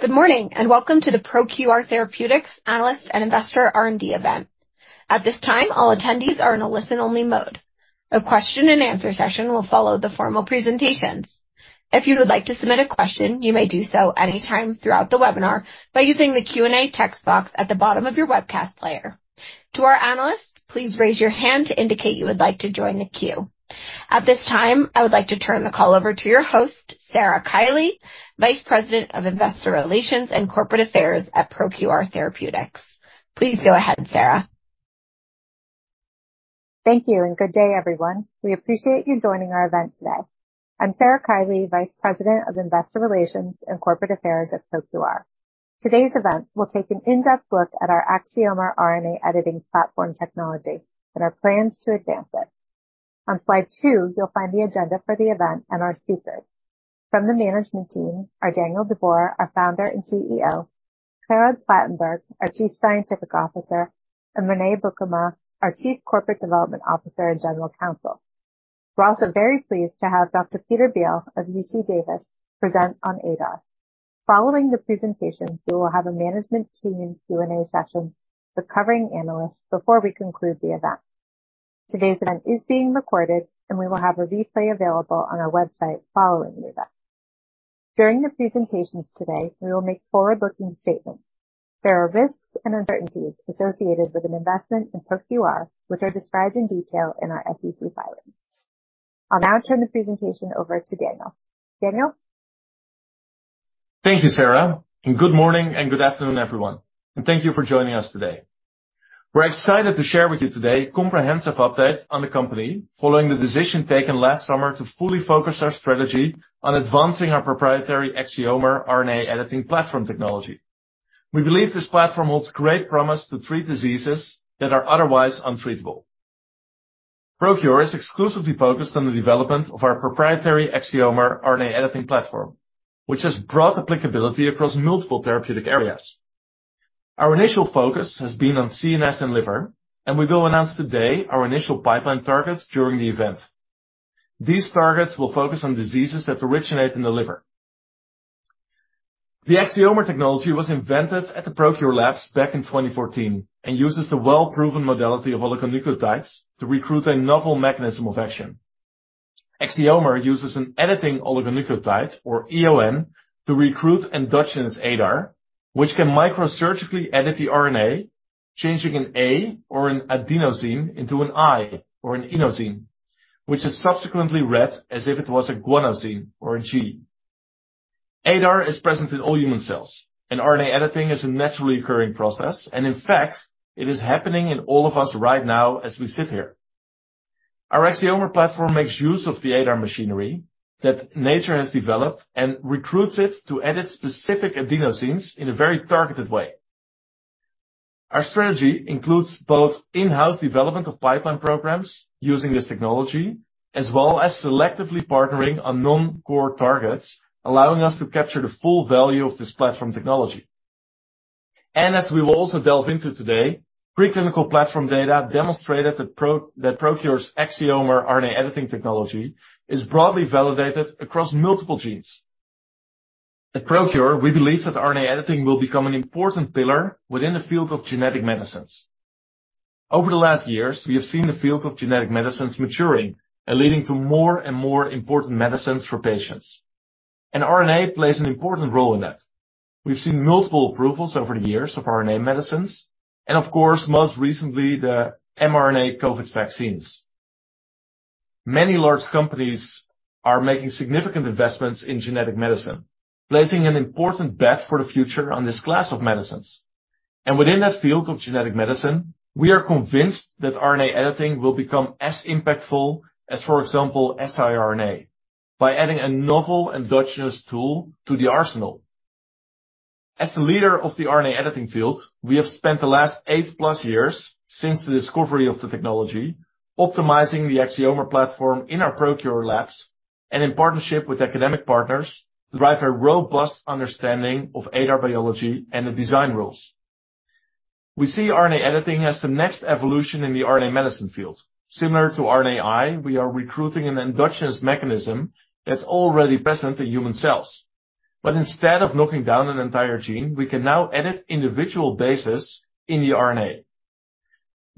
Good morning, and welcome to the ProQR Therapeutics Analyst and Investor R&D event. At this time, all attendees are in a listen-only mode. A question and answer session will follow the formal presentations. If you would like to submit a question, you may do so anytime throughout the webinar by using the Q&A text box at the bottom of your webcast player. To our analysts, please raise your hand to indicate you would like to join the queue. At this time, I would like to turn the call over to your host, Sarah Kiely, Vice President of Investor Relations and Corporate Affairs at ProQR Therapeutics. Please go ahead, Sarah. Thank you. Good day, everyone. We appreciate you joining our event today. I'm Sarah Kiely, Vice President of Investor Relations and Corporate Affairs at ProQR. Today's event will take an in-depth look at our Axiomer RNA editing platform technology and our plans to advance it. On slide two, you'll find the agenda for the event and our speakers. From the management team are Daniel de Boer, our founder and CEO, Gerard Platenburg, our Chief Scientific Officer, and René Beukema, our Chief Corporate Development Officer and General Counsel. We're also very pleased to have Dr. Peter Beal of UC Davis present on ADAR. Following the presentations, we will have a management team Q&A session with covering analysts before we conclude the event. Today's event is being recorded. We will have a replay available on our website following the event. During the presentations today, we will make forward-looking statements. There are risks and uncertainties associated with an investment in ProQR, which are described in detail in our SEC filings. I'll now turn the presentation over to Daniel. Daniel? Thank you, Sarah, and good morning and good afternoon, everyone, and thank you for joining us today. We're excited to share with you today a comprehensive update on the company following the decision taken last summer to fully focus our strategy on advancing our proprietary Axiomer RNA editing platform technology. We believe this platform holds great promise to treat diseases that are otherwise untreatable. ProQR is exclusively focused on the development of our proprietary Axiomer RNA editing platform, which has broad applicability across multiple therapeutic areas. Our initial focus has been on CNS and liver, and we will announce today our initial pipeline targets during the event. These targets will focus on diseases that originate in the liver. The Axiomer technology was invented at the ProQR labs back in 2014 and uses the well-proven modality of oligonucleotides to recruit a novel mechanism of action. Axiomer uses an editing oligonucleotide or EON to recruit endogenous ADAR, which can microsurgically edit the RNA, changing an A or an adenosine into an I or an inosine, which is subsequently read as if it was a guanosine or a G. ADAR is present in all human cells, and RNA editing is a naturally occurring process, and in fact, it is happening in all of us right now as we sit here. Our Axiomer platform makes use of the ADAR machinery that nature has developed and recruits it to edit specific adenosines in a very targeted way. Our strategy includes both in-house development of pipeline programs using this technology, as well as selectively partnering on non-core targets, allowing us to capture the full value of this platform technology. As we will also delve into today, preclinical platform data demonstrated that ProQR's Axiomer RNA editing technology is broadly validated across multiple genes. At ProQR, we believe that RNA editing will become an important pillar within the field of genetic medicines. Over the last years, we have seen the field of genetic medicines maturing and leading to more and more important medicines for patients. RNA plays an important role in that. We've seen multiple approvals over the years of RNA medicines, and of course, most recently, the mRNA COVID vaccines. Many large companies are making significant investments in genetic medicine, placing an important bet for the future on this class of medicines. Within that field of genetic medicine, we are convinced that RNA editing will become as impactful as, for example, siRNA, by adding a novel endogenous tool to the arsenal. As the leader of the RNA editing field, we have spent the last 8+ years since the discovery of the technology optimizing the Axiomer platform in our ProQR labs and in partnership with academic partners to drive a robust understanding of ADAR biology and the design rules. We see RNA editing as the next evolution in the RNA medicine field. Similar to RNAi, we are recruiting an endogenous mechanism that's already present in human cells. Instead of knocking down an entire gene, we can now edit individual bases in the RNA.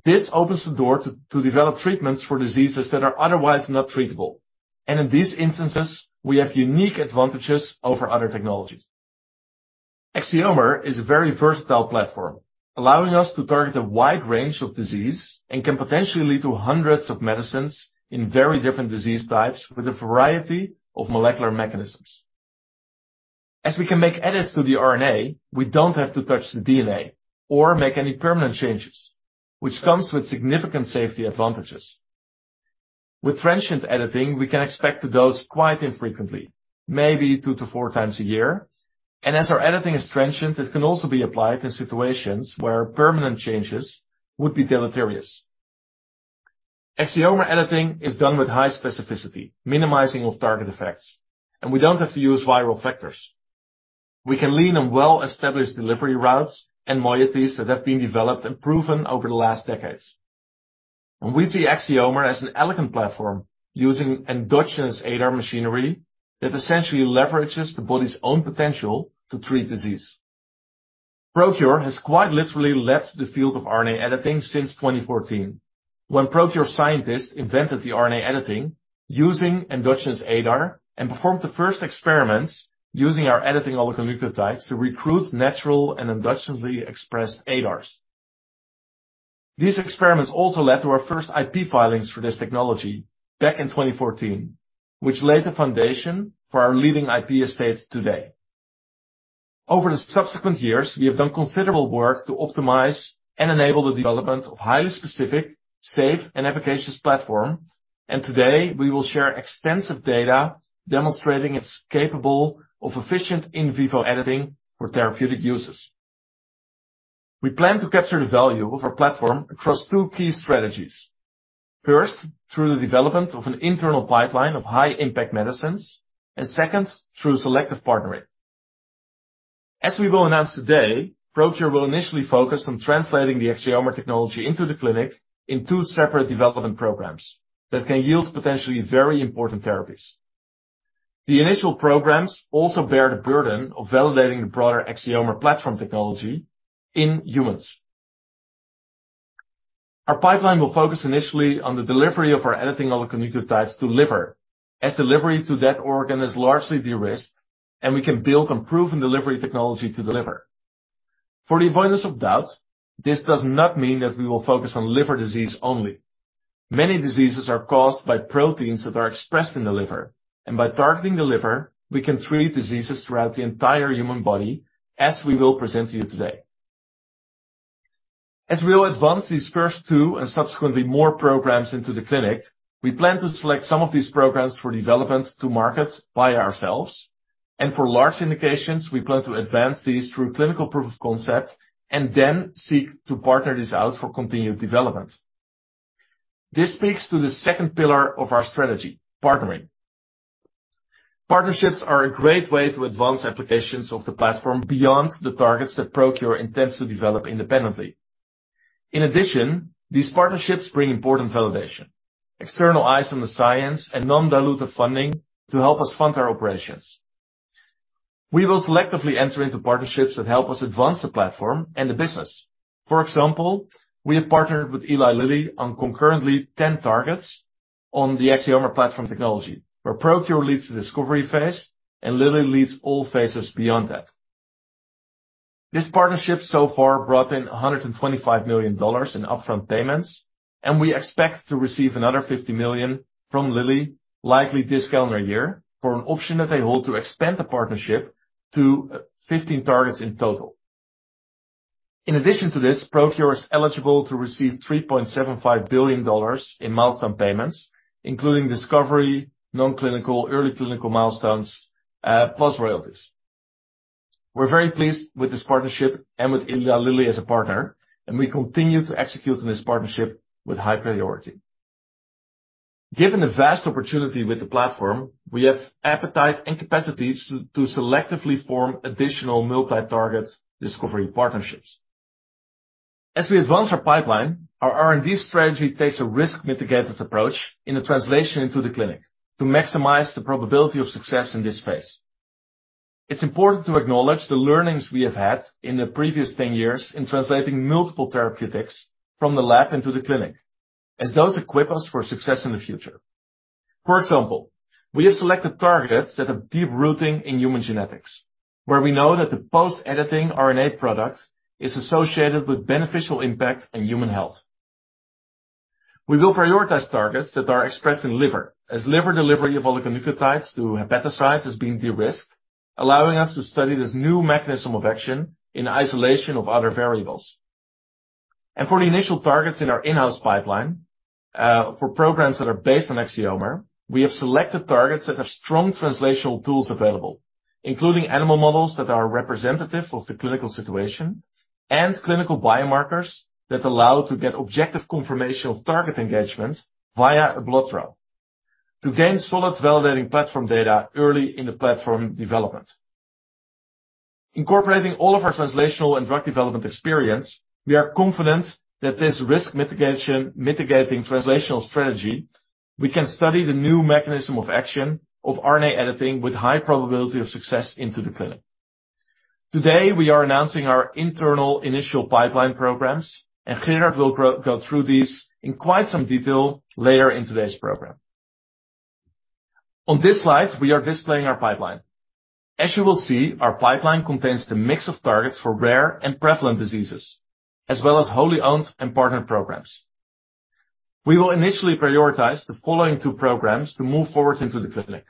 This opens the door to develop treatments for diseases that are otherwise not treatable. In these instances, we have unique advantages over other technologies. Axiomer is a very versatile platform, allowing us to target a wide range of disease and can potentially lead to hundreds of medicines in very different disease types with a variety of molecular mechanisms. As we can make edits to the RNA, we don't have to touch the DNA or make any permanent changes, which comes with significant safety advantages. With transient editing, we can expect to dose quite infrequently, maybe two to four times a year. As our editing is transient, it can also be applied in situations where permanent changes would be deleterious. Axiomer editing is done with high specificity, minimizing off-target effects, and we don't have to use viral vectors. We can lean on well-established delivery routes and moieties that have been developed and proven over the last decades. We see Axiomer as an elegant platform using endogenous ADAR machinery that essentially leverages the body's own potential to treat disease. ProQR has quite literally led the field of RNA editing since 2014, when ProQR scientists invented the RNA editing using endogenous ADAR and performed the first experiments using our editing oligonucleotides to recruit natural and endogenously expressed ADARs. These experiments also led to our first IP filings for this technology back in 2014, which laid the foundation for our leading IP estate today. Over the subsequent years, we have done considerable work to optimize and enable the development of highly specific, safe, and efficacious platform. Today, we will share extensive data demonstrating it's capable of efficient in vivo editing for therapeutic uses. We plan to capture the value of our platform across two key strategies. First, through the development of an internal pipeline of high-impact medicines, and second, through selective partnering. As we will announce today, ProQR will initially focus on translating the Axiomer technology into the clinic in two separate development programs that can yield potentially very important therapies. The initial programs also bear the burden of validating the broader Axiomer platform technology in humans. Our pipeline will focus initially on the delivery of our editing oligonucleotides to liver, as delivery to that organ is largely de-risked, and we can build on proven delivery technology to deliver. For the avoidance of doubt, this does not mean that we will focus on liver disease only. Many diseases are caused by proteins that are expressed in the liver, by targeting the liver, we can treat diseases throughout the entire human body, as we will present to you today. As we will advance these first two and subsequently more programs into the clinic, we plan to select some of these programs for development to markets by ourselves. For large indications, we plan to advance these through clinical proof of concept and then seek to partner this out for continued development. This speaks to the second pillar of our strategy, partnering. Partnerships are a great way to advance applications of the platform beyond the targets that ProQR intends to develop independently. In addition, these partnerships bring important validation, external eyes on the science, and non-dilutive funding to help us fund our operations. We will selectively enter into partnerships that help us advance the platform and the business. For example, we have partnered with Eli Lilly on concurrently 10 targets on the Axiomer platform technology, where ProQR leads the discovery phase and Lilly leads all phases beyond that. This partnership so far brought in $125 million in upfront payments, and we expect to receive another $50 million from Lilly, likely this calendar year, for an option that they hold to expand the partnership to 15 targets in total. In addition to this, ProQR is eligible to receive $3.75 billion in milestone payments, including discovery, non-clinical, early clinical milestones, plus royalties. We're very pleased with this partnership and with Eli Lilly as a partner, and we continue to execute on this partnership with high priority. Given the vast opportunity with the platform, we have appetite and capacities to selectively form additional multi-target discovery partnerships. As we advance our pipeline, our R&D strategy takes a risk mitigated approach in the translation into the clinic to maximize the probability of success in this phase. It's important to acknowledge the learnings we have had in the previous 10 years in translating multiple therapeutics from the lab into the clinic, as those equip us for success in the future. We have selected targets that have deep rooting in human genetics, where we know that the post-editing RNA product is associated with beneficial impact on human health. We will prioritize targets that are expressed in liver, as liver delivery of oligonucleotides through hepatocytes has been de-risked, allowing us to study this new mechanism of action in isolation of other variables. For the initial targets in our in-house pipeline, for programs that are based on Axiomer, we have selected targets that have strong translational tools available, including animal models that are representative of the clinical situation and clinical biomarkers that allow to get objective confirmation of target engagement via a blood draw to gain solid validating platform data early in the platform development. Incorporating all of our translational and drug development experience, we are confident that this risk-mitigating translational strategy, we can study the new mechanism of action of RNA editing with high probability of success into the clinic. Today, we are announcing our internal initial pipeline programs, Gerard will go through these in quite some detail later in today's program. On this slide, we are displaying our pipeline. As you will see, our pipeline contains the mix of targets for rare and prevalent diseases, as well as wholly owned and partnered programs. We will initially prioritize the following two programs to move forward into the clinic.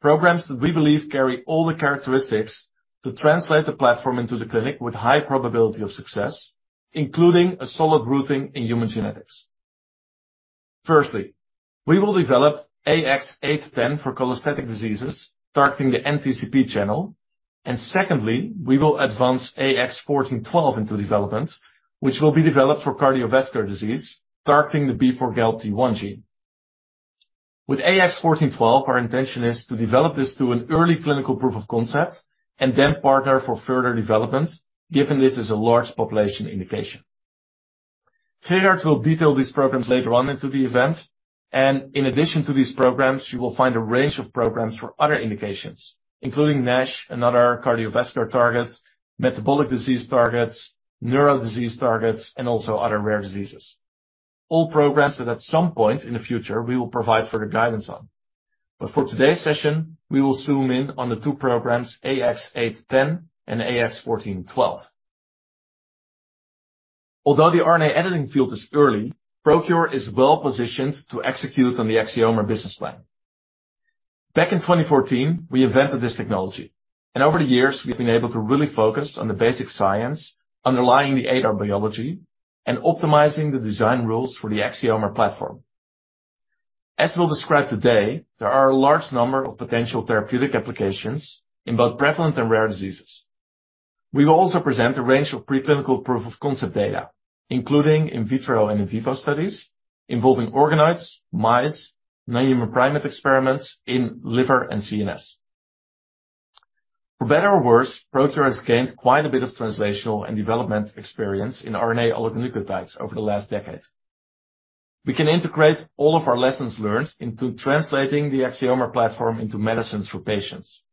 Programs that we believe carry all the characteristics to translate the platform into the clinic with high probability of success, including a solid rooting in human genetics. Firstly, we will develop AX-0810 for cholestatic diseases targeting the NTCP channel. Secondly, we will advance AX-1412 into development, which will be developed for cardiovascular disease, targeting the B4GALT1 gene. With AX-1412, our intention is to develop this to an early clinical proof of concept and then partner for further development, given this is a large population indication. Gerard will detail these programs later on into the event, and in addition to these programs, you will find a range of programs for other indications, including NASH and other cardiovascular targets, metabolic disease targets, neuro disease targets, and also other rare diseases. All programs that at some point in the future we will provide further guidance on. For today's session, we will zoom in on the two programs, AX-0810 and AX-1412. Although the RNA editing field is early, ProQR is well-positioned to execute on the Axiomer business plan. Back in 2014, we invented this technology, and over the years, we've been able to really focus on the basic science underlying the ADAR biology and optimizing the design rules for the Axiomer platform. As we'll describe today, there are a large number of potential therapeutic applications in both prevalent and rare diseases. We will also present a range of pre-clinical proof of concept data, including in vitro and in vivo studies involving organoids, mice, non-human primate experiments in liver and CNS. For better or worse, ProQR has gained quite a bit of translational and development experience in RNA oligonucleotides over the last decade. We can integrate all of our lessons learned into translating the Axiomer platform into medicines for patients.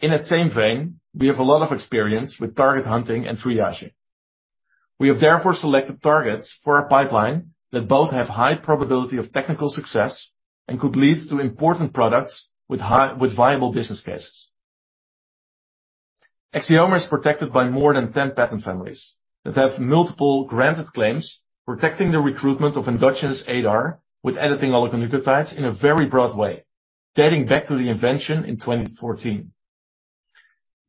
That same vein, we have a lot of experience with target hunting and triaging. We have therefore selected targets for our pipeline that both have high probability of technical success and could lead to important products with viable business cases. Axiomer is protected by more than 10 patent families that have multiple granted claims, protecting the recruitment of endogenous ADAR with editing oligonucleotides in a very broad way, dating back to the invention in 2014.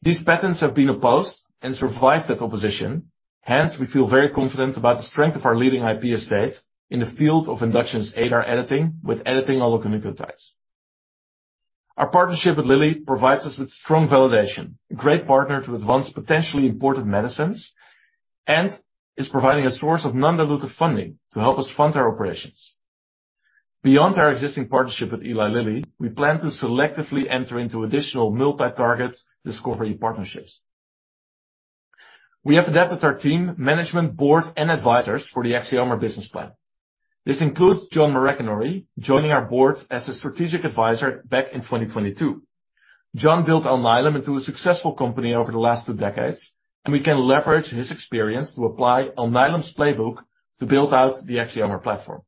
These patents have been opposed and survived that opposition. Hence, we feel very confident about the strength of our leading IP estate in the field of endogenous ADAR editing with editing oligonucleotides. Our partnership with Lilly provides us with strong validation, a great partner to advance potentially important medicines, and is providing a source of non-dilutive funding to help us fund our operations. Beyond our existing partnership with Eli Lilly, we plan to selectively enter into additional multi-target discovery partnerships. We have adapted our team, management board, and advisors for the Axiomer business plan. This includes John Maraganore, joining our board as a strategic advisor back in 2022. John built Alnylam into a successful company over the last two decades, and we can leverage his experience to apply Alnylam's playbook to build out the Axiomer platform.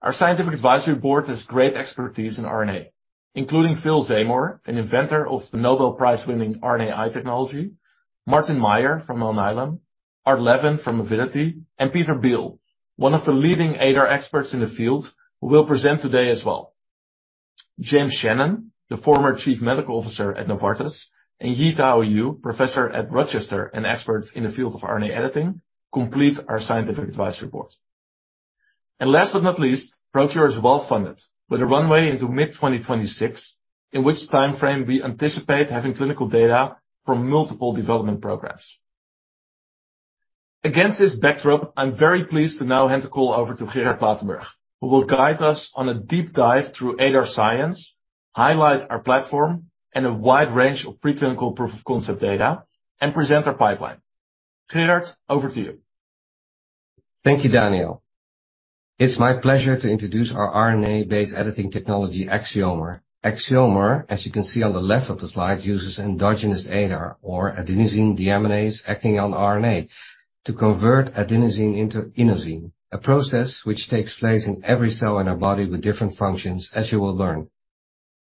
Our scientific advisory board has great expertise in RNA, including Phil Zamore, an inventor of the Nobel Prize-winning RNAi technology, Martin Maier from Alnylam, Art Levin from Avidity, and Peter Beal, one of the leading ADAR experts in the field, who will present today as well. James Shannon, the former Chief Medical Officer at Novartis, and Yi-Tao Yu, professor at Rochester and expert in the field of RNA editing, complete our scientific advisory board. Last but not least, ProQR is well-funded with a runway into mid-2026, in which timeframe we anticipate having clinical data from multiple development programs. Against this backdrop, I'm very pleased to now hand the call over to Gerard Platenburg, who will guide us on a deep dive through ADAR science, highlight our platform and a wide range of pre-clinical proof of concept data, and present our pipeline. Gerard, over to you. Thank you, Daniel. It's my pleasure to introduce our RNA-based editing technology, Axiomer. Axiomer, as you can see on the left of the slide, uses endogenous ADAR, or adenosine deaminase acting on RNA, to convert adenosine into inosine, a process which takes place in every cell in our body with different functions, as you will learn.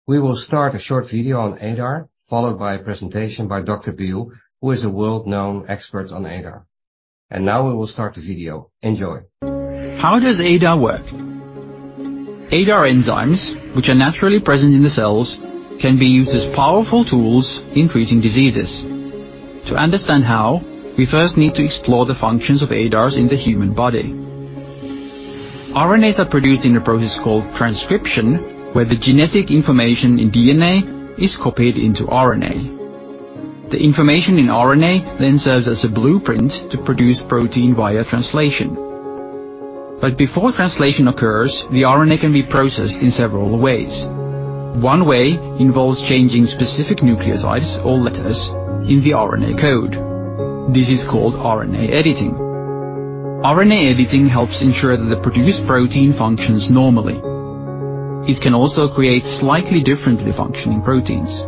We will start a short video on ADAR, followed by a presentation by Dr. Beal, who is a world-known expert on ADAR. Now we will start the video. Enjoy. How does ADAR work? ADAR enzymes, which are naturally present in the cells, can be used as powerful tools in treating diseases. To understand how, we first need to explore the functions of ADARs in the human body. RNAs are produced in a process called transcription, where the genetic information in DNA is copied into RNA. The information in RNA serves as a blueprint to produce protein via translation. Before translation occurs, the RNA can be processed in several ways. One way involves changing specific nucleotides or letters in the RNA code. This is called RNA editing. RNA editing helps ensure that the produced protein functions normally. It can also create slightly differently functioning proteins.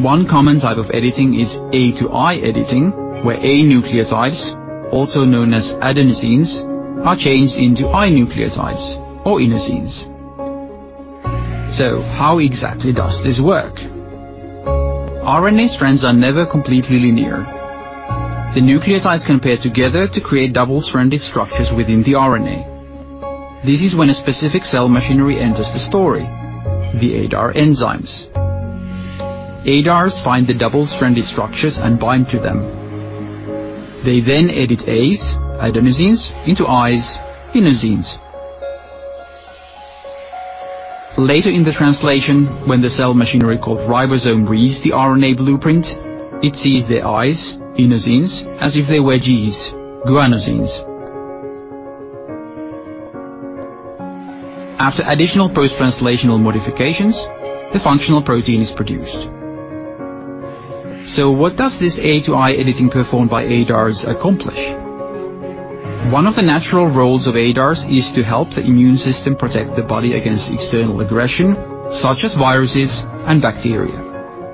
One common type of editing is A-to-I editing, where A nucleotides, also known as adenosines, are changed into I nucleotides or inosines. How exactly does this work? RNA strands are never completely linear. The nucleotides can pair together to create double-stranded structures within the RNA. This is when a specific cell machinery enters the story, the ADAR enzymes. ADARs find the double-stranded structures and bind to them. They then edit As, adenosines, into Is, inosines. Later in the translation, when the cell machinery called ribosome reads the RNA blueprint, it sees the Is, inosines, as if they were Gs, guanosines. After additional post-translational modifications, the functional protein is produced. What does this A-to-I editing performed by ADARs accomplish? One of the natural roles of ADARs is to help the immune system protect the body against external aggression, such as viruses and bacteria.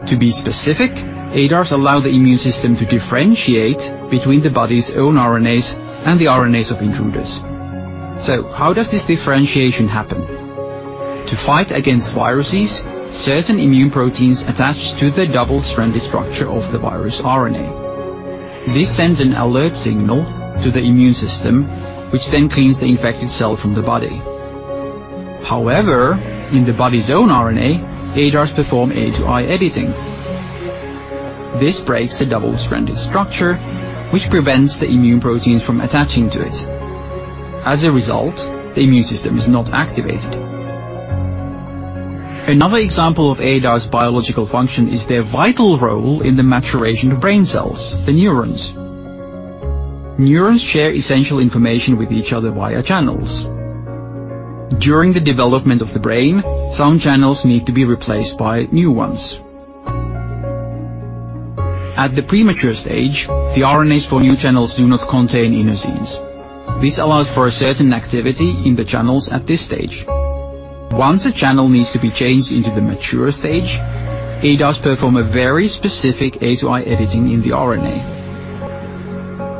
To be specific, ADARs allow the immune system to differentiate between the body's own RNAs and the RNAs of intruders. How does this differentiation happen? To fight against viruses, certain immune proteins attach to the double-stranded structure of the virus RNA. This sends an alert signal to the immune system, which then cleans the infected cell from the body. However, in the body's own RNA, ADARs perform A-to-I editing. This breaks the double-stranded structure, which prevents the immune proteins from attaching to it. As a result, the immune system is not activated. Another example of ADARs biological function is their vital role in the maturation of brain cells, the neurons. Neurons share essential information with each other via channels. During the development of the brain, some channels need to be replaced by new ones. At the premature stage, the RNAs for new channels do not contain inosines. This allows for a certain activity in the channels at this stage. Once a channel needs to be changed into the mature stage, ADARs perform a very specific A-to-I editing in the RNA.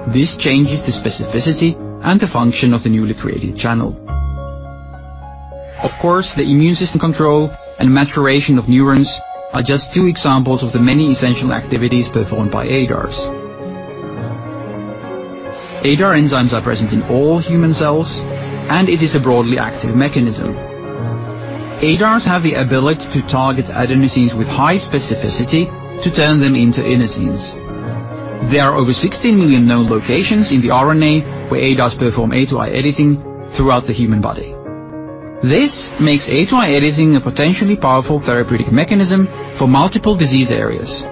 This changes the specificity and the function of the newly created channel. Of course, the immune system control and maturation of neurons are just two examples of the many essential activities performed by ADARs. ADAR enzymes are present in all human cells, and it is a broadly active mechanism. ADARs have the ability to target adenosines with high specificity to turn them into inosines. There are over 16 million known locations in the RNA where ADARs perform A-to-I editing throughout the human body. This makes A-to-I editing a potentially powerful therapeutic mechanism for multiple disease areas.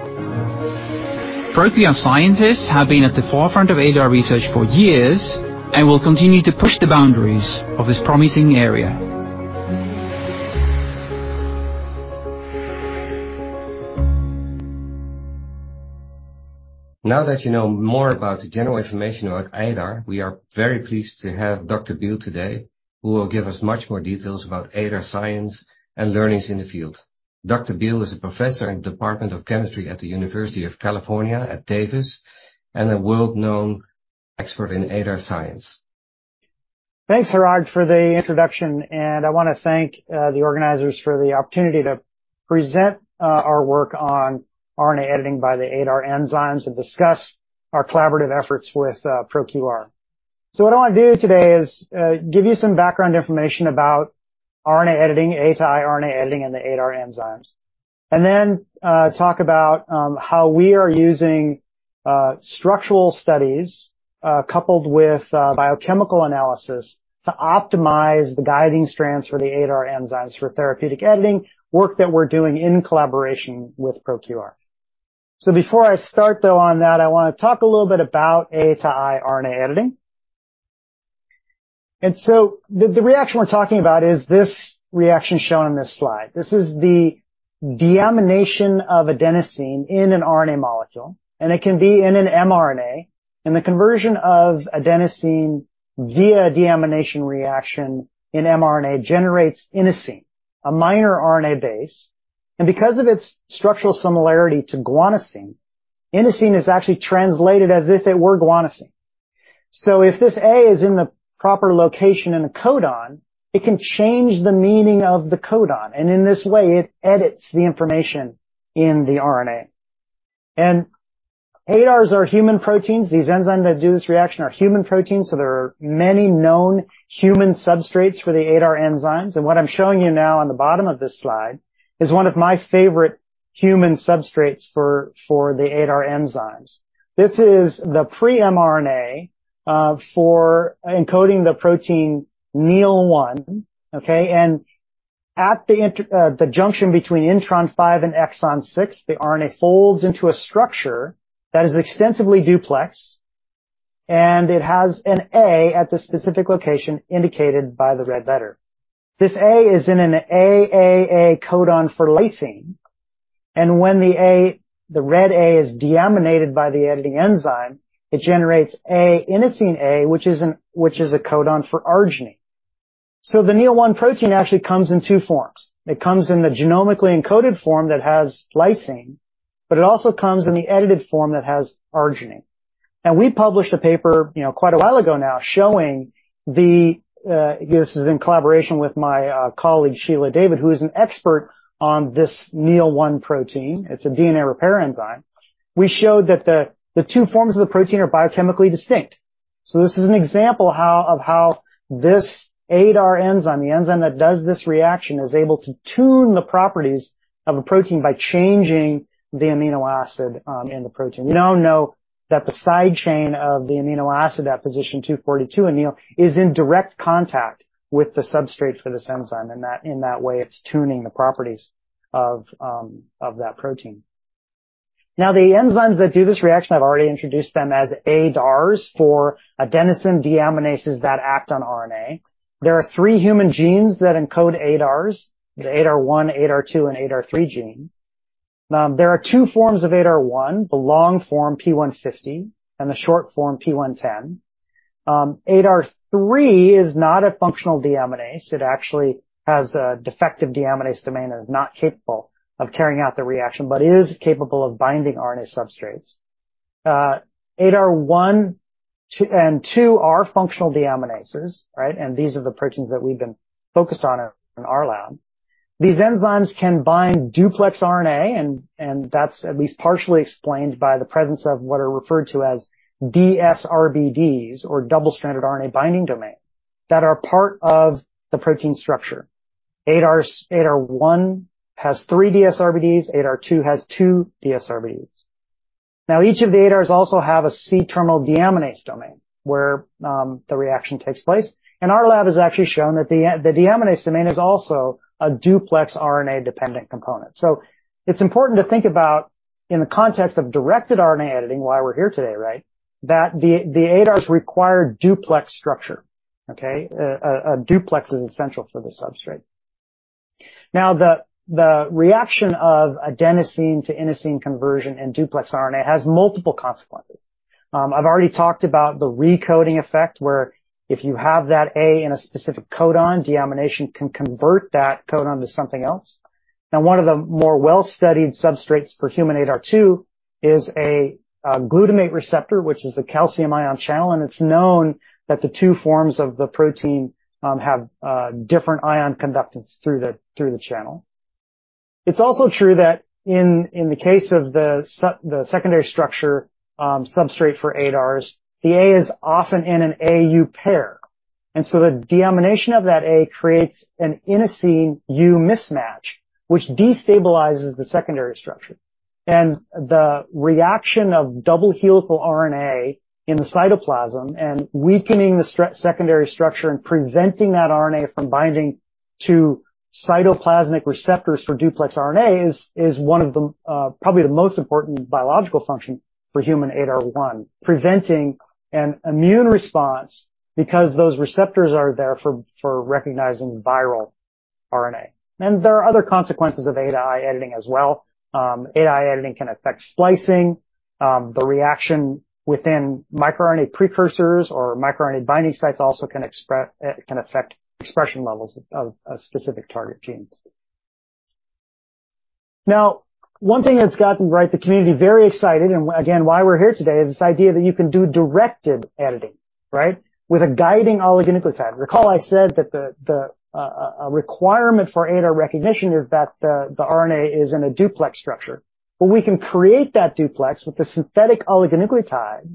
ProQR scientists have been at the forefront of ADAR research for years and will continue to push the boundaries of this promising area. Now that you know more about the general information about ADAR, we are very pleased to have Dr. Beal today, who will give us much more details about ADAR science and learnings in the field. Dr. Beal is a professor in Department of Chemistry at the University of California, Davis and a world-known expert in ADAR science. Thanks, Gerard, for the introduction, and I want to thank the organizers for the opportunity to present our work on RNA editing by the ADAR enzymes and discuss our collaborative efforts with ProQR. What I want to do today is give you some background information about RNA editing, A-to-I RNA editing, and the ADAR enzymes, and then talk about how we are using structural studies coupled with biochemical analysis to optimize the guiding strands for the ADAR enzymes for therapeutic editing work that we're doing in collaboration with ProQR. Before I start, though, on that, I want to talk a little bit about A-to-I RNA editing. The reaction we're talking about is this reaction shown in this slide. This is the deamination of adenosine in an RNA molecule, and it can be in an mRNA, and the conversion of adenosine via deamination reaction in mRNA generates inosine, a minor RNA base. Because of its structural similarity to guanosine, inosine is actually translated as if it were guanosine. If this A is in the proper location in a codon, it can change the meaning of the codon, and in this way, it edits the information in the RNA. ADARs are human proteins. These enzymes that do this reaction are human proteins, so there are many known human substrates for the ADAR enzymes. What I'm showing you now on the bottom of this slide is one of my favorite human substrates for the ADAR enzymes. This is the pre-mRNA for encoding the protein NEIL1, okay? At the junction between intron 5 and exon 6, the RNA folds into a structure that is extensively duplex, and it has an A at the specific location indicated by the red letter. This A is in an AAA codon for lysine, and when the A, the red A is deaminated by the editing enzyme, it generates a inosine A, which is a codon for arginine. The NEIL1 protein actually comes in two forms. It comes in the genomically encoded form that has lysine, but it also comes in the edited form that has arginine. We published a paper, you know, quite a while ago now showing this is in collaboration with my colleague, Sheila David, who is an expert on this NEIL1 protein. It's a DNA repair enzyme. We showed that the two forms of the protein are biochemically distinct. This is an example of how this ADAR enzyme, the enzyme that does this reaction, is able to tune the properties of a protein by changing the amino acid in the protein. The side chain of the amino acid at position 242 is in direct contact with the substrate for this enzyme. In that way, it's tuning the properties of that protein. The enzymes that do this reaction, I've already introduced them as ADARs for adenosine deaminases that act on RNA. There are three human genes that encode ADARs, the ADAR1, ADAR2, and ADAR3 genes. There are two forms of ADAR1, the long form p150 and the short form p110. ADAR3 is not a functional deaminase. It actually has a defective deaminase domain and is not capable of carrying out the reaction, but is capable of binding RNA substrates. ADAR1 and 2 are functional deaminases, right? These are the proteins that we've been focused on in our lab. These enzymes can bind duplex RNA, and that's at least partially explained by the presence of what are referred to as dsRBDS or double-stranded RNA binding domains that are part of the protein structure. ADAR1 has three dsRBDS. ADAR2 has two dsRBDS. Each of the ADARs also have a C-terminal deaminase domain, where the reaction takes place. Our lab has actually shown that the deaminase domain is also a duplex RNA-dependent component. It's important to think about in the context of directed RNA editing, why we're here today, right, that the ADARs require duplex structure. Okay? A duplex is essential for the substrate. The reaction of adenosine to inosine conversion in duplex RNA has multiple consequences. I've already talked about the recoding effect, where if you have that A in a specific codon, deamination can convert that codon to something else. One of the more well-studied substrates for human ADAR2 is a glutamate receptor, which is a calcium ion channel, and it's known that the two forms of the protein, have different ion conductance through the channel. It's also true that in the case of the secondary structure, substrate for ADARs, the A is often in an AU pair. The deamination of that A creates an inosine U mismatch, which destabilizes the secondary structure. The reaction of double helical RNA in the cytoplasm and weakening the secondary structure and preventing that RNA from binding to cytoplasmic receptors for duplex RNAs is one of the, probably the most important biological function for human ADAR1, preventing an immune response because those receptors are there for recognizing viral RNA. There are other consequences of A-to-I editing as well. A-to-I editing can affect splicing. The reaction within microRNA precursors or microRNA binding sites also can affect expression levels of specific target genes. One thing that's gotten, right, the community very excited, and again, why we're here today, is this idea that you can do directed editing, right, with a guiding oligonucleotide. Recall I said that the, a requirement for ADAR recognition is that the RNA is in a duplex structure. We can create that duplex with a synthetic oligonucleotide,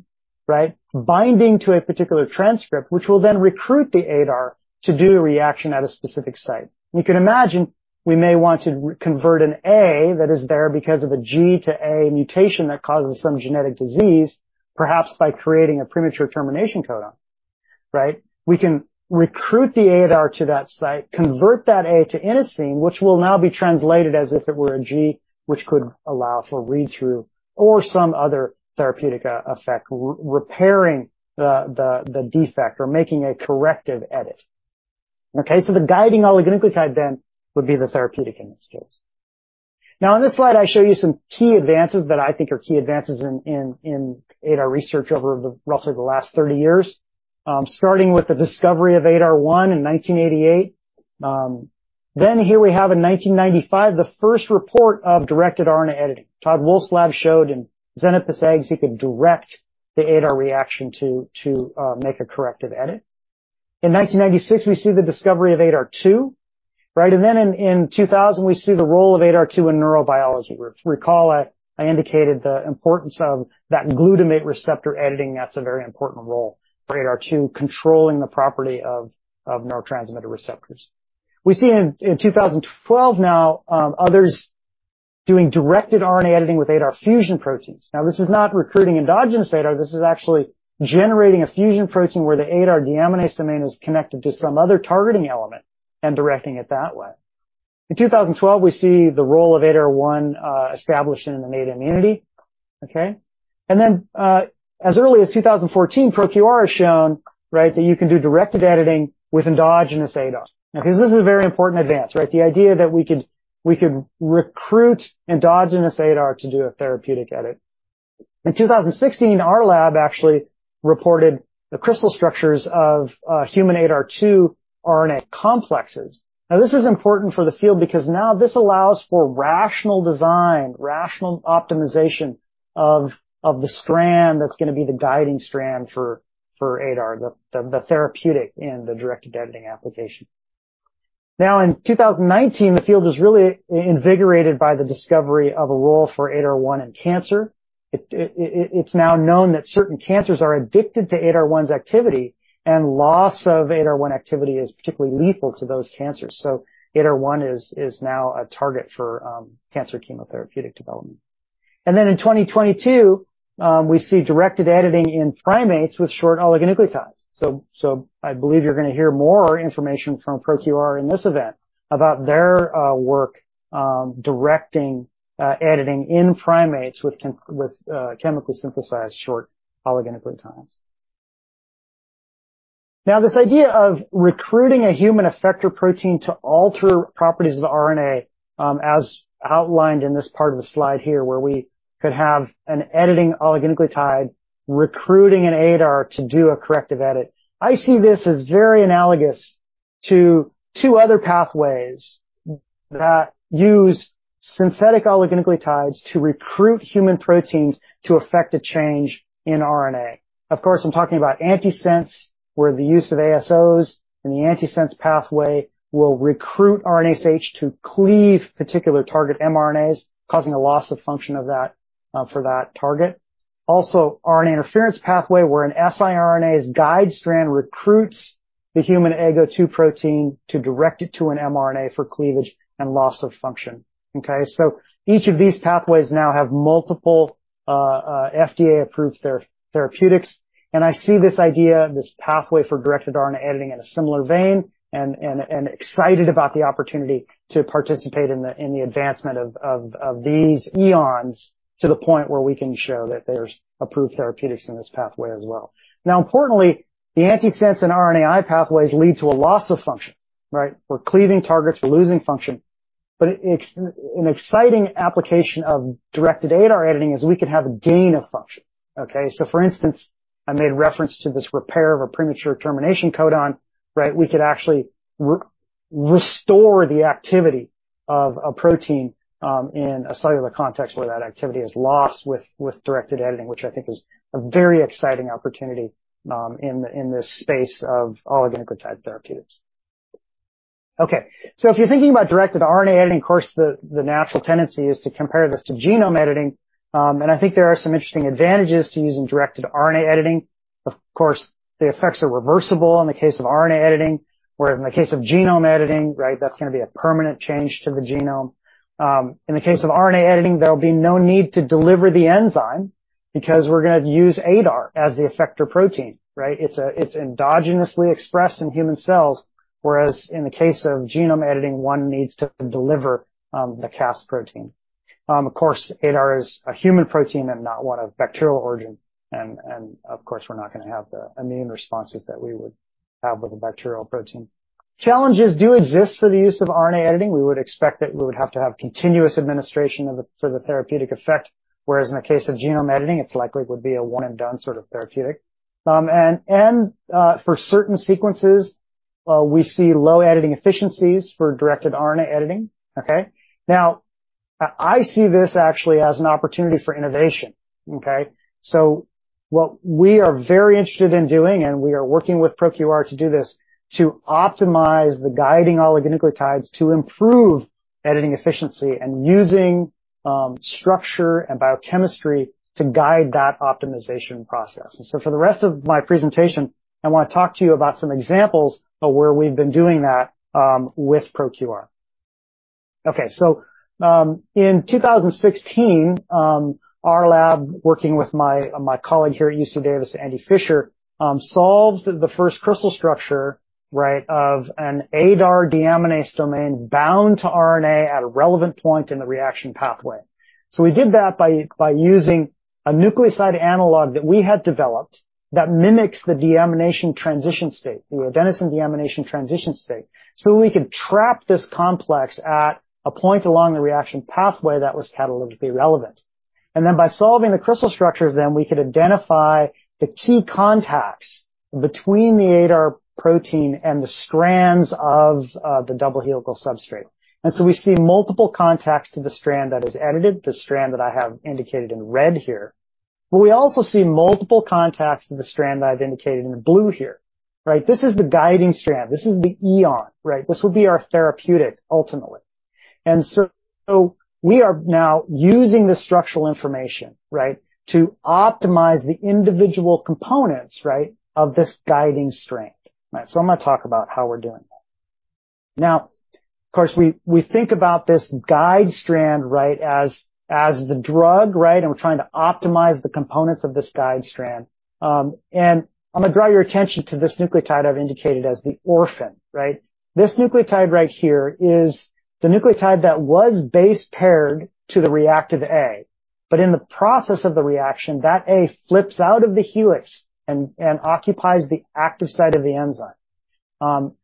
right, binding to a particular transcript, which will then recruit the ADAR to do the reaction at a specific site. You can imagine we may want to convert an A that is there because of a G to A mutation that causes some genetic disease, perhaps by creating a premature termination codon. Right? We can recruit the ADAR to that site, convert that A to inosine, which will now be translated as if it were a G, which could allow for read-through or some other therapeutic effect, repairing the defect or making a corrective edit. Okay? The guiding oligonucleotide then would be the therapeutic in this case. In this slide, I show you some key advances that I think are key advances in ADAR research over the roughly the last 30 years. Starting with the discovery of ADAR1 in 1988. Here we have in 1995, the first report of directed RNA editing. Todd Woolf's lab showed in Xenopus eggs he could direct the ADAR reaction to make a corrective edit. In 1996, we see the discovery of ADAR2. Right? In 2000, we see the role of ADAR2 in neurobiology. Recall, I indicated the importance of that glutamate receptor editing. That's a very important role for ADAR2, controlling the property of neurotransmitter receptors. We see in 2012 now, others doing directed RNA editing with ADAR fusion proteins. This is not recruiting endogenous ADAR. This is actually generating a fusion protein where the ADAR deaminase domain is connected to some other targeting element and directing it that way. In 2012, we see the role of ADAR1 established in the innate immunity. Okay? As early as 2014, ProQR has shown, right, that you can do directed editing with endogenous ADAR. This is a very important advance, right? The idea that we could recruit endogenous ADAR to do a therapeutic edit. In 2016, our lab actually reported the crystal structures of human ADAR2 RNA complexes. This is important for the field because now this allows for rational design, rational optimization of the strand that's going to be the guiding strand for ADAR, the therapeutic in the directed editing application. In 2019, the field was really invigorated by the discovery of a role for ADAR1 in cancer. It's now known that certain cancers are addicted to ADAR1's activity, and loss of ADAR1 activity is particularly lethal to those cancers. ADAR1 is now a target for cancer chemotherapeutic development. In 2022, we see directed editing in primates with short oligonucleotides. I believe you're going to hear more information from ProQR in this event about their work directing editing in primates with chemically synthesized short oligonucleotides. This idea of recruiting a human effector protein to alter properties of RNA, as outlined in this part of the slide here, where we could have an editing oligonucleotide recruiting an ADAR to do a corrective edit. I see this as very analogous to two other pathways that use synthetic oligonucleotides to recruit human proteins to effect a change in RNA. Of course, I'm talking about antisense, where the use of ASOs and the antisense pathway will recruit RNase H to cleave particular target mRNAs, causing a loss of function of that, for that target. Also, RNA interference pathway, where an siRNA's guide strand recruits the human AGO2 protein to direct it to an mRNA for cleavage and loss of function. Okay? Each of these pathways now have multiple FDA-approved therapeutics, and I see this idea, this pathway for directed RNA editing in a similar vein, and excited about the opportunity to participate in the advancement of these EONs to the point where we can show that there's approved therapeutics in this pathway as well. Importantly, the antisense and RNAi pathways lead to a loss of function, right? We're cleaving targets, we're losing function. An exciting application of directed ADAR editing is we could have a gain of function. Okay? For instance, I made reference to this repair of a premature termination codon, right? We could actually restore the activity of a protein in a cellular context where that activity is lost with directed editing, which I think is a very exciting opportunity in this space of oligonucleotide therapeutics. If you're thinking about directed RNA editing, the natural tendency is to compare this to genome editing. I think there are some interesting advantages to using directed RNA editing. The effects are reversible in the case of RNA editing, whereas in the case of genome editing, right, that's going to be a permanent change to the genome. In the case of RNA editing, there'll be no need to deliver the enzyme because we're going to use ADAR as the effector protein, right? It's, it's endogenously expressed in human cells, whereas in the case of genome editing, one needs to deliver the Cas protein. Of course, ADAR is a human protein and not one of bacterial origin, and of course, we're not going to have the immune responses that we would have with a bacterial protein. Challenges do exist for the use of RNA editing. We would expect that we would have to have continuous administration for the therapeutic effect, whereas in the case of genome editing, it's likely it would be a one-and-done sort of therapeutic. For certain sequences, we see low editing efficiencies for directed RNA editing. Okay? Now, I see this actually as an opportunity for innovation. Okay? What we are very interested in doing, and we are working with ProQR to do this, to optimize the guiding oligonucleotides to improve editing efficiency and using structure and biochemistry to guide that optimization process. For the rest of my presentation, I want to talk to you about some examples of where we've been doing that with ProQR. In 2016, our lab, working with my colleague here at UC Davis, Andy Fisher, solved the first crystal structure, right, of an ADAR deaminase domain bound to RNA at a relevant point in the reaction pathway. We did that by using a nucleoside analog that we had developed that mimics the deamination transition state, the adenosine deamination transition state. We could trap this complex at a point along the reaction pathway that was catalytically relevant. By solving the crystal structures, then we could identify the key contacts between the ADAR protein and the strands of the double helical substrate. We see multiple contacts to the strand that is edited, the strand that I have indicated in red here. We also see multiple contacts to the strand that I've indicated in blue here. Right? This is the guiding strand. This is the EON, right? This would be our therapeutic ultimately. We are now using this structural information, right, to optimize the individual components, right, of this guiding strand. Right? I'm going to talk about how we're doing that. Of course, we think about this guide strand, right, as the drug, right? We're trying to optimize the components of this guide strand. I'm going to draw your attention to this nucleotide I've indicated as the orphan, right? This nucleotide right here is the nucleotide that was base paired to the reactive A, but in the process of the reaction, that A flips out of the helix and occupies the active site of the enzyme.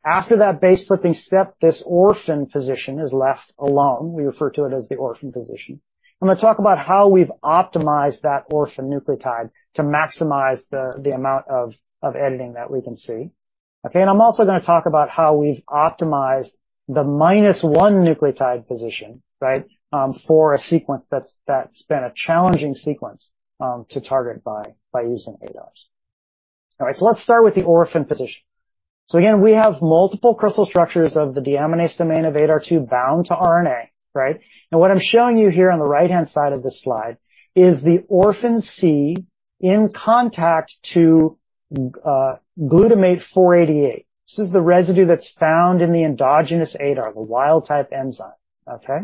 After that base flipping step, this orphan position is left alone. We refer to it as the orphan position. I'm going to talk about how we've optimized that orphan nucleotide to maximize the amount of editing that we can see. Okay? I'm also going to talk about how we've optimized the minus one nucleotide position, right, for a sequence that's been a challenging sequence to target by using ADARs. All right. Let's start with the orphan position. Again, we have multiple crystal structures of the deaminase domain of ADAR2 bound to RNA, right? What I'm showing you here on the right-hand side of this slide is the orphan C in contact to glutamate 488. This is the residue that's found in the endogenous ADAR, the wild type enzyme. Okay?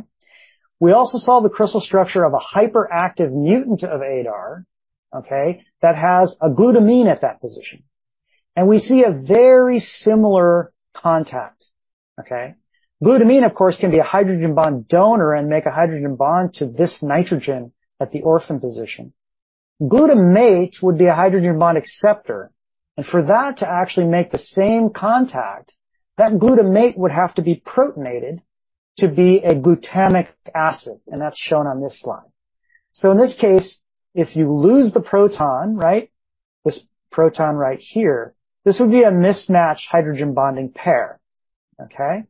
We also saw the crystal structure of a hyperactive mutant of ADAR, okay, that has a glutamine at that position. We see a very similar contact. Okay? Glutamine, of course, can be a hydrogen bond donor and make a hydrogen bond to this nitrogen at the orphan position. Glutamate would be a hydrogen bond acceptor, and for that to actually make the same contact, that glutamate would have to be protonated to be a glutamic acid, and that's shown on this slide. In this case, if you lose the proton, right, this proton right here, this would be a mismatched hydrogen bonding pair. Okay.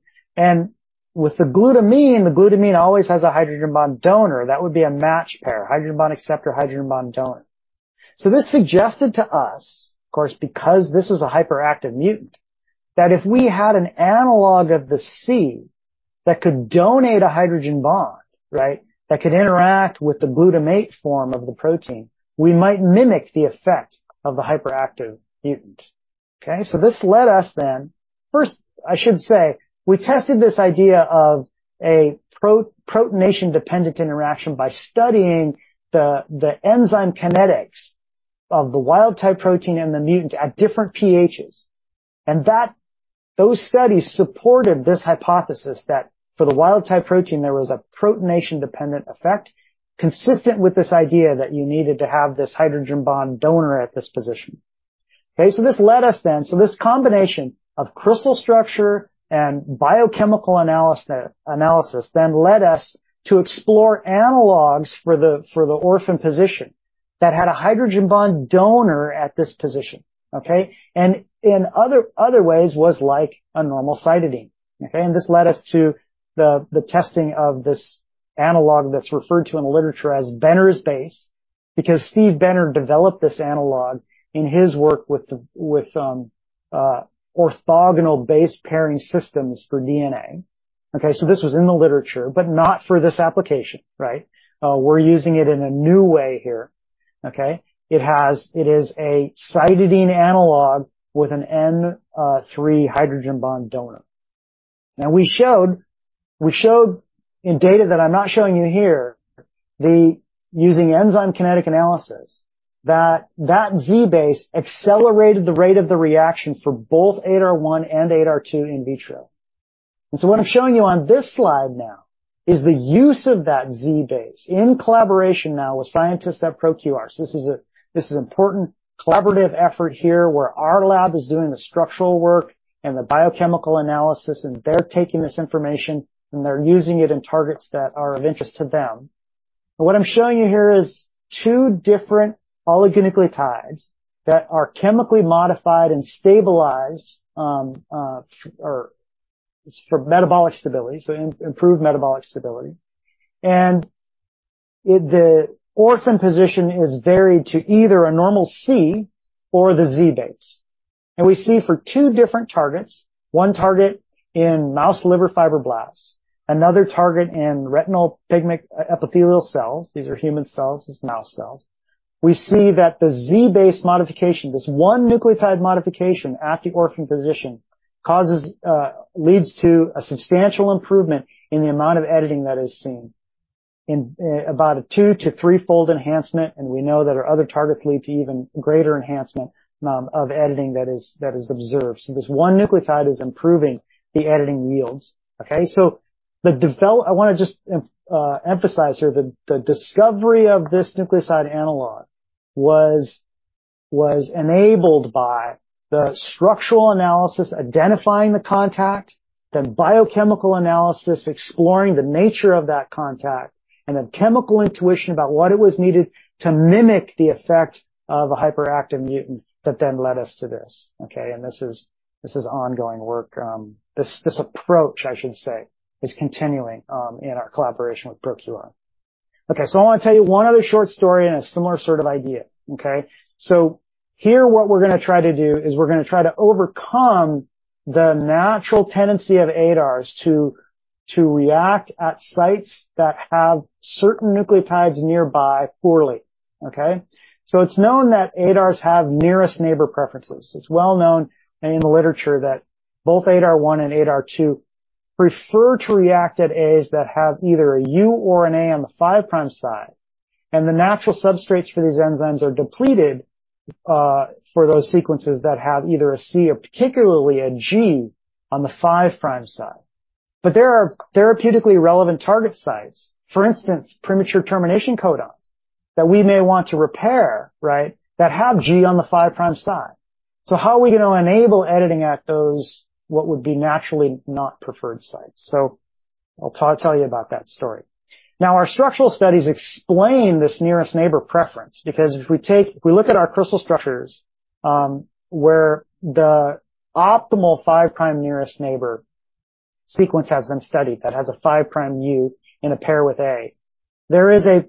With the glutamine, the glutamine always has a hydrogen bond donor. That would be a matched pair, hydrogen bond acceptor, hydrogen bond donor. This suggested to us, of course, because this is a hyperactive mutant, that if we had an analog of the C that could donate a hydrogen bond, right, that could interact with the glutamate form of the protein, we might mimic the effect of the hyperactive mutant. Okay. This led us then. First, I should say, we tested this idea of a pro-protonation-dependent interaction by studying the enzyme kinetics of the wild type protein and the mutant at different pHs. Those studies supported this hypothesis that for the wild type protein, there was a protonation-dependent effect consistent with this idea that you needed to have this hydrogen bond donor at this position. This led us, this combination of crystal structure and biochemical analysis then led us to explore analogs for the orphan position that had a hydrogen bond donor at this position. In other ways was like a normal cytidine. This led us to the testing of this analog that's referred to in the literature as Benner's base, because Steve Benner developed this analog in his work with orthogonal base pairing systems for DNA. This was in the literature, but not for this application, right? We're using it in a new way here. It is a cytidine analog with an N3 hydrogen bond donor. We showed in data that I'm not showing you here, the using enzyme kinetic analysis that Z-base accelerated the rate of the reaction for both ADAR1 and ADAR2 in vitro. What I'm showing you on this slide now is the use of that Z-base in collaboration now with scientists at ProQR. This is important collaborative effort here where our lab is doing the structural work and the biochemical analysis, and they're taking this information, and they're using it in targets that are of interest to them. What I'm showing you here is two different oligonucleotides that are chemically modified and stabilized for metabolic stability, so improved metabolic stability. The orphan position is varied to either a normal C or the Z-base. We see for two different targets, one target in mouse liver fibroblasts, another target in retinal pigment epithelial cells. These are human cells. This is mouse cells. We see that the Z-base modification, this one nucleotide modification at the orphan position, causes leads to a substantial improvement in the amount of editing that is seen. In about a 2- to 3-fold enhancement, and we know that our other targets lead to even greater enhancement of editing that is observed. This one nucleotide is improving the editing yields. Okay? I wanna just emphasize here the discovery of this nucleoside analog was enabled by the structural analysis identifying the contact, the biochemical analysis exploring the nature of that contact, and a chemical intuition about what it was needed to mimic the effect of a hyperactive mutant that then led us to this, okay? This is ongoing work. This approach, I should say, is continuing in our collaboration with ProQR. I want to tell you one other short story and a similar sort of idea. Okay? Here, what we're gonna try to do is we're gonna try to overcome the natural tendency of ADARs to react at sites that have certain nucleotides nearby poorly. Okay? It's known that ADARs have nearest neighbor preferences. It's well known in the literature that both ADAR1 and ADAR2 prefer to react at A's that have either a U or an A on the five prime side. The natural substrates for these enzymes are depleted for those sequences that have either a C or particularly a G on the five prime side. There are therapeutically relevant target sites, for instance, premature termination codons, that we may want to repair, right, that have G on the five prime side. How are we going to enable editing at those what would be naturally not preferred sites? I'll tell you about that story. Our structural studies explain this nearest neighbor preference, because If we look at our crystal structures, where the optimal 5-prime nearest neighbor sequence has been studied, that has a 5-prime U in a pair with A, there is a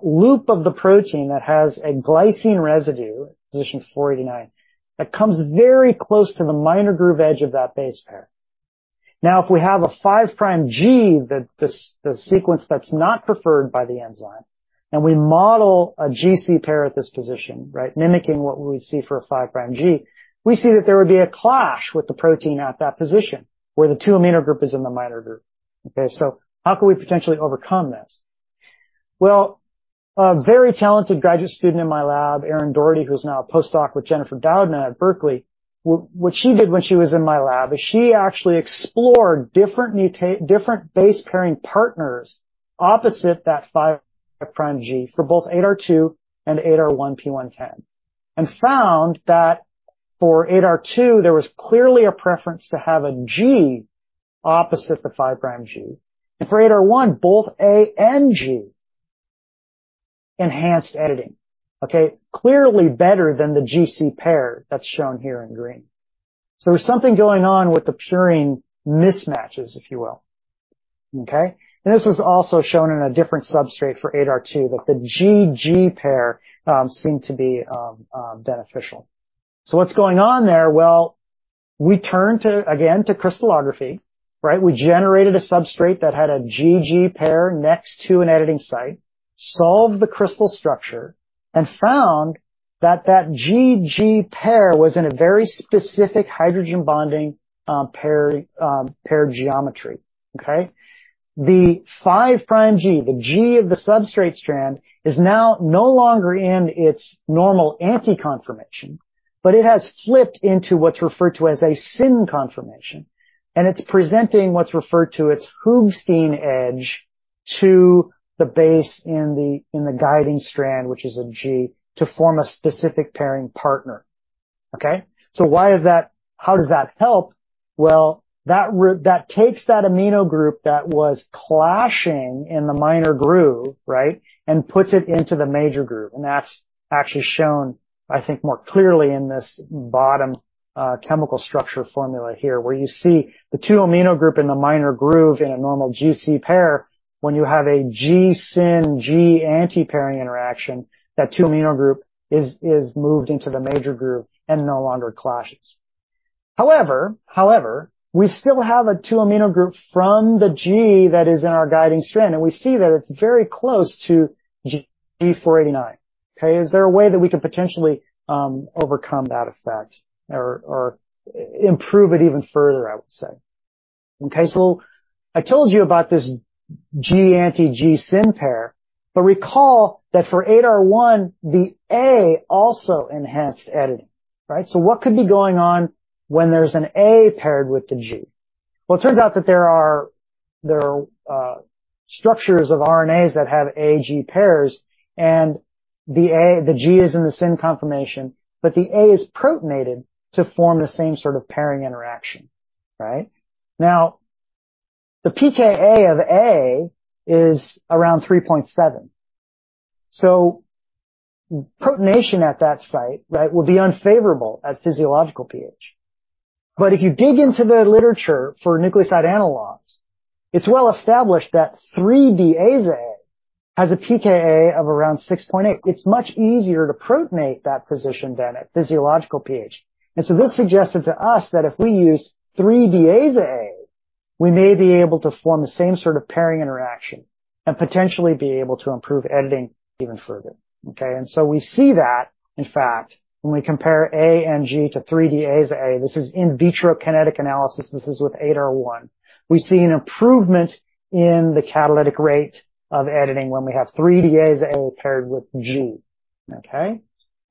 loop of the protein that has a glycine residue, position 489, that comes very close to the minor groove edge of that base pair. If we have a 5-prime G, the sequence that's not preferred by the enzyme, and we model a GC pair at this position, right? Mimicking what we would see for a 5-prime G. We see that there would be a clash with the protein at that position where the 2-amino group is in the minor groove. How can we potentially overcome this? Well, a very talented graduate student in my lab, Erin Dougherty, who's now a post-doc with Jennifer Doudna at Berkeley. What she did when she was in my lab is she actually explored different base pairing partners opposite that 5-prime G for both ADAR2 and ADAR1-P110. Found that for ADAR2, there was clearly a preference to have a G opposite the 5-prime G. For ADAR1, both A and G enhanced editing. Okay? Clearly better than the GC pair that's shown here in green. There's something going on with the purine mismatches, if you will. Okay? This is also shown in a different substrate for ADAR2, that the GG pair seemed to be beneficial. What's going on there? Well, we turn again, to crystallography, right? We generated a substrate that had a GG pair next to an editing site, solved the crystal structure and found that that GG pair was in a very specific hydrogen bonding pair geometry. Okay? The five-prime G, the G of the substrate strand is now no longer in its normal anti-conformation, but it has flipped into what's referred to as a syn conformation. It's presenting what's referred to its Hoogsteen edge to the base in the guiding strand, which is a G, to form a specific pairing partner. Okay? How does that help? Well, that takes that amino group that was clashing in the minor groove, right, and puts it into the major groove. That's actually shown, I think, more clearly in this bottom chemical structure formula here, where you see the two amino group in the minor groove in a normal GC pair. When you have a G syn, G anti-pairing interaction, that two amino group is moved into the major groove and no longer clashes. However, we still have a two amino group from the G that is in our guiding strand, and we see that it's very close to G 489. Okay? Is there a way that we could potentially overcome that effect or improve it even further, I would say. Okay. I told you about this G anti, G syn pair, but recall that for ADAR1, the A also enhanced editing, right? What could be going on when there's an A paired with the G? It turns out that there are structures of RNAs that have AG pairs, and the G is in the syn conformation, but the A is protonated to form the same sort of pairing interaction. Right? The pKa of A is around 3.7. Protonation at that site, right, will be unfavorable at physiological pH. If you dig into the literature for nucleoside analogs, it's well established that 3-deaza-A has a pKa of around 6.8. It's much easier to protonate that position than at physiological pH. This suggested to us that if we used 3-deaza-A, we may be able to form the same sort of pairing interaction and potentially be able to improve editing even further. Okay? We see that, in fact, when we compare A and G to 3-deaza-A, this is in vitro kinetic analysis. This is with ADAR1. We see an improvement in the catalytic rate of editing when we have 3-deaza-A paired with G. Okay?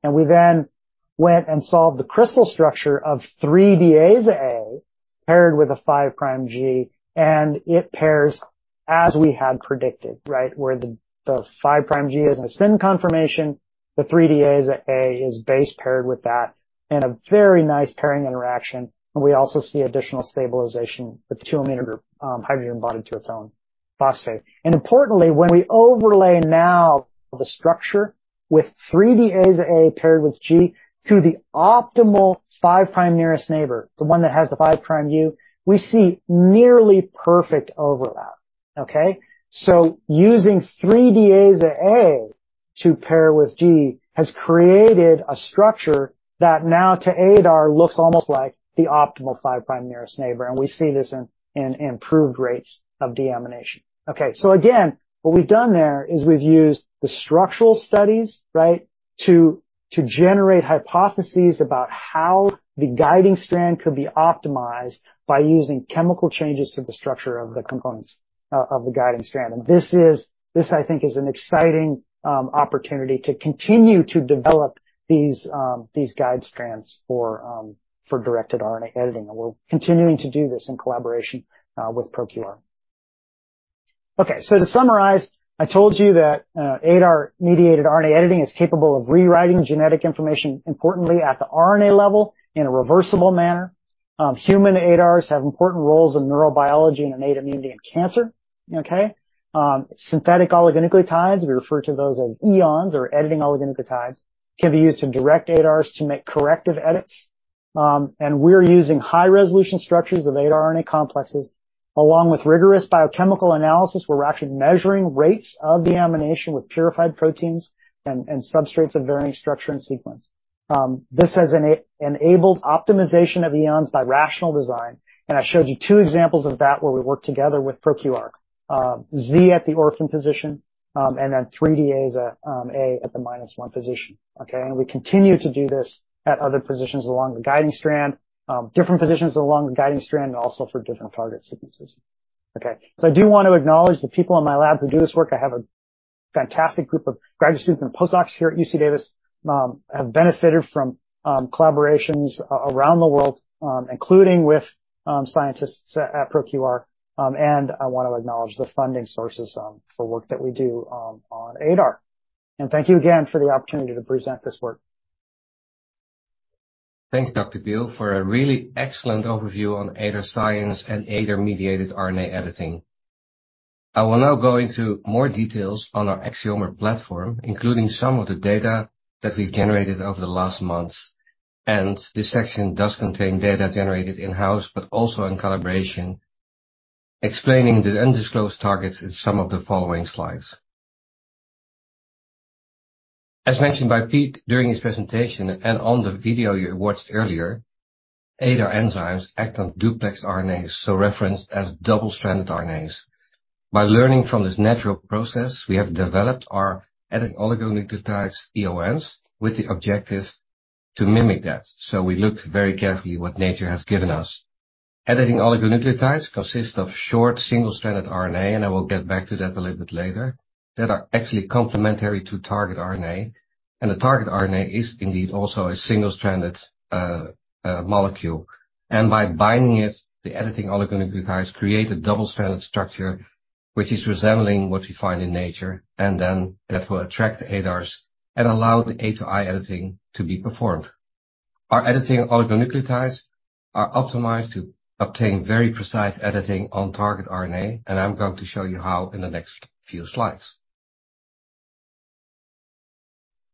We then went and solved the crystal structure of 3-deaza-A paired with a 5-prime G, and it pairs as we had predicted, right? Where the 5-prime G is in a syn conformation. The 3-deaza-A is base paired with that in a very nice pairing interaction. We also see additional stabilization of the 2-amino group hydrogen bonded to its own phosphate. Importantly, when we overlay now the structure with 3-deaza-A paired with G to the optimal five prime nearest neighbor, the one that has the five prime U, we see nearly perfect overlap. Okay? Using 3-deaza-A to pair with G has created a structure that now to ADAR looks almost like the optimal five prime nearest neighbor, and we see this in improved rates of deamination. Okay. Again, what we've done there is we've used the structural studies, right, to generate hypotheses about how the guiding strand could be optimized by using chemical changes to the structure of the components of the guiding strand. This, I think, is an exciting opportunity to continue to develop these guide strands for directed RNA editing, and we're continuing to do this in collaboration with ProQR. To summarize, I told you that ADAR-mediated RNA editing is capable of rewriting genetic information, importantly at the RNA level in a reversible manner. Human ADARs have important roles in neurobiology, innate immunity, and cancer. Okay. Synthetic oligonucleotides, we refer to those as EONs or editing oligonucleotides, can be used to direct ADARs to make corrective edits. And we're using high-resolution structures of ADAR RNA complexes along with rigorous biochemical analysis, where we're actually measuring rates of deamination with purified proteins and substrates of varying structure and sequence. This has enabled optimization of EONs by rational design, and I showed you 2 examples of that where we worked together with ProQR. Z at the orphan position, and then 3-deaza-A at the -1 position. Okay. We continue to do this at other positions along the guiding strand, different positions along the guiding strand, and also for different target sequences. Okay. I do want to acknowledge the people in my lab who do this work. I have a fantastic group of graduate students and postdocs here at UC Davis. have benefited from collaborations around the world, including with scientists at ProQR. I wanna acknowledge the funding sources for work that we do on ADAR. Thank you again for the opportunity to present this work. Thanks, Dr. Beal, for a really excellent overview on ADAR science and ADAR-mediated RNA editing. I will now go into more details on our Axiomer platform, including some of the data that we've generated over the last months. This section does contain data generated in-house but also in collaboration, explaining the undisclosed targets in some of the following slides. As mentioned by Peter during his presentation and on the video you watched earlier, ADAR enzymes act on duplex RNAs, so referenced as double-stranded RNAs. By learning from this natural process, we have developed our editing oligonucleotides, EONs, with the objective to mimic that. We looked very carefully what nature has given us. Editing oligonucleotides consist of short, single-stranded RNA, and I will get back to that a little bit later, that are actually complementary to target RNA, and the target RNA is indeed also a single-stranded molecule. By binding it, the editing oligonucleotides create a double-stranded structure which is resembling what you find in nature, and then that will attract ADARs and allow the A-to-I editing to be performed. Our editing oligonucleotides are optimized to obtain very precise editing on target RNA, and I'm going to show you how in the next few slides.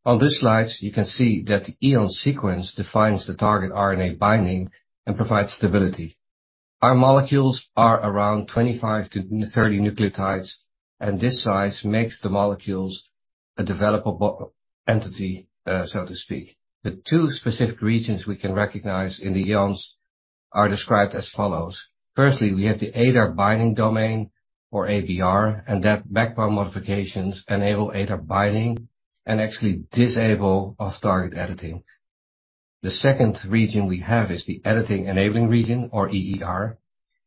On this slide, you can see that the EON sequence defines the target RNA binding and provides stability. Our molecules are around 25 to 30 nucleotides, and this size makes the molecules a developable entity, so to speak. The two specific regions we can recognize in the EONs are described as follows. We have the ADAR binding domain, or ABR, and that backbone modifications enable ADAR binding and actually disable off-target editing. The second region we have is the editing-enabling region, or EER,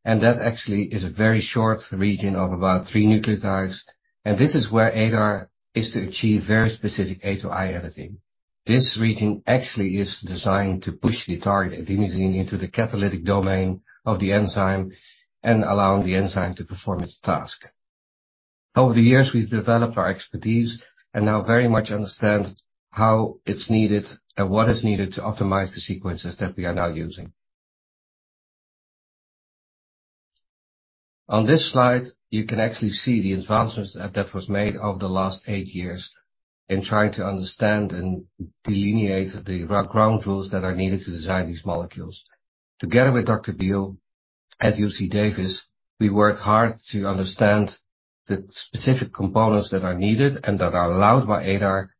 and that actually is a very short region of about three nucleotides, and this is where ADAR is to achieve very specific A-to-I editing. This region actually is designed to push the target adenosine into the catalytic domain of the enzyme and allowing the enzyme to perform its task. Over the years, we've developed our expertise and now very much understand how it's needed and what is needed to optimize the sequences that we are now using. On this slide, you can actually see the advancements that was made over the last 8 years in trying to understand and delineate the ground rules that are needed to design these molecules. Together with Dr. Beal at UC Davis, we worked hard to understand the specific components that are needed and that are allowed by ADAR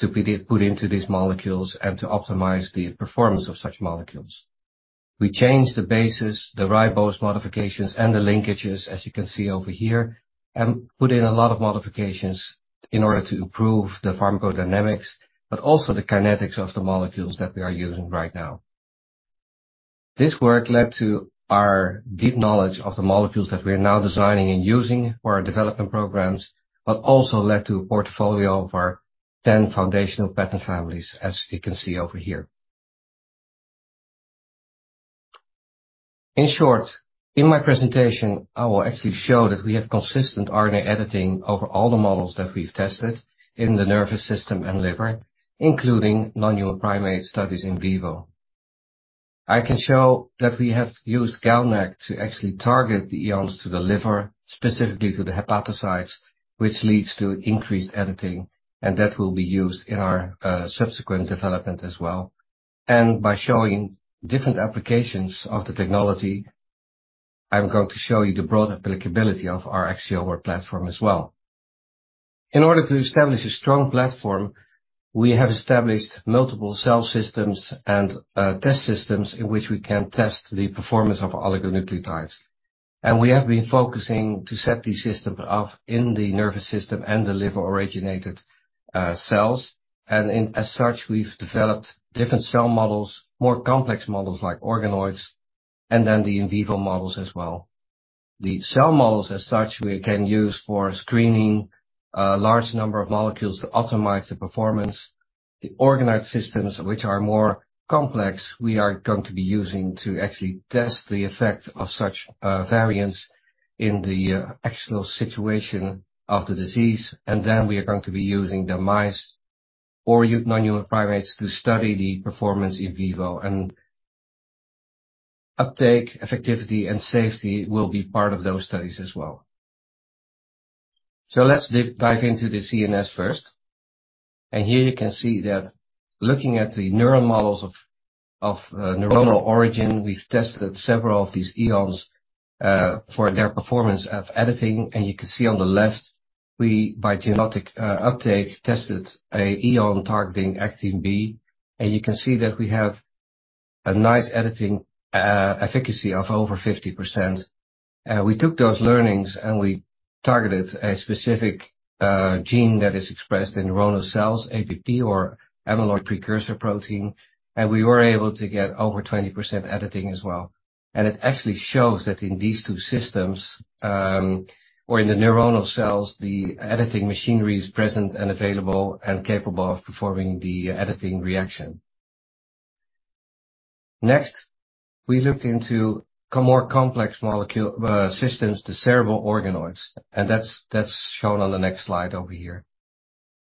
to be did, put into these molecules and to optimize the performance of such molecules. We changed the bases, the ribose modifications, and the linkages, as you can see over here, and put in a lot of modifications in order to improve the pharmacodynamics, but also the kinetics of the molecules that we are using right now. This work led to our deep knowledge of the molecules that we are now designing and using for our development programs, but also led to a portfolio of our 10 foundational patent families, as you can see over here. In short, in my presentation, I will actually show that we have consistent RNA editing over all the models that we've tested in the nervous system and liver, including non-human primate studies in vivo. I can show that we have used GalNAc to actually target the EONs to the liver, specifically to the hepatocytes, which leads to increased editing, that will be used in our subsequent development as well. By showing different applications of the technology, I'm going to show you the broad applicability of our Axiomer platform as well. In order to establish a strong platform, we have established multiple cell systems and test systems in which we can test the performance of oligonucleotides. We have been focusing to set the system up in the nervous system and the liver-originated cells. In as such, we've developed different cell models, more complex models like organoids, and then the in vivo models as well. The cell models as such we can use for screening a large number of molecules to optimize the performance. The organoid systems, which are more complex, we are going to be using to actually test the effect of such variants in the actual situation of the disease. We are going to be using the mice or non-human primates to study the performance in vivo. Uptake, effectivity, and safety will be part of those studies as well. Let's dive into the CNS first. Here you can see that looking at the neural models of neuronal origin, we've tested several of these EONs for their performance of editing. You can see on the left, we by genetic uptake, tested a EON targeting ACTB, and you can see that we have a nice editing efficacy of over 50%. We took those learnings and we targeted a specific gene that is expressed in neuronal cells, APP or amyloid precursor protein, and we were able to get over 20% editing as well. It actually shows that in these two systems, or in the neuronal cells, the editing machinery is present and available and capable of performing the editing reaction. Next, we looked into co-more complex molecule systems, the cerebral organoids, and that's shown on the next slide over here.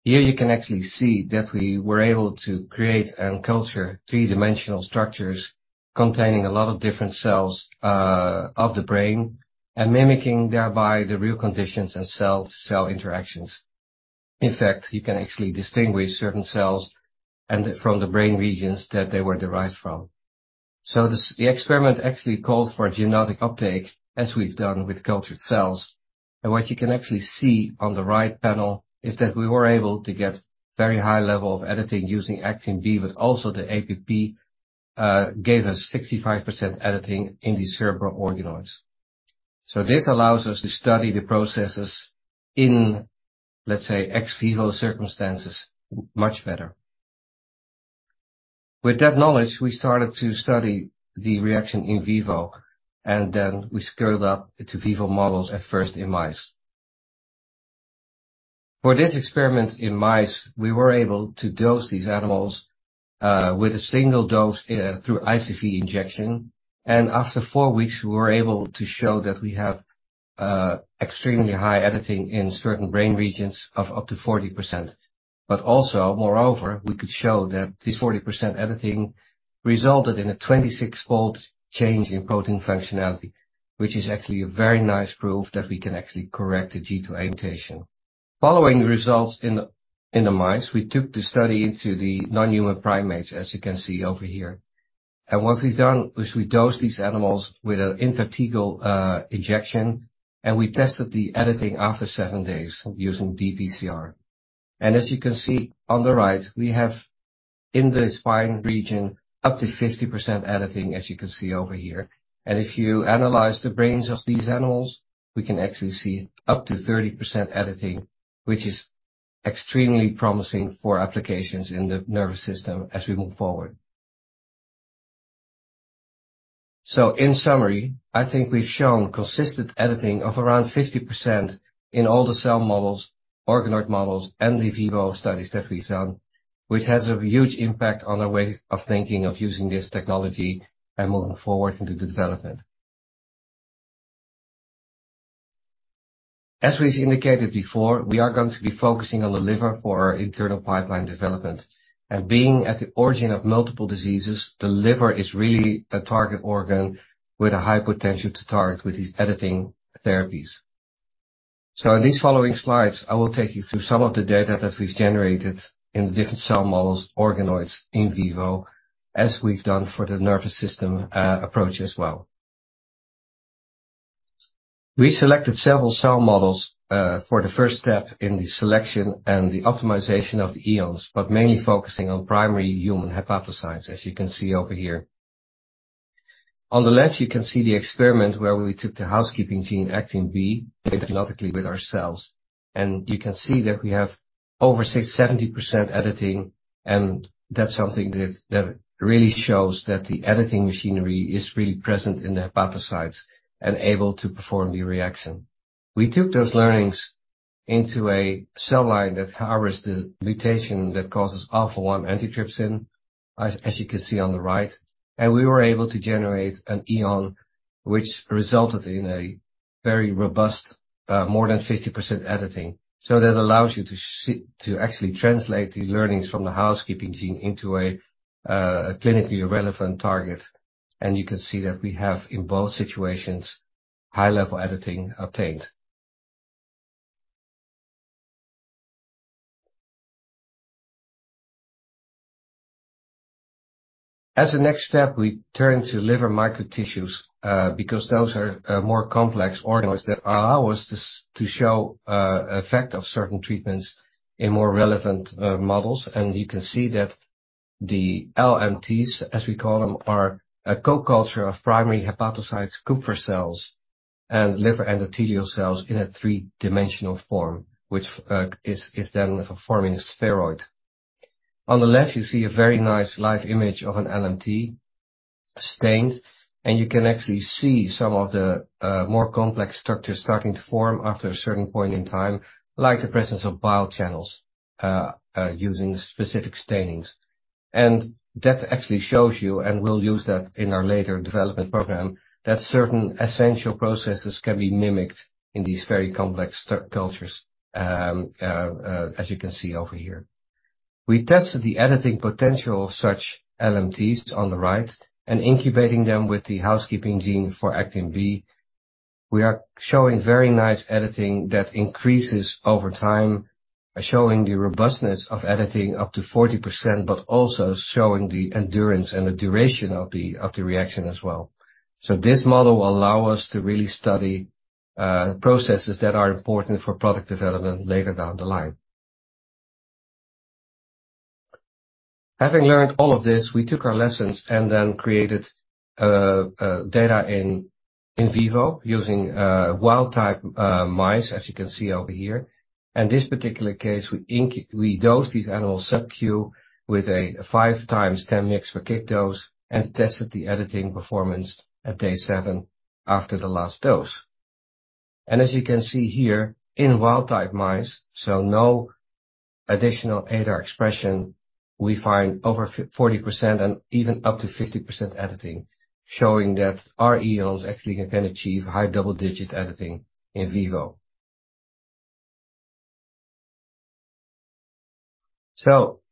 Here you can actually see that we were able to create and culture three-dimensional structures containing a lot of different cells of the brain, and mimicking thereby the real conditions and cell-to-cell interactions. In fact, you can actually distinguish certain cells from the brain regions that they were derived from. The experiment actually called for a genetic uptake, as we've done with cultured cells. What you can actually see on the right panel is that we were able to get very high level of editing using ACTB, but also the APP gave us 65% editing in the cerebral organoids. This allows us to study the processes in, let's say, ex vivo circumstances much better. With that knowledge, we started to study the reaction in vivo. We scaled up to vivo models at first in mice. For this experiment in mice, we were able to dose these animals with a single dose through ICV injection. After four weeks, we were able to show that we have extremely high editing in certain brain regions of up to 40%. Also, moreover, we could show that this 40% editing resulted in a 26-fold change in protein functionality, which is actually a very nice proof that we can actually correct the G to A mutation. Following results in the mice, we took the study into the non-human primates, as you can see over here. What we've done is we dosed these animals with an integral injection, and we tested the editing after seven days using dPCR. As you can see on the right, we have in the spine region up to 50% editing, as you can see over here. If you analyze the brains of these animals, we can actually see up to 30% editing, which is extremely promising for applications in the nervous system as we move forward. In summary, I think we've shown consistent editing of around 50% in all the cell models, organoid models, and the vivo studies that we've done, which has a huge impact on our way of thinking of using this technology and moving forward into the development. As we've indicated before, we are going to be focusing on the liver for our internal pipeline development. Being at the origin of multiple diseases, the liver is really a target organ with a high potential to target with these editing therapies. In these following slides, I will take you through some of the data that we've generated in the different cell models, organoids, in vivo, as we've done for the nervous system approach as well. We selected several cell models for the first step in the selection and the optimization of the Axiomer, but mainly focusing on primary human hepatocytes, as you can see over here. On the left, you can see the experiment where we took the housekeeping gene ACTB, genetically with our cells, and you can see that we have over 60%-70% editing, and that's something that really shows that the editing machinery is really present in the hepatocytes and able to perform the reaction. We took those learnings into a cell line that harbors the mutation that causes alpha-1 antitrypsin, as you can see on the right, and we were able to generate an EON which resulted in a very robust, more than 50% editing. That allows you to actually translate the learnings from the housekeeping gene into a clinically relevant target, and you can see that we have in both situations, high level editing obtained. A next step, we turn to Liver Microtissues, because those are more complex organoids that allow us to show effect of certain treatments in more relevant models. You can see that the LMTs, as we call them, are a co-culture of primary hepatocytes, Kupffer cells, and liver endothelial cells in a three-dimensional form, which is then forming a spheroid. On the left, you see a very nice live image of an LMT stained, and you can actually see some of the more complex structures starting to form after a certain point in time, like the presence of bile channels, using specific stainings. That actually shows you, and we'll use that in our later development program, that certain essential processes can be mimicked in these very complex cultures, as you can see over here. We tested the editing potential of such LMTs on the right and incubating them with the housekeeping gene for actin B. We are showing very nice editing that increases over time, showing the robustness of editing up to 40%, but also showing the endurance and the duration of the reaction as well. This model will allow us to really study processes that are important for product development later down the line. Having learned all of this, we took our lessons and then created data in vivo using wild type mice, as you can see over here. In this particular case, we dosed these animals subQ with a five times 10 mg/kg dose and tested the editing performance at day seven after the last dose. As you can see here in wild type mice, so no additional ADAR expression, we find over 40% and even up to 50% editing, showing that our EONs actually can achieve high double-digit editing in vivo.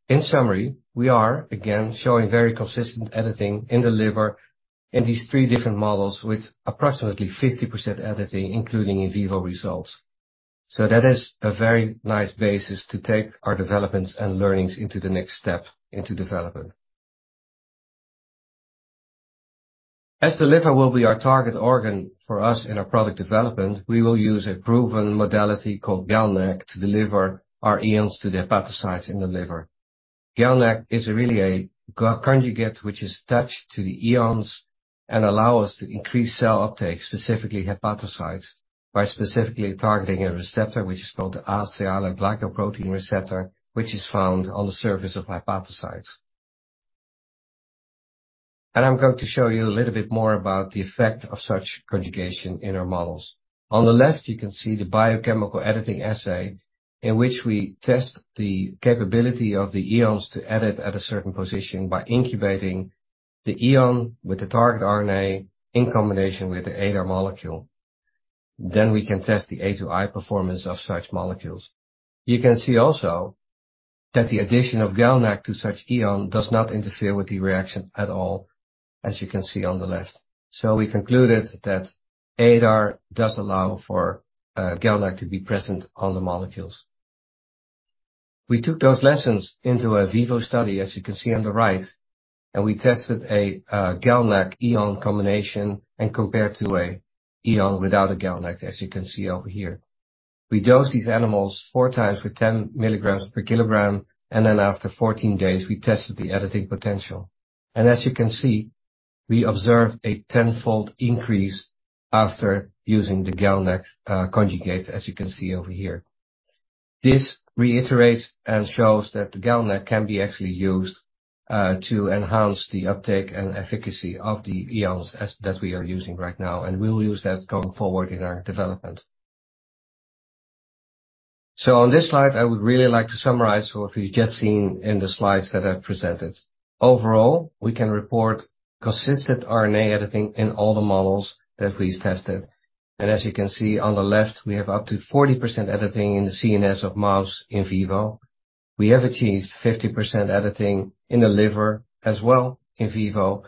In summary, we are again showing very consistent editing in the liver in these three different models with approximately 50% editing, including in vivo results. That is a very nice basis to take our developments and learnings into the next step into development. As the liver will be our target organ for us in our product development, we will use a proven modality called GalNAc to deliver our EONs to the hepatocytes in the liver. GalNAc is really a g-conjugate which is attached to the EONs and allow us to increase cell uptake, specifically hepatocytes, by specifically targeting a receptor which is called the asialoglycoprotein receptor, which is found on the surface of hepatocytes. I'm going to show you a little bit more about the effect of such conjugation in our models. On the left, you can see the biochemical editing assay in which we test the capability of the EONs to edit at a certain position by incubating the EON with the target RNA in combination with the ADAR molecule. We can test the A to I performance of such molecules. You can see also that the addition of GalNAc to such EON does not interfere with the reaction at all, as you can see on the left. We concluded that ADAR does allow for GalNAc to be present on the molecules. We took those lessons into a vivo study, as you can see on the right, and we tested a GalNAc EON combination and compared to a EON without a GalNAc, as you can see over here. We dosed these animals four times with 10 milligrams per kilogram, and then after 14 days, we tested the editing potential. As you can see, we observed a 10-fold increase after using the GalNAc conjugate, as you can see over here. This reiterates and shows that the GalNAc can be actually used to enhance the uptake and efficacy of the EONs that we are using right now, and we will use that going forward in our development. On this slide, I would really like to summarize what we've just seen in the slides that I've presented. Overall, we can report consistent RNA editing in all the models that we've tested. As you can see on the left, we have up to 40% editing in the CNS of mouse in vivo. We have achieved 50% editing in the liver as well in vivo.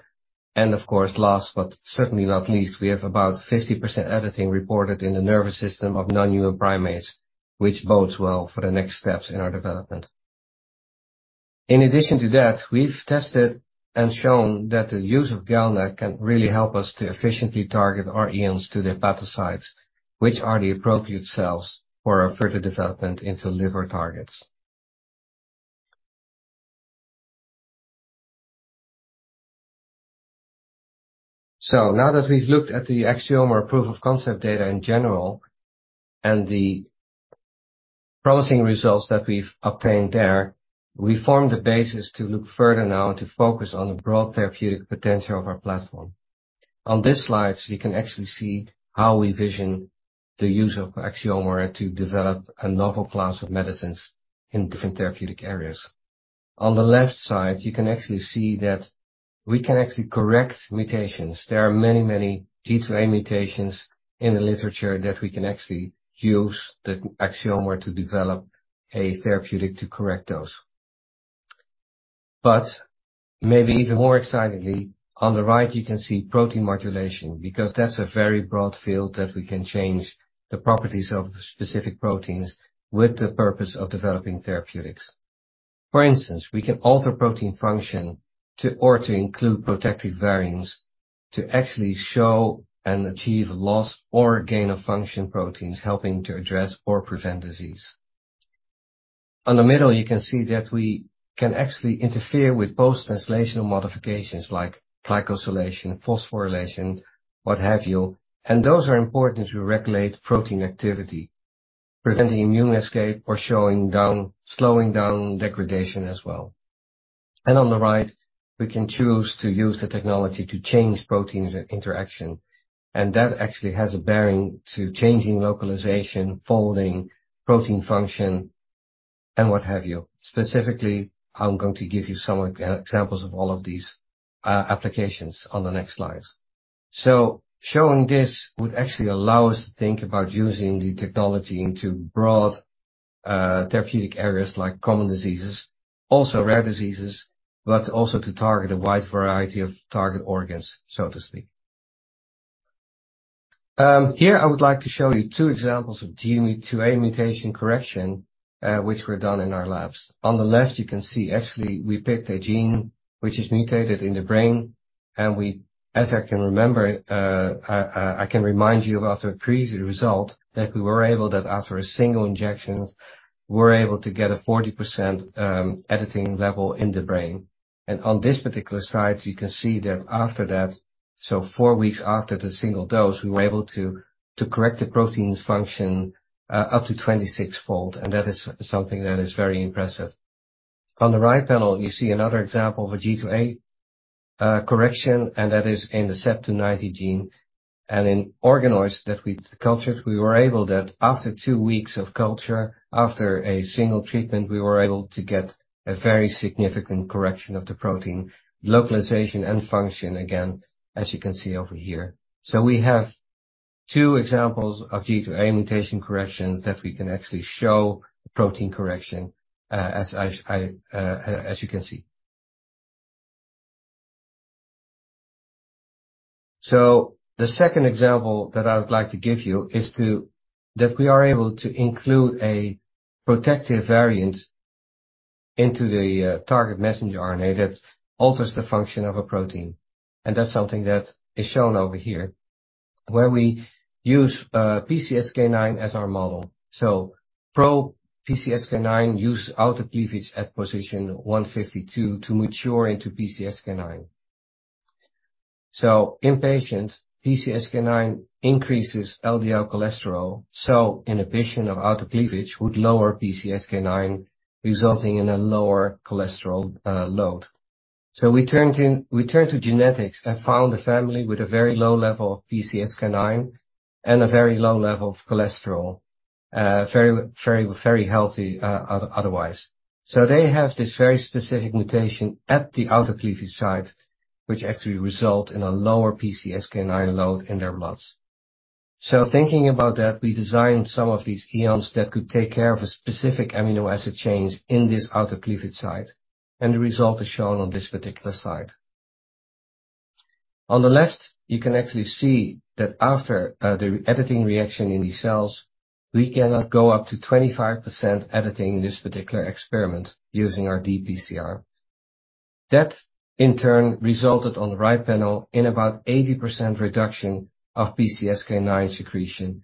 Of course, last but certainly not least, we have about 50% editing reported in the nervous system of non-human primates, which bodes well for the next steps in our development. In addition to that, we've tested and shown that the use of GalNAc can really help us to efficiently target our EONs to the hepatocytes, which are the appropriate cells for our further development into liver targets. Now that we've looked at the Axiomer proof of concept data in general and the promising results that we've obtained there, we form the basis to look further now to focus on the broad therapeutic potential of our platform. On this slide, you can actually see how we vision the use of Axiomer to develop a novel class of medicines in different therapeutic areas. On the left side, you can actually see that we can actually correct mutations. There are many, many G to A mutations in the literature that we can actually use the Axiomer to develop a therapeutic to correct those. Maybe even more excitingly, on the right you can see protein modulation, because that's a very broad field that we can change the properties of specific proteins with the purpose of developing therapeutics. For instance, we can alter protein function to, or to include protective variants to actually show and achieve loss or gain of function proteins helping to address or prevent disease. On the middle, you can see that we can actually interfere with post-translational modifications like glycosylation, phosphorylation, what have you. Those are important to regulate protein activity, preventing immune escape or slowing down degradation as well. On the right, we can choose to use the technology to change protein interaction, and that actually has a bearing to changing localization, folding, protein function, and what have you. Specifically, I'm going to give you some examples of all of these applications on the next slide. Showing this would actually allow us to think about using the technology into broad therapeutic areas like common diseases, also rare diseases, but also to target a wide variety of target organs, so to speak. Here I would like to show you two examples of G to A mutation correction, which were done in our labs. On the left, you can see actually we picked a gene which is mutated in the brain, and as I can remember, I can remind you of our previous result, that we were able that after a single injections, we're able to get a 40% editing level in the brain. On this particular slide, you can see that after that, so four weeks after the single dose, we were able to correct the protein's function, up to 26-fold, and that is something that is very impressive. On the right panel, you see another example of a G to A correction, and that is in the SEPT9 gene. In organoids that we cultured, we were able that after two weeks of culture, after a single treatment, we were able to get a very significant correction of the protein localization and function again, as you can see over here. We have twfour examples of G to A mutation corrections that we can actually show protein correction, as I, as you can see. The second example that I would like to give you that we are able to include a protective variant into the target messenger RNA that alters the function of a protein. That's something that is shown over here, where we use PCSK9 as our model. Pro-PCSK9 use autocleavage at position 152 to mature into PCSK9. In patients, PCSK9 increases LDL cholesterol, so inhibition of autocleavage would lower PCSK9, resulting in a lower cholesterol load. We turned to genetics and found a family with a very low level of PCSK9 and a very low level of cholesterol. Very healthy otherwise. They have this very specific mutation at the autocleavage site, which actually result in a lower PCSK9 load in their bloods. Thinking about that, we designed some of these EON that could take care of a specific amino acid change in this autocleavage site, and the result is shown on this particular site. On the left, you can actually see that after the editing reaction in these cells, we cannot go up to 25% editing in this particular experiment using our dPCR. That in turn resulted on the right panel in about 80% reduction of PCSK9 secretion,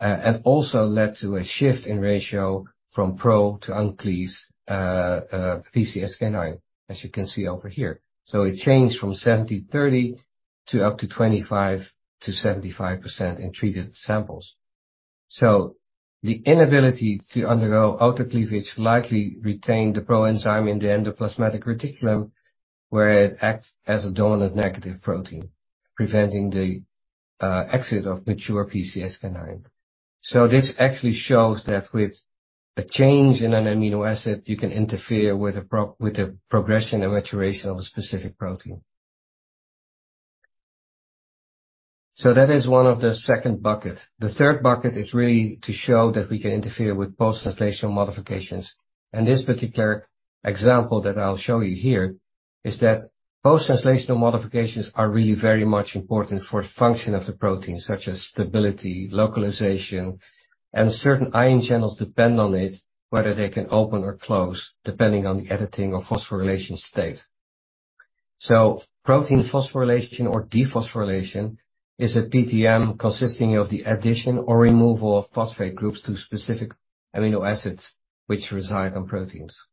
and also led to a shift in ratio from pro to uncleaved PCSK9, as you can see over here. It changed from 70/30 to up to 25%-75% in treated samples. The inability to undergo autocleavage likely retained the proenzyme in the endoplasmic reticulum, where it acts as a dominant negative protein, preventing the exit of mature PCSK9. This actually shows that with a change in an amino acid, you can interfere with the progression and maturation of a specific protein. That is one of the second bucket. The third bucket is really to show that we can interfere with post-translational modifications. This particular example that I'll show you here is that post-translational modifications are really very much important for function of the protein, such as stability, localization, and certain ion channels depend on it, whether they can open or close, depending on the editing or phosphorylation state. Protein phosphorylation or dephosphorylation is a PTM consisting of the addition or removal of phosphate groups to specific amino acids which reside on proteins.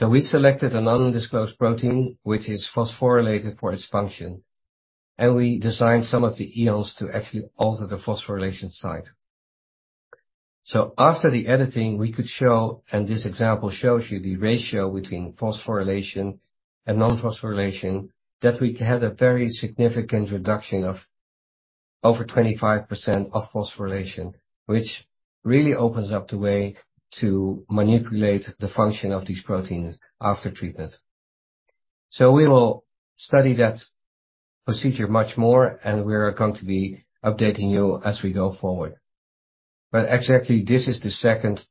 We selected a non-disclosed protein which is phosphorylated for its function, and we designed some of the EONs to actually alter the phosphorylation site. After the editing, we could show, this example shows you the ratio between phosphorylation and non-phosphorylation, that we had a very significant reduction of over 25% of phosphorylation, which really opens up the way to manipulate the function of these proteins after treatment. We will study that procedure much more. We are going to be updating you as we go forward. Actually, this is the second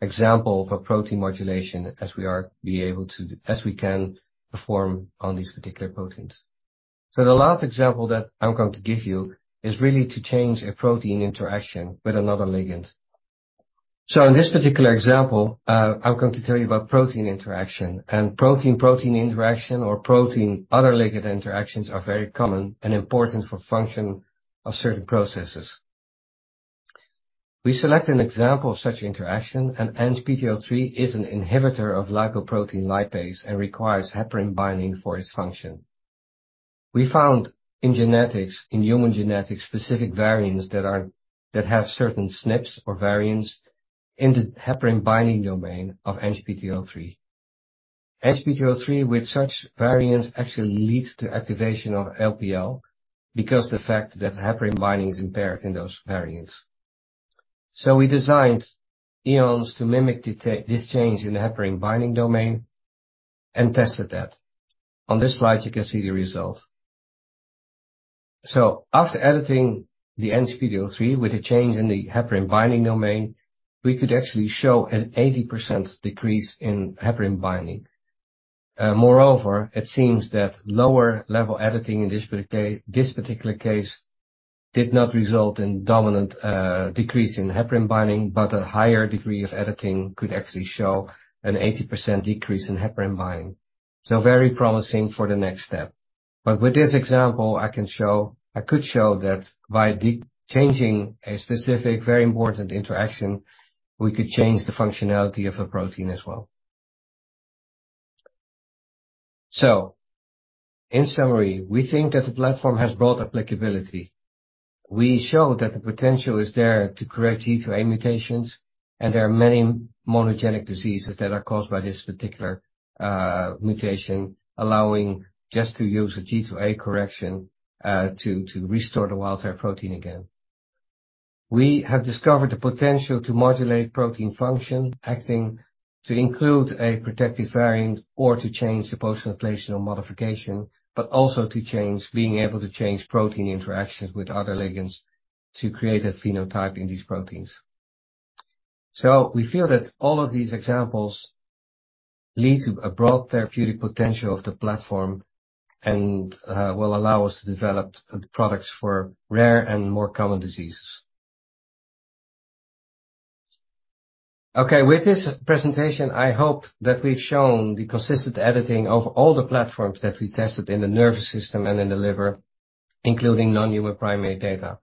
example of a protein modulation as we can perform on these particular proteins. The last example that I'm going to give you is really to change a protein interaction with another ligand. In this particular example, I'm going to tell you about protein interaction. Protein-protein interaction or protein other ligand interactions are very common and important for function of certain processes. We select an example of such interaction. ANGPTL3 is an inhibitor of lipoprotein lipase and requires heparin binding for its function. We found in genetics, in human genetics, specific variants that have certain SNPs or variants in the heparin binding domain of ANGPTL3. ANGPTL3 with such variants actually leads to activation of LPL because the fact that heparin binding is impaired in those variants. We designed EONs to mimic this change in the heparin binding domain and tested that. On this slide, you can see the result. After editing the ANGPTL3 with a change in the heparin binding domain, we could actually show an 80% decrease in heparin binding. Moreover, it seems that lower level editing in this particular case did not result in dominant decrease in heparin binding, but a higher degree of editing could actually show an 80% decrease in heparin binding. Very promising for the next step. With this example, I could show that by changing a specific, very important interaction, we could change the functionality of the protein as well. In summary, we think that the platform has broad applicability. We show that the potential is there to correct G to A mutations, and there are many monogenic diseases that are caused by this particular mutation, allowing just to use a G to A correction to restore the wild type protein again. We have discovered the potential to modulate protein function, acting to include a protective variant or to change the post-translational modification, also being able to change protein interactions with other ligands to create a phenotype in these proteins. We feel that all of these examples lead to a broad therapeutic potential of the platform and will allow us to develop the products for rare and more common diseases. Okay, with this presentation, I hope that we've shown the consistent editing of all the platforms that we tested in the nervous system and in the liver, including non-human primate data.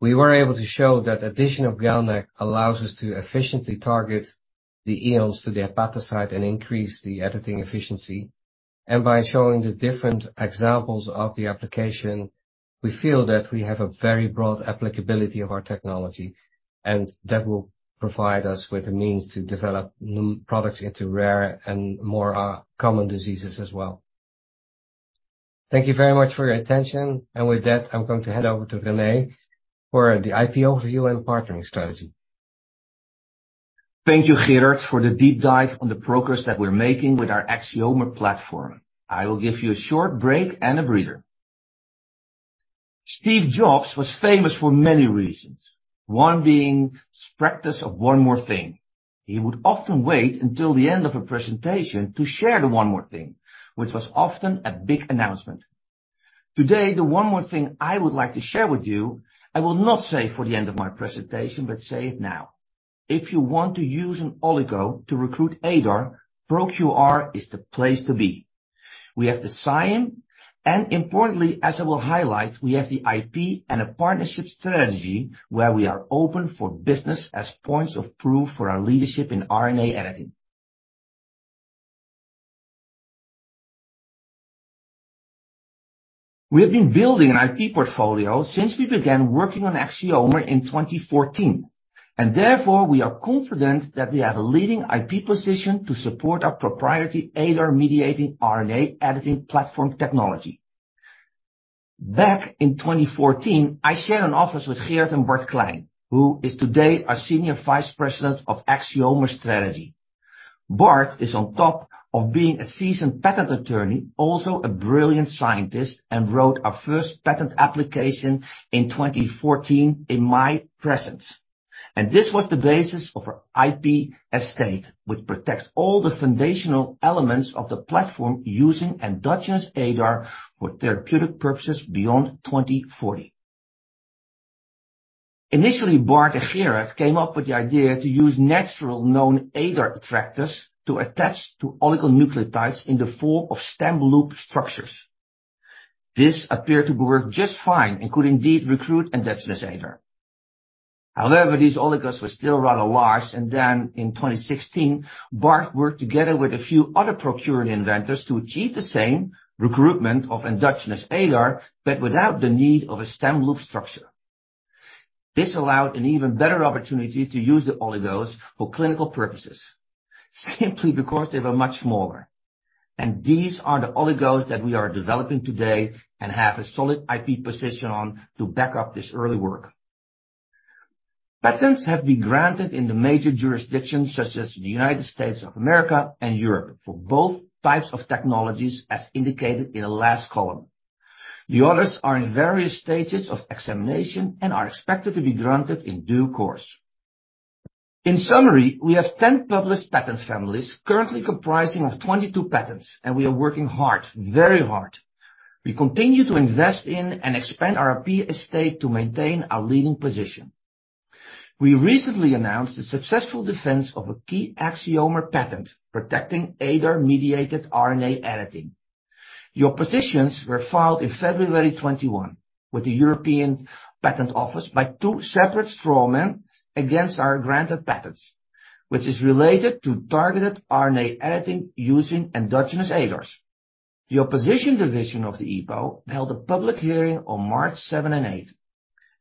We were able to show that addition of GalNAc allows us to efficiently target the EONs to the hepatocyte and increase the editing efficiency. By showing the different examples of the application, we feel that we have a very broad applicability of our technology, and that will provide us with a means to develop new products into rare and more common diseases as well. Thank you very much for your attention. With that, I'm going to hand over to René for the IP overview and partnering strategy. Thank you, Gerard, for the deep dive on the progress that we're making with our Axiomer platform. I will give you a short break and a breather. Steve Jobs was famous for many reasons, one being his practice of one more thing. He would often wait until the end of a presentation to share the one more thing, which was often a big announcement. Today, the one more thing I would like to share with you, I will not save for the end of my presentation, but say it now. If you want to use an oligo to recruit ADAR, ProQR is the place to be. We have the science, and importantly, as I will highlight, we have the IP and a partnership strategy where we are open for business as points of proof for our leadership in RNA editing. We have been building an IP portfolio since we began working on Axiomer in 2014. Therefore, we are confident that we have a leading IP position to support our proprietary ADAR-mediating RNA editing platform technology. Back in 2014, I shared an office with Gerard and Bart Klein, who is today our Senior Vice President of Axiomer Strategy. Bart is on top of being a seasoned patent attorney, also a brilliant scientist, and wrote our first patent application in 2014 in my presence. This was the basis of our IP estate, which protects all the foundational elements of the platform using endogenous ADAR for therapeutic purposes beyond 2040. Initially, Bart and Gerard came up with the idea to use natural known ADAR attractors to attach to oligonucleotides in the form of stem loop structures. This appeared to work just fine and could indeed recruit endogenous ADAR. However, these oligos were still rather large. In 2016, Bart worked together with a few other ProQR inventors to achieve the same recruitment of endogenous ADAR, without the need of a stem loop structure. This allowed an even better opportunity to use the oligos for clinical purposes, simply because they were much smaller. These are the oligos that we are developing today and have a solid IP position on to back up this early work. Patents have been granted in the major jurisdictions such as the United States of America and Europe for both types of technologies as indicated in the last column. The others are in various stages of examination and are expected to be granted in due course. In summary, we have 10 published patent families currently comprising of 22 patents. We are working hard, very hard. We continue to invest in and expand our IP estate to maintain our leading position. We recently announced the successful defense of a key Axiomer patent protecting ADAR-mediated RNA editing. The oppositions were filed in February 2021 with the European Patent Office by two separate straw men against our granted patents, which is related to targeted RNA editing using endogenous ADARs. The opposition division of the EPO held a public hearing on March 7 and 8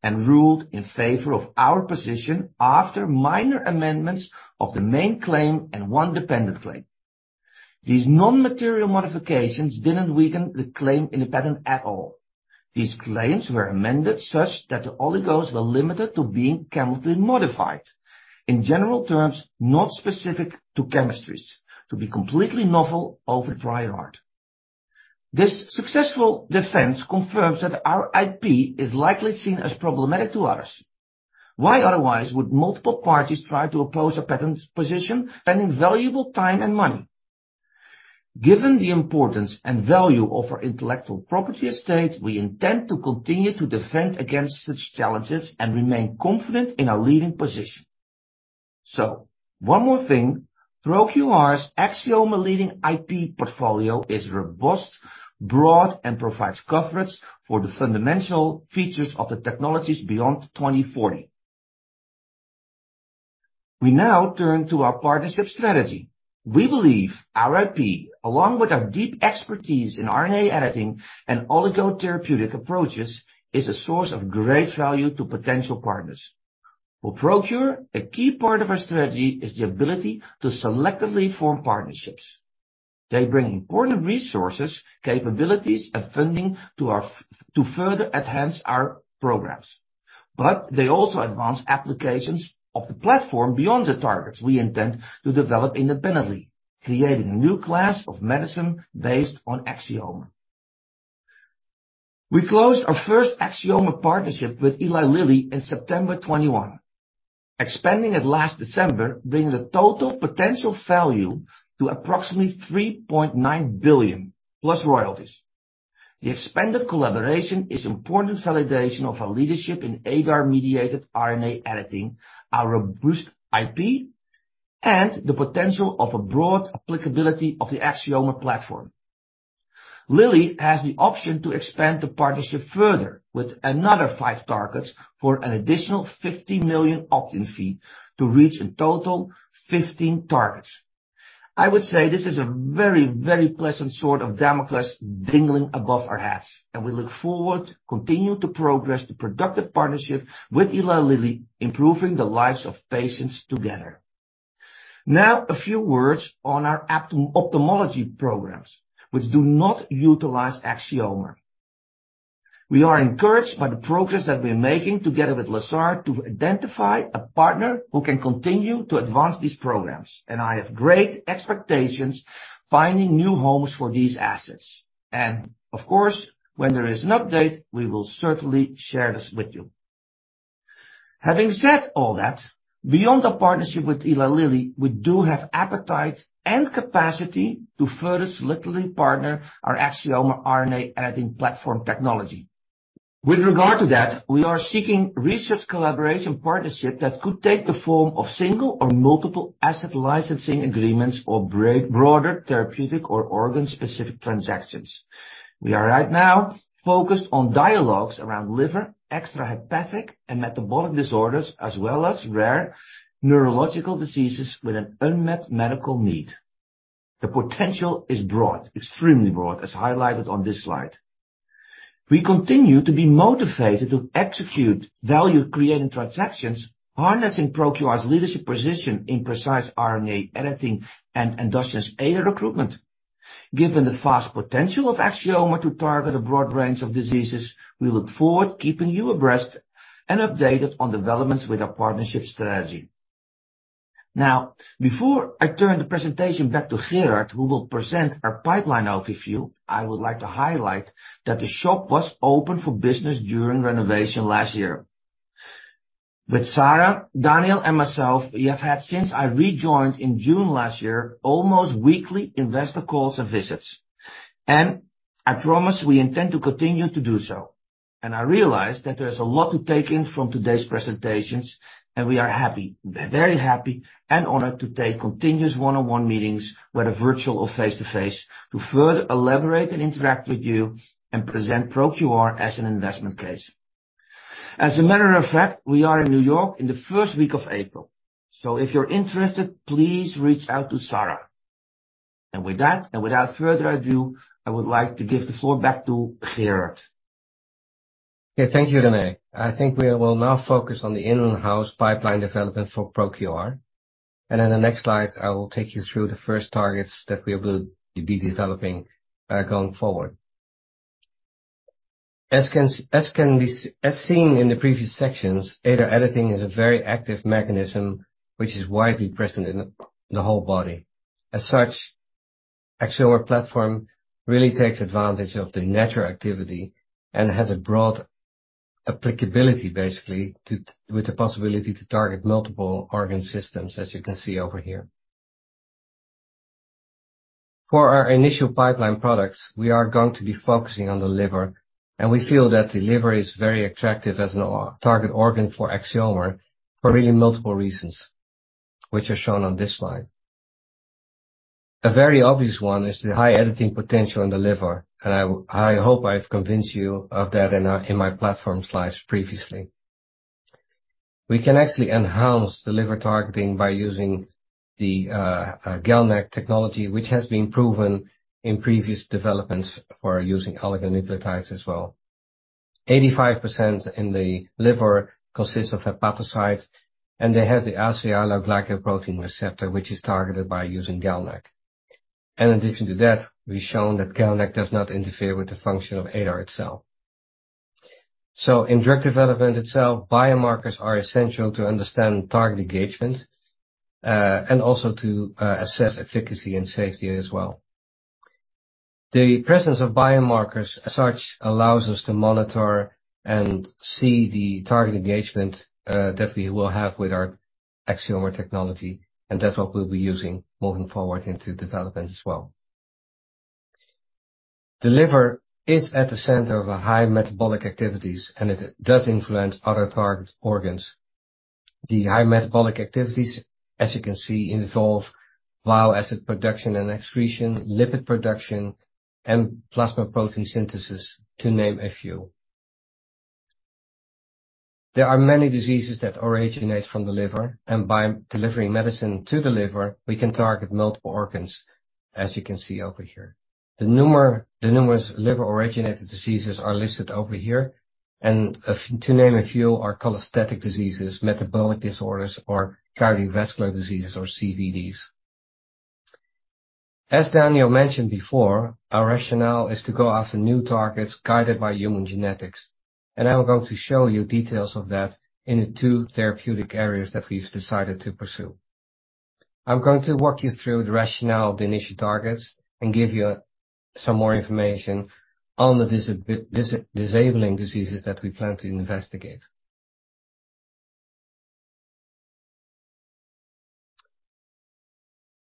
and ruled in favor of our position after minor amendments of the main claim and one dependent claim. These non-material modifications didn't weaken the claim in the patent at all. These claims were amended such that the oligos were limited to being chemically modified. In general terms, not specific to chemistries, to be completely novel over the prior art. This successful defense confirms that our IP is likely seen as problematic to others. Why otherwise would multiple parties try to oppose a patent position spending valuable time and money? Given the importance and value of our intellectual property estate, we intend to continue to defend against such challenges and remain confident in our leading position. One more thing, ProQR's Axiomer-leading IP portfolio is robust, broad, and provides coverage for the fundamental features of the technologies beyond 2040. We now turn to our partnership strategy. We believe our IP, along with our deep expertise in RNA editing and oligotherapeutic approaches, is a source of great value to potential partners. For ProQR, a key part of our strategy is the ability to selectively form partnerships. They bring important resources, capabilities, and funding to our to further enhance our programs. They also advance applications of the platform beyond the targets we intend to develop independently, creating a new class of medicine based on Axiomer. We closed our first Axiomer partnership with Eli Lilly in September 2021, expanding it last December, bringing the total potential value to approximately $3.9 billion plus royalties. The expanded collaboration is important validation of our leadership in ADAR-mediated RNA editing, our robust IP, and the potential of a broad applicability of the Axiomer platform. Lilly has the option to expand the partnership further with another five targets for an additional $50 million opt-in fee to reach a total 15 targets. I would say this is a very, very pleasant sort of Damocles dangling above our heads. We look forward continuing to progress the productive partnership with Eli Lilly, improving the lives of patients together. Now a few words on our ophthalmology programs, which do not utilize Axiomer. We are encouraged by the progress that we're making together with Lazard to identify a partner who can continue to advance these programs. I have great expectations finding new homes for these assets. Of course, when there is an update, we will certainly share this with you. Having said all that, beyond our partnership with Eli Lilly, we do have appetite and capacity to further selectively partner our Axiomer RNA editing platform technology. With regard to that, we are seeking research collaboration partnership that could take the form of single or multiple asset licensing agreements or broader therapeutic or organ-specific transactions. We are right now focused on dialogues around liver, extrahepatic, and metabolic disorders, as well as rare neurological diseases with an unmet medical need. The potential is broad, extremely broad, as highlighted on this slide. We continue to be motivated to execute value-creating transactions, harnessing ProQR's leadership position in precise RNA editing and endogenous ADAR recruitment. Given the vast potential of Axiomer to target a broad range of diseases, we look forward keeping you abreast and updated on developments with our partnership strategy. Before I turn the presentation back to Gerard, who will present our pipeline overview, I would like to highlight that the shop was open for business during renovation last year. With Sarah, Daniel, and myself, we have had since I rejoined in June last year, almost weekly investor calls and visits. I promise we intend to continue to do so. I realize that there's a lot to take in from today's presentations, and we are happy, very happy and honored to take continuous one-on-one meetings, whether virtual or face-to-face, to further elaborate and interact with you and present ProQR as an investment case. As a matter of fact, we are in New York in the first week of April. If you're interested, please reach out to Sarah. With that, and without further ado, I would like to give the floor back to Gerard. Okay. Thank you, René. I think we will now focus on the in-house pipeline development for ProQR. In the next slide, I will take you through the first targets that we will be developing going forward. As can be seen in the previous sections, ADAR editing is a very active mechanism which is widely present in the whole body. As such, Axiomer platform really takes advantage of the natural activity and has a broad applicability basically to, with the possibility to target multiple organ systems, as you can see over here. For our initial pipeline products, we are going to be focusing on the liver, and we feel that the liver is very attractive as a target organ for Axiomer for really multiple reasons, which are shown on this slide. A very obvious one is the high editing potential in the liver, and I hope I've convinced you of that in my platform slides previously. We can actually enhance the liver targeting by using the GalNAc technology, which has been proven in previous developments for using oligonucleotides as well. 85% in the liver consists of hepatocytes, and they have the asialoglycoprotein receptor, which is targeted by using GalNAc. In addition to that, we've shown that GalNAc does not interfere with the function of ADAR itself. In drug development itself, biomarkers are essential to understand target engagement, and also to assess efficacy and safety as well. The presence of biomarkers as such allows us to monitor and see the target engagement, that we will have with our Axiomer technology, and that's what we'll be using moving forward into development as well. The liver is at the center of a high metabolic activities, and it does influence other target organs. The high metabolic activities, as you can see, involve bile acid production and excretion, lipid production, and plasma protein synthesis, to name a few. There are many diseases that originate from the liver, and by delivering medicine to the liver, we can target multiple organs, as you can see over here. The numerous liver-originated diseases are listed over here, and to name a few are cholestatic diseases, metabolic disorders, or cardiovascular diseases or CVDs. As Daniel mentioned before, our rationale is to go after new targets guided by human genetics. I'm going to show you details of that in the two therapeutic areas that we've decided to pursue. I'm going to walk you through the rationale of the initial targets and give you some more information on the disabling diseases that we plan to investigate.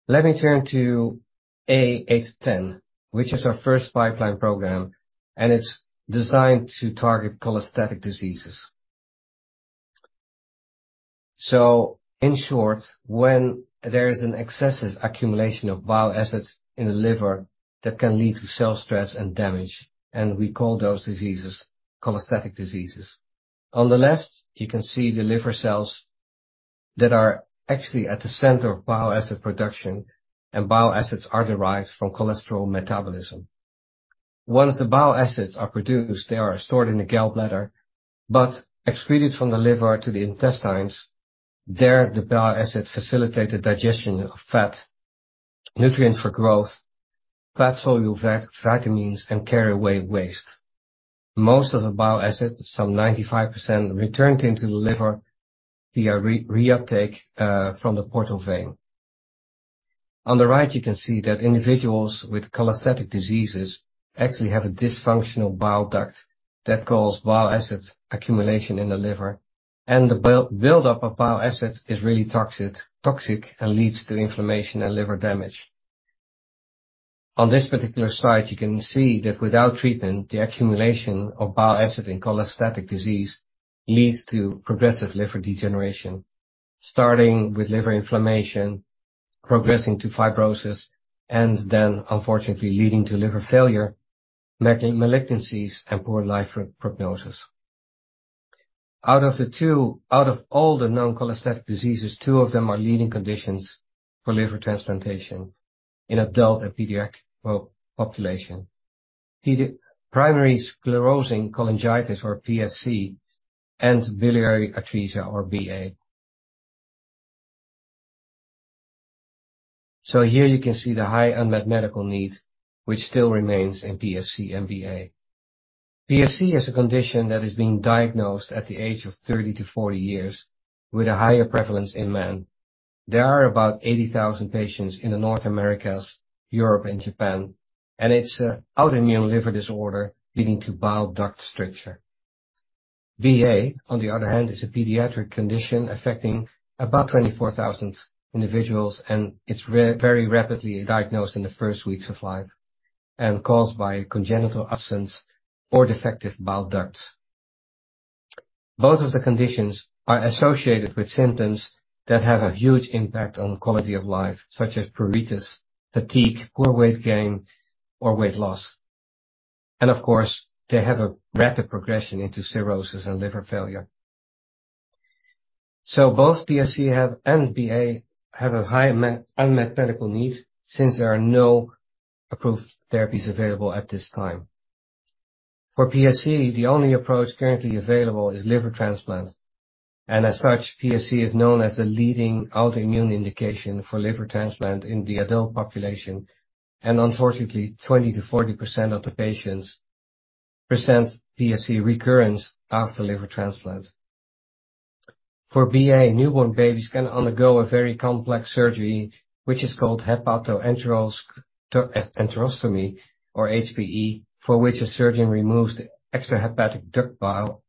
Let me turn to AX-0810, which is our first pipeline program. It's designed to target cholestatic diseases. In short, when there is an excessive accumulation of bile acids in the liver, that can lead to cell stress and damage. We call those diseases cholestatic diseases. On the left, you can see the liver cells that are actually at the center of bile acid production. Bile acids are derived from cholesterol metabolism. Once the bile acids are produced, they are stored in the gallbladder, but excreted from the liver to the intestines. There, the bile acids facilitate the digestion of fat, nutrients for growth, fat-soluble vitamins, and carry away waste. Most of the bile acid, some 95%, return into the liver via reuptake from the portal vein. On the right, you can see that individuals with cholestatic diseases actually have a dysfunctional bile duct that causes bile acid accumulation in the liver. The buildup of bile acid is really toxic and leads to inflammation and liver damage. On this particular slide, you can see that without treatment, the accumulation of bile acid in cholestatic disease leads to progressive liver degeneration, starting with liver inflammation, progressing to fibrosis, and then unfortunately leading to liver failure, malignancies, and poor life prognosis. Out of all the known cholestatic diseases, two of them are leading conditions for liver transplantation in adult and pediatric, well, population. Primary sclerosing cholangitis or PSC and biliary atresia or BA. Here you can see the high unmet medical need, which still remains in PSC and BA. PSC is a condition that is being diagnosed at the age of 30-40 years with a higher prevalence in men. There are about 80,000 patients in the North Americas, Europe, and Japan, and it's a autoimmune liver disorder leading to bile duct stricture. BA, on the other hand, is a pediatric condition affecting about 24,000 individuals, and it's very rapidly diagnosed in the first weeks of life and caused by congenital absence or defective bile ducts. Both of the conditions are associated with symptoms that have a huge impact on quality of life, such as pruritus, fatigue, poor weight gain or weight loss. Of course, they have a rapid progression into cirrhosis and liver failure. Both PSC and BA have a high unmet medical need since there are no approved therapies available at this time. For PSC, the only approach currently available is liver transplant. As such, PSC is known as the leading autoimmune indication for liver transplant in the adult population. Unfortunately, 20%-40% of the patients present PSC recurrence after liver transplant. For BA, newborn babies can undergo a very complex surgery, which is called hepatoportoenterostomy or HPE, for which a surgeon removes the extrahepatic duct bile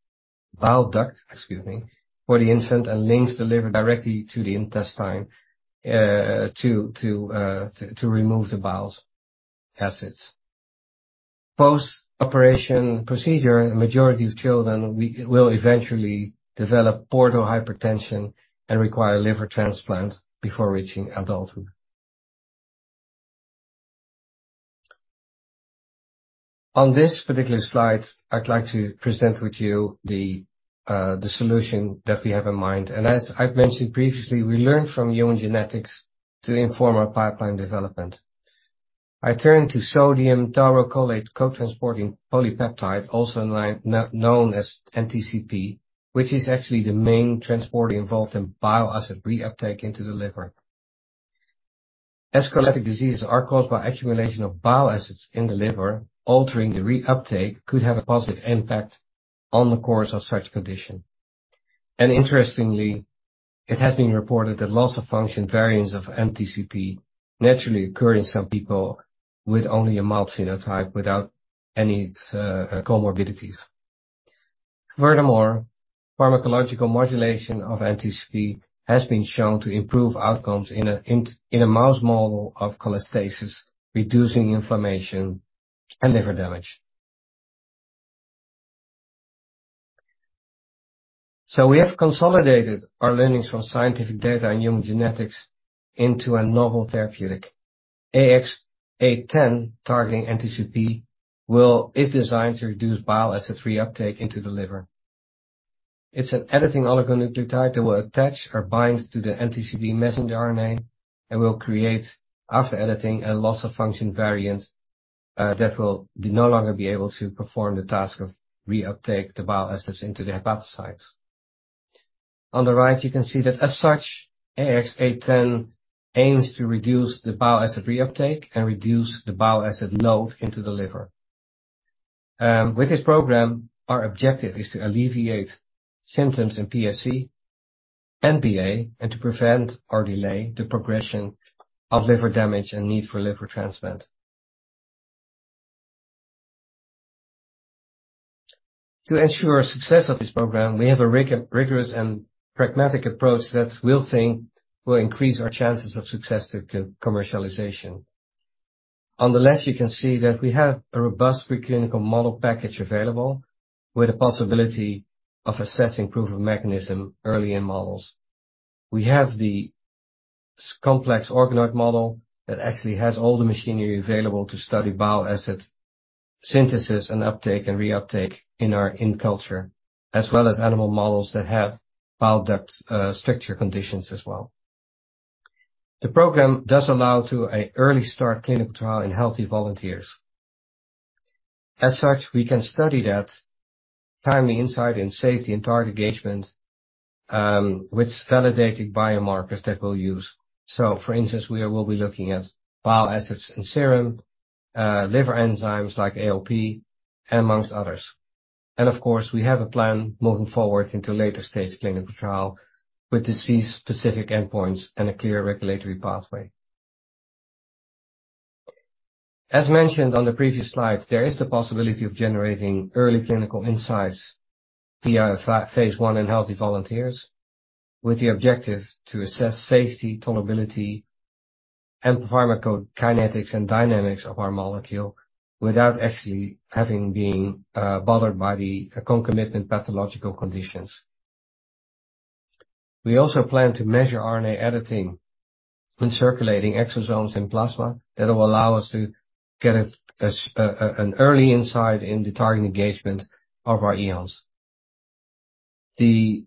duct, excuse me, for the infant, and links the liver directly to the intestine to remove the bile's acids. Post-operation procedure, a majority of children will eventually develop portal hypertension and require liver transplant before reaching adulthood. On this particular slide, I'd like to present with you the solution that we have in mind. As I've mentioned previously, we learned from human genetics to inform our pipeline development. I turn to sodium taurocholate co-transporting polypeptide, also known as NTCP, which is actually the main transporter involved in bile acid reuptake into the liver. As cholestatic diseases are caused by accumulation of bile acids in the liver, altering the reuptake could have a positive impact on the course of such condition. Interestingly, it has been reported that loss of function variants of NTCP naturally occur in some people with only a mild phenotype without any comorbidities. Furthermore, pharmacological modulation of NTCP has been shown to improve outcomes in a mouse model of cholestasis, reducing inflammation and liver damage. We have consolidated our learnings from scientific data and human genetics into a novel therapeutic. AX-0810 targeting NTCP is designed to reduce bile acid reuptake into the liver. It's an editing oligonucleotide that will attach or bind to the NTCP messenger RNA and will create, after editing, a loss of function variant that will be no longer be able to perform the task of reuptake the bile acids into the hepatocytes. On the right, you can see that as such, AX-0810 aims to reduce the bile acid reuptake and reduce the bile acid load into the liver. With this program, our objective is to alleviate symptoms in PSC and BA, and to prevent or delay the progression of liver damage and need for liver transplant. To ensure success of this program, we have a rigorous and pragmatic approach that we think will increase our chances of success to commercialization. On the left, you can see that we have a robust preclinical model package available with the possibility of assessing proof of mechanism early in models. We have the complex organoid model that actually has all the machinery available to study bile acid synthesis and uptake and reuptake in our in culture, as well as animal models that have bile duct structure conditions as well. The program does allow to a early start clinical trial in healthy volunteers. Such, we can study that timely insight in safety and target engagement with validated biomarkers that we'll use. For instance, we will be looking at bile acids in serum, liver enzymes like ALP, amongst others. Of course, we have a plan moving forward into later stage clinical trial with disease-specific endpoints and a clear regulatory pathway. As mentioned on the previous slide, there is the possibility of generating early clinical insights via phase 1 in healthy volunteers with the objective to assess safety, tolerability, and pharmacokinetics and dynamics of our molecule without actually having being bothered by the concomitant pathological conditions. We also plan to measure RNA editing when circulating exosomes in plasma that will allow us to get an early insight in the target engagement of our EONs. The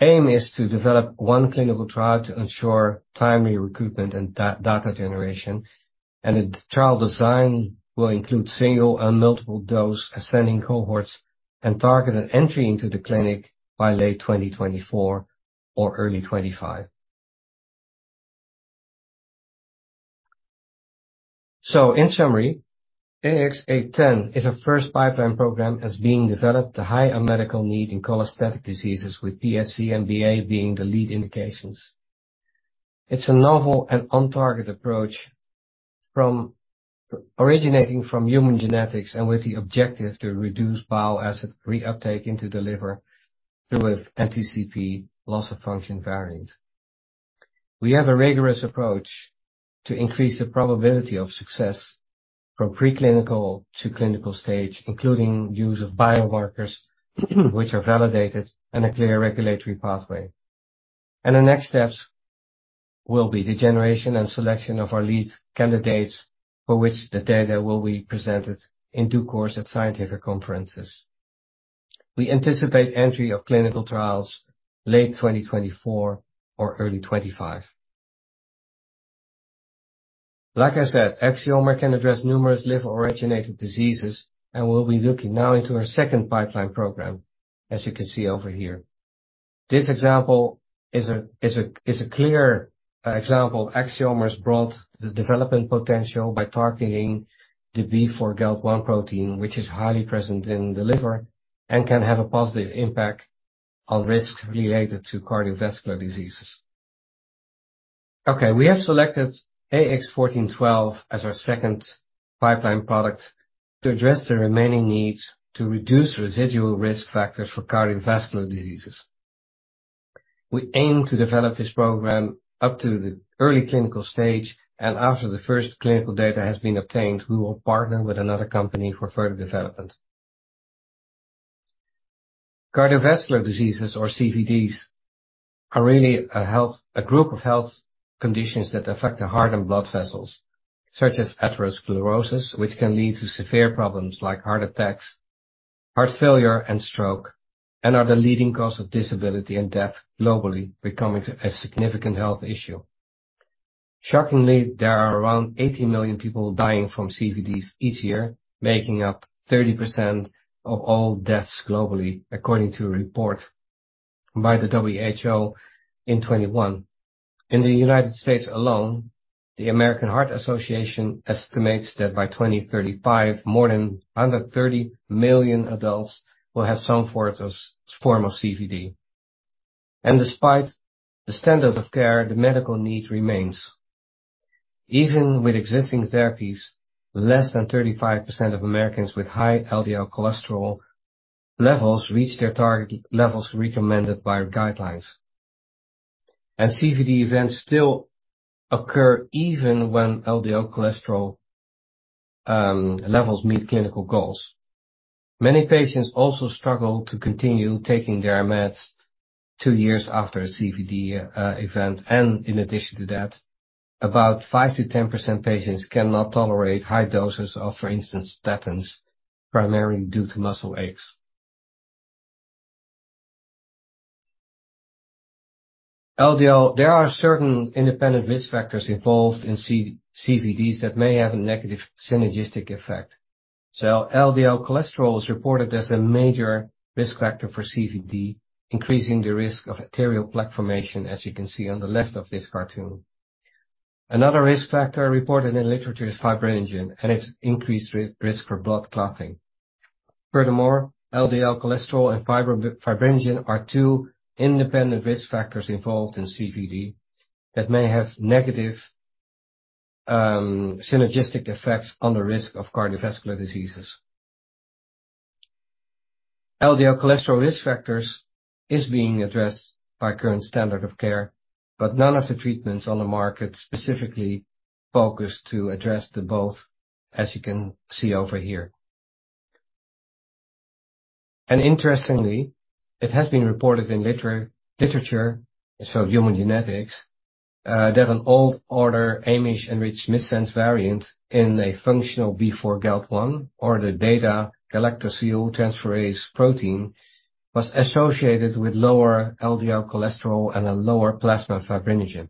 aim is to develop 1 clinical trial to ensure timely recruitment and data generation. The trial design will include single and multiple dose ascending cohorts and targeted entry into the clinic by late 2024 or early 2025. In summary, AX-0810 is our first pipeline program that's being developed to high unmet medical need in cholestatic diseases, with PSC and BA being the lead indications. It's a novel and on-target approach originating from human genetics and with the objective to reduce bile acid reuptake into the liver through a NTCP loss of function variant. We have a rigorous approach to increase the probability of success from preclinical to clinical stage, including use of biomarkers which are validated and a clear regulatory pathway. The next steps will be the generation and selection of our lead candidates, for which the data will be presented in due course at scientific conferences. We anticipate entry of clinical trials late 2024 or early 2025. Like I said, Axiomer can address numerous liver-originated diseases, and we'll be looking now into our second pipeline program, as you can see over here. This example is a clear example of Axiomer's broad development potential by targeting the B4GALT1 protein, which is highly present in the liver and can have a positive impact on risk related to cardiovascular diseases. Okay, we have selected AX-1412 as our second pipeline product to address the remaining needs to reduce residual risk factors for cardiovascular diseases. We aim to develop this program up to the early clinical stage, and after the first clinical data has been obtained, we will partner with another company for further development. Cardiovascular diseases or CVDs are really a group of health conditions that affect the heart and blood vessels, such as atherosclerosis, which can lead to severe problems like heart attacks, heart failure and stroke and are the leading cause of disability and death globally, becoming a significant health issue. Shockingly, there are around 80 million people dying from CVDs each year, making up 30% of all deaths globally, according to a report by the WHO in 2021. In the United States alone, the American Heart Association estimates that by 2035, more than 130 million adults will have some form of CVD. Despite the standards of care, the medical need remains. Even with existing therapies, less than 35% of Americans with high LDL cholesterol levels reach their target levels recommended by guidelines. CVD events still occur even when LDL cholesterol levels meet clinical goals. Many patients also struggle to continue taking their meds 2 years after a CVD event. In addition to that, about 5%-10% patients cannot tolerate high doses of, for instance, statins, primarily due to muscle aches. LDL, there are certain independent risk factors involved in CVDs that may have a negative synergistic effect. LDL cholesterol is reported as a major risk factor for CVD, increasing the risk of arterial plaque formation, as you can see on the left of this cartoon. Another risk factor reported in literature is fibrinogen, and it's increased risk for blood clotting. Furthermore, LDL cholesterol and fibrinogen are two independent risk factors involved in CVD that may have negative synergistic effects on the risk of cardiovascular diseases. LDL cholesterol risk factors is being addressed by current standard of care, but none of the treatments on the market specifically focus to address the both, as you can see over here. Interestingly, it has been reported in literature, so human genetics, that an old-order Amish-enriched missense variant in a functional B4GALT1 or the beta-galactosyltransferase protein, was associated with lower LDL cholesterol and a lower plasma fibrinogen.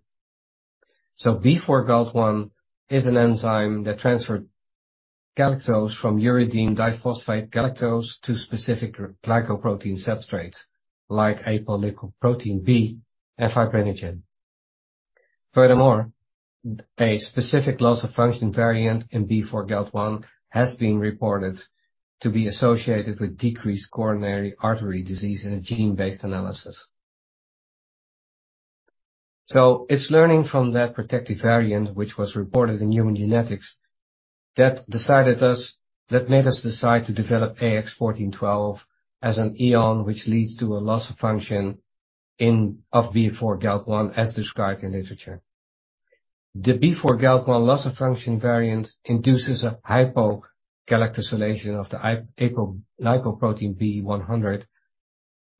B4GALT1 is an enzyme that transfer galactose from uridine diphosphate galactose to specific glycoprotein substrates like apolipoprotein B and fibrinogen. Furthermore, a specific loss-of-function variant in B4GALT1 has been reported to be associated with decreased coronary artery disease in a gene-based analysis. It's learning from that protective variant, which was reported in human genetics that made us decide to develop AX-1412 as an Axiomer, which leads to a loss of function of B4GALT1 as described in literature. The B4GALT1 loss-of-function variant induces a hypogalactosylation of the apolipoprotein B 100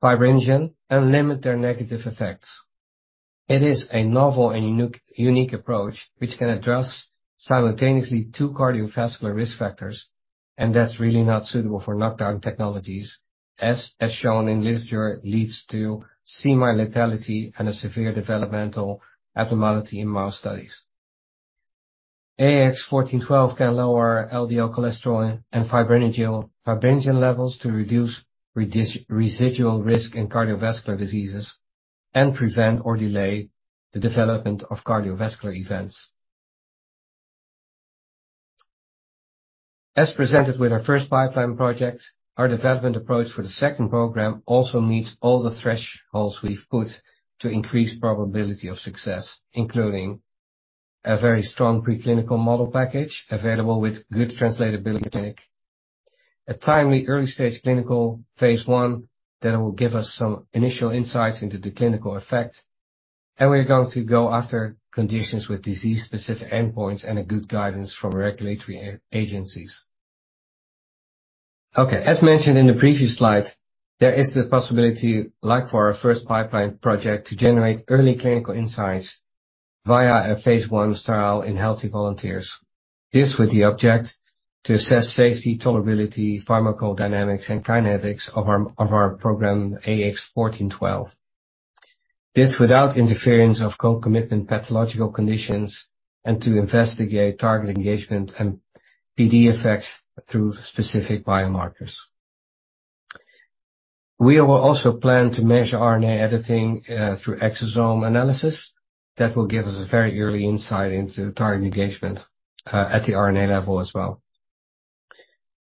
fibrinogen and limit their negative effects. It is a novel and unique approach which can address simultaneously two cardiovascular risk factors. That's really not suitable for knockdown technologies as shown in literature, leads to semi-lethality and a severe developmental abnormality in mouse studies. AX-1412 can lower LDL cholesterol and fibrinogen levels to reduce residual risk in cardiovascular diseases and prevent or delay the development of cardiovascular events. As presented with our first pipeline project, our development approach for the second program also meets all the thresholds we've put to increase probability of success, including a very strong preclinical model package available with good translatability to clinic, a timely early-stage clinical phase 1 that will give us some initial insights into the clinical effect. We're going to go after conditions with disease-specific endpoints and a good guidance from regulatory agencies. Okay, as mentioned in the previous slide, there is the possibility, like for our first pipeline project, to generate early clinical insights via a phase one trial in healthy volunteers. This with the object to assess safety, tolerability, pharmacodynamics, and kinetics of our program, AX-1412. This without interference of co-committed pathological conditions and to investigate target engagement and PD effects through specific biomarkers. We will also plan to measure RNA editing through exosome analysis. That will give us a very early insight into target engagement at the RNA level as well.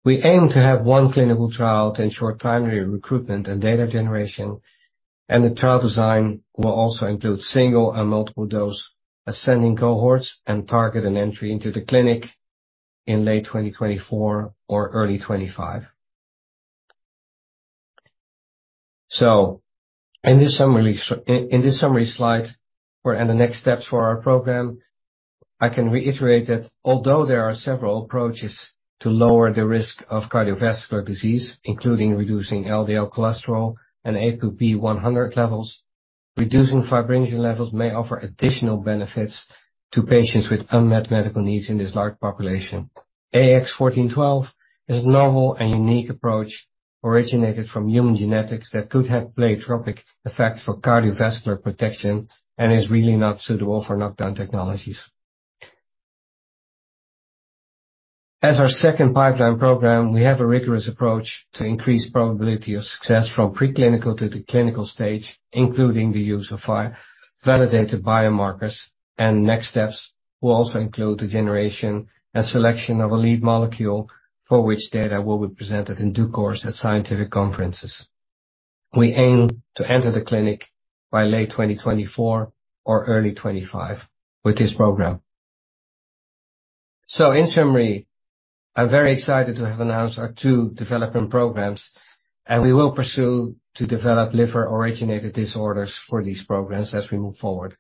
We aim to have one clinical trial to ensure timely recruitment and data generation. The trial design will also include single and multiple dose ascending cohorts and target an entry into the clinic in late 2024 or early 2025. In this summary slide, we're in the next steps for our program. I can reiterate that although there are several approaches to lower the risk of cardiovascular disease, including reducing LDL cholesterol and ApoB-100 levels. Reducing fibrinogen levels may offer additional benefits to patients with unmet medical needs in this large population. AX-1412 is a novel and unique approach originated from human genetics that could have pleiotropic effect for cardiovascular protection and is really not suitable for knockdown technologies. As our second pipeline program, we have a rigorous approach to increase probability of success from preclinical to the clinical stage, including the use of our validated biomarkers, and next steps will also include the generation and selection of a lead molecule for which data will be presented in due course at scientific conferences. We aim to enter the clinic by late 2024 or early 25 with this program. In summary, I'm very excited to have announced our two development programs, and we will pursue to develop liver-originated disorders for these programs as we move forward.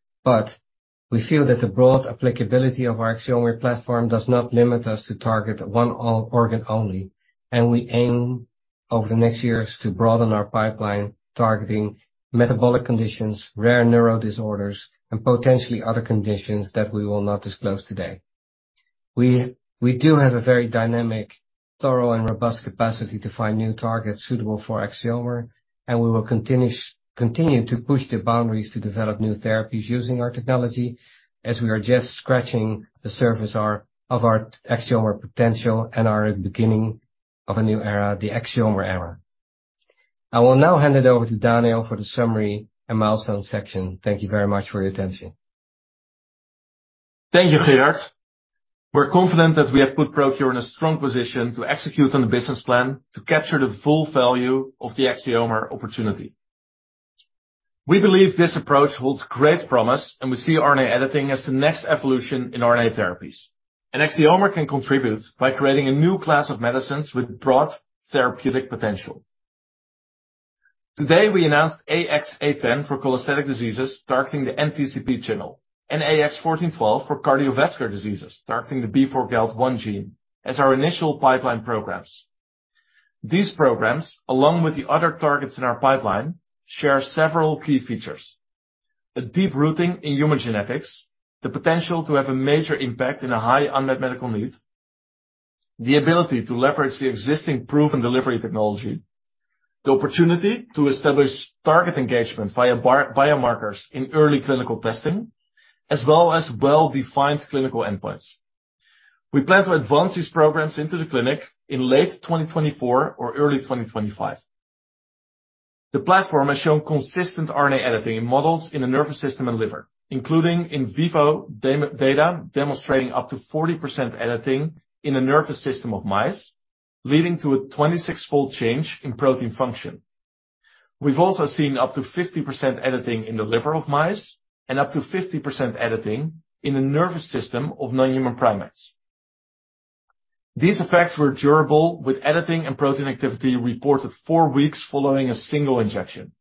We feel that the broad applicability of our Axiomer platform does not limit us to target one organ only, and we aim over the next years to broaden our pipeline, targeting metabolic conditions, rare neuro disorders, and potentially other conditions that we will not disclose today. We do have a very dynamic, thorough, and robust capacity to find new targets suitable for Axiomer, and we will continue to push the boundaries to develop new therapies using our technology as we are just scratching the surface of our Axiomer potential and are at the beginning of a new era, the Axiomer era. I will now hand it over to Daniel for the summary and milestone section. Thank you very much for your attention. Thank you, Gerard. We're confident that we have put ProQR in a strong position to execute on the business plan to capture the full value of the Axiomer opportunity. We believe this approach holds great promise, and we see RNA editing as the next evolution in RNA therapies. Axiomer can contribute by creating a new class of medicines with broad therapeutic potential. Today, we announced AX-0810 for cholestatic diseases targeting the NTCP channel and AX-1412 for cardiovascular diseases, targeting the B4GALT1 gene as our initial pipeline programs. These programs, along with the other targets in our pipeline, share several key features: a deep rooting in human genetics, the potential to have a major impact in a high unmet medical need, the ability to leverage the existing proven delivery technology, the opportunity to establish target engagement via bar-biomarkers in early clinical testing, as well as well-defined clinical endpoints. We plan to advance these programs into the clinic in late 2024 or early 2025. The platform has shown consistent RNA editing in models in the nervous system and liver, including in vivo data demonstrating up to 40% editing in the nervous system of mice, leading to a 26-fold change in protein function. We've also seen up to 50% editing in the liver of mice and up to 50% editing in the nervous system of non-human primates. These effects were durable, with editing and protein activity reported four weeks following a single injection.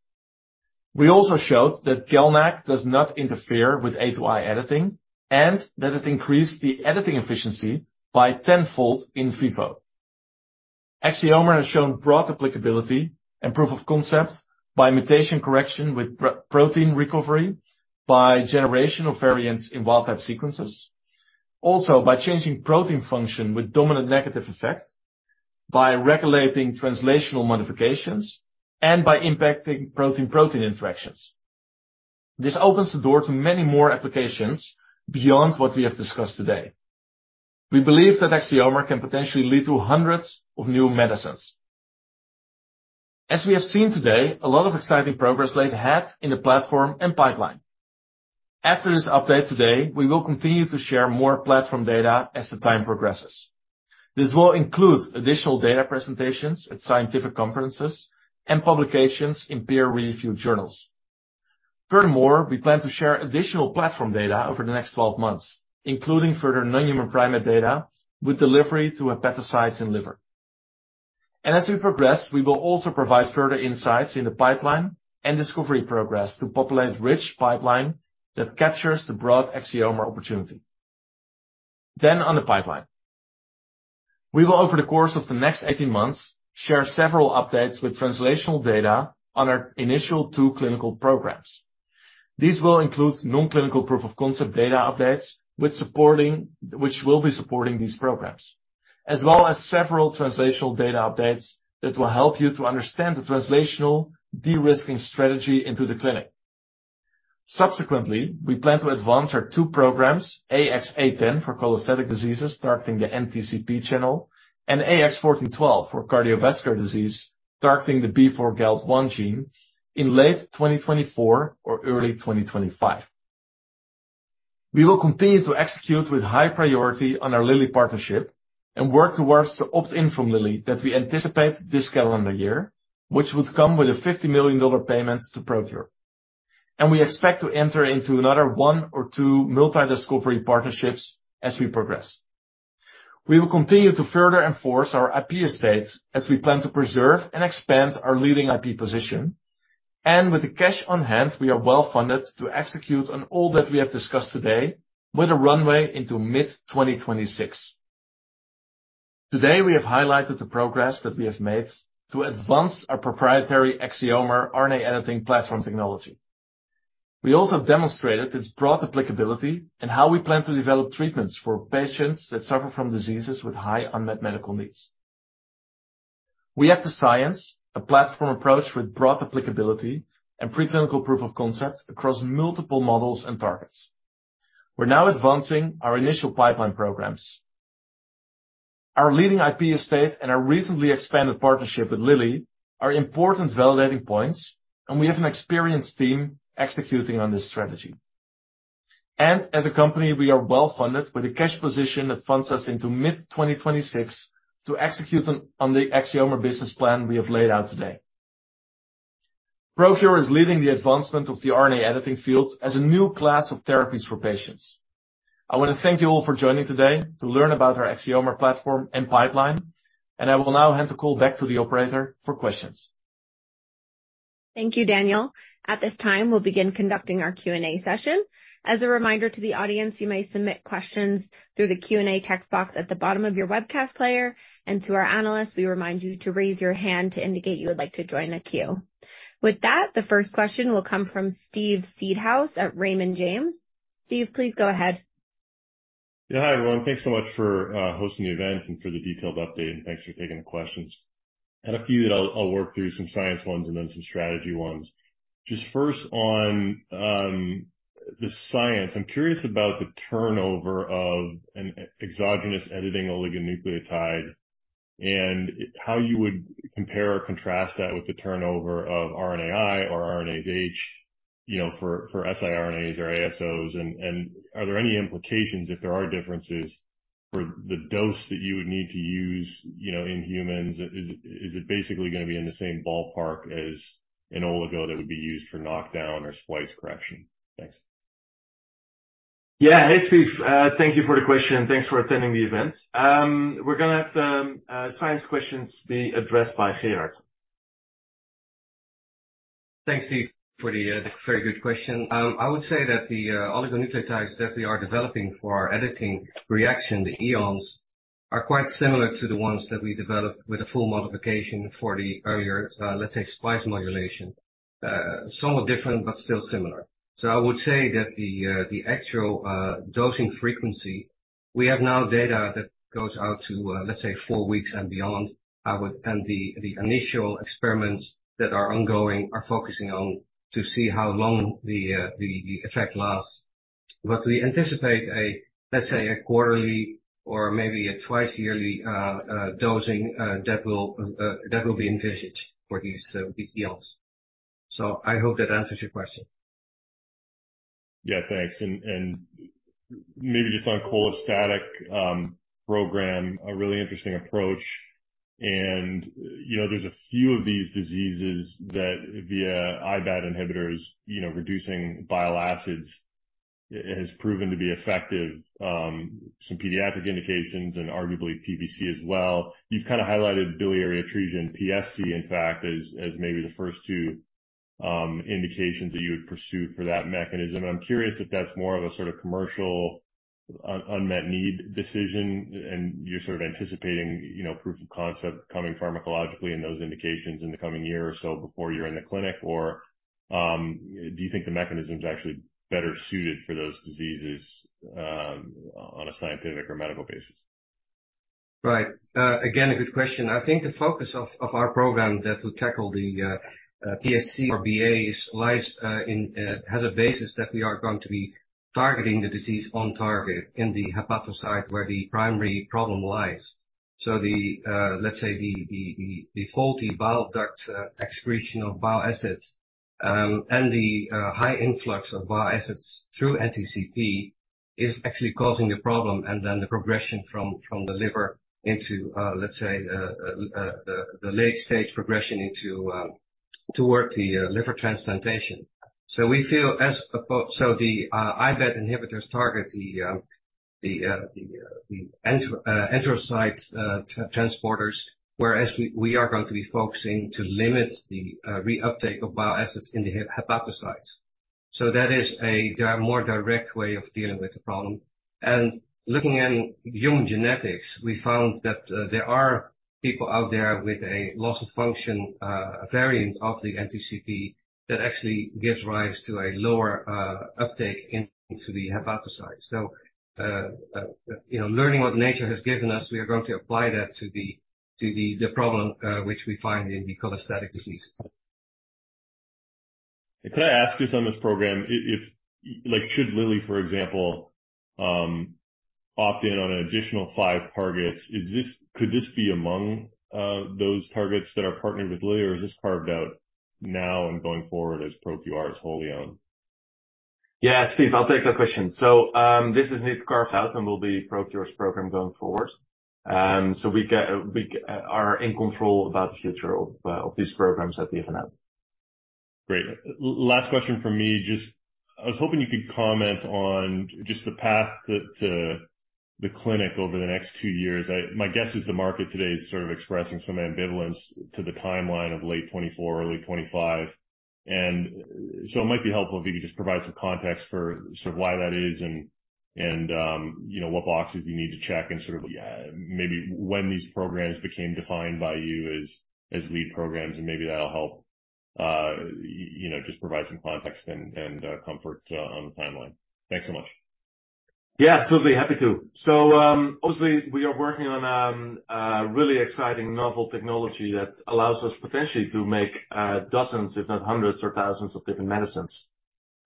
We also showed that GalNAc does not interfere with A-to-I editing and that it increased the editing efficiency by 10-fold in vivo. Axiomer has shown broad applicability and proof of concept by mutation correction with pro-protein recovery, by generation of variants in wild type sequences, also by changing protein function with dominant negative effect, by regulating translational modifications, and by impacting protein-protein interactions. This opens the door to many more applications beyond what we have discussed today. We believe that Axiomer can potentially lead to hundreds of new medicines. As we have seen today, a lot of exciting progress lays ahead in the platform and pipeline. After this update today, we will continue to share more platform data as the time progresses. This will include additional data presentations at scientific conferences and publications in peer-reviewed journals. Furthermore, we plan to share additional platform data over the next 12 months, including further non-human primate data with delivery to hepatocytes in liver. As we progress, we will also provide further insights in the pipeline and discovery progress to populate rich pipeline that captures the broad Axiomer opportunity. On the pipeline. We will, over the course of the next 18 months, share several updates with translational data on our initial two clinical programs. These will include non-clinical proof-of-concept data updates with supporting these programs, as well as several translational data updates that will help you to understand the translational de-risking strategy into the clinic. Subsequently, we plan to advance our two programs, AX-0810 for cholestatic diseases targeting the NTCP channel and AX-1412 for cardiovascular disease targeting the B4GALT1 gene in late 2024 or early 2025. We will continue to execute with high priority on our Lilly partnership and work towards the opt-in from Lilly that we anticipate this calendar year, which would come with a $50 million payment to ProQR. We expect to enter into another one or two multi-discovery partnerships as we progress. We will continue to further enforce our IP estate as we plan to preserve and expand our leading IP position. With the cash on hand, we are well-funded to execute on all that we have discussed today with a runway into mid-2026. Today, we have highlighted the progress that we have made to advance our proprietary Axiomer RNA editing platform technology. We also demonstrated its broad applicability and how we plan to develop treatments for patients that suffer from diseases with high unmet medical needs. We have the science, a platform approach with broad applicability and preclinical proof of concept across multiple models and targets. We're now advancing our initial pipeline programs. Our leading IP estate and our recently expanded partnership with Eli Lilly are important validating points. We have an experienced team executing on this strategy. As a company, we are well-funded with a cash position that funds us into mid-2026 to execute on the Axiomer business plan we have laid out today. ProQR is leading the advancement of the RNA editing field as a new class of therapies for patients. I want to thank you all for joining today to learn about our Axiomer platform and pipeline, and I will now hand the call back to the operator for questions. Thank you, Daniel. At this time, we'll begin conducting our Q&A session. As a reminder to the audience, you may submit questions through the Q&A text box at the bottom of your webcast player. To our analysts, we remind you to raise your hand to indicate you would like to join the queue. With that, the first question will come from Steven Seedhouse at Raymond James. Steve, please go ahead. Yeah. Hi, everyone. Thanks so much for hosting the event and for the detailed update, and thanks for taking the questions. I had a few that I'll work through some science ones and then some strategy ones. Just first on the science. I'm curious about the turnover of an exogenous editing oligonucleotide and how you would compare or contrast that with the turnover of RNAi or RNase H, you know, for siRNAs or ASOs. Are there any implications, if there are differences, for the dose that you would need to use, you know, in humans? Is it basically gonna be in the same ballpark as an oligo that would be used for knockdown or splice correction? Thanks. Hey, Steve, thank you for the question. Thanks for attending the event. We're gonna have the science questions be addressed by Gerard. Thanks, Steve, for the very good question. I would say that the oligonucleotides that we are developing for our editing reaction, the EONs, are quite similar to the ones that we developed with the full modification for the earlier, let's say, splice modulation. Somewhat different, but still similar. I would say that the actual dosing frequency, we have now data that goes out to, let's say, four weeks and beyond. And the initial experiments that are ongoing are focusing on to see how long the effect lasts. We anticipate a, let's say, a quarterly or maybe a twice yearly dosing that will be envisaged for these, the EONs. I hope that answers your question. Yeah, thanks. maybe just on cholestatic program, a really interesting approach. You know, there's a few of these diseases that via IBAT inhibitors, you know, reducing bile acids has proven to be effective, some pediatric indications and arguably PBC as well. You've kinda highlighted biliary atresia and PSC, in fact, as maybe the first two indications that you would pursue for that mechanism. I'm curious if that's more of a sort of commercial unmet need decision, and you're sort of anticipating, you know, proof of concept coming pharmacologically in those indications in the coming year or so before you're in the clinic. Or do you think the mechanism is actually better suited for those diseases on a scientific or medical basis? Right. Again, a good question. I think the focus of our program that will tackle the PSC or BA lies in has a basis that we are going to be targeting the disease on target in the hepatocyte where the primary problem lies. The let's say the faulty bile duct excretion of bile acids and the high influx of bile acids through NTCP is actually causing the problem and then the progression from the liver into let's say the late stage progression into towards the liver transplantation. We feel the IBAT inhibitors target the enterocytes transporters, whereas we are going to be focusing to limit the re-uptake of bile acids in the hepatocytes. That is a more direct way of dealing with the problem. Looking in human genetics, we found that there are people out there with a loss of function variant of the NTCP that actually gives rise to a lower uptake into the hepatocyte. You know, learning what nature has given us, we are going to apply that to the problem, which we find in the cholestatic diseases. Could I ask just on this program, if, like, should Lilly, for example, opt in on an additional five targets, could this be among those targets that are partnered with Lilly? Or is this carved out now and going forward as ProQR's wholly owned? Yeah, Steve, I'll take that question. This is indeed carved out and will be ProQR's program going forward. We are in control about the future of these programs that we have announced. Great. Last question from me. Just, I was hoping you could comment on just the path that the clinic over the next two years. My guess is the market today is sort of expressing some ambivalence to the timeline of late 2024, early 2025. It might be helpful if you could just provide some context for sort of why that is and, you know, what boxes you need to check and sort of, yeah, maybe when these programs became defined by you as lead programs, and maybe that'll help, you know, just provide some context and, comfort on the timeline. Thanks so much. Absolutely. Happy to. Obviously we are working on really exciting novel technology that allows us potentially to make dozens, if not hundreds or thousands of different medicines.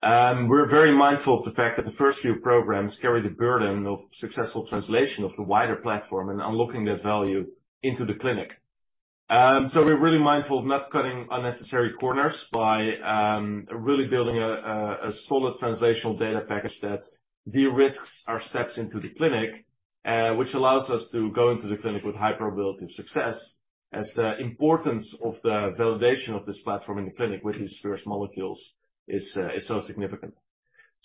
We're very mindful of the fact that the first few programs carry the burden of successful translation of the wider platform and unlocking that value into the clinic. We're really mindful of not cutting unnecessary corners by really building a solid translational data package that de-risks our steps into the clinic. Which allows us to go into the clinic with high probability of success, as the importance of the validation of this platform in the clinic with these first molecules is so significant.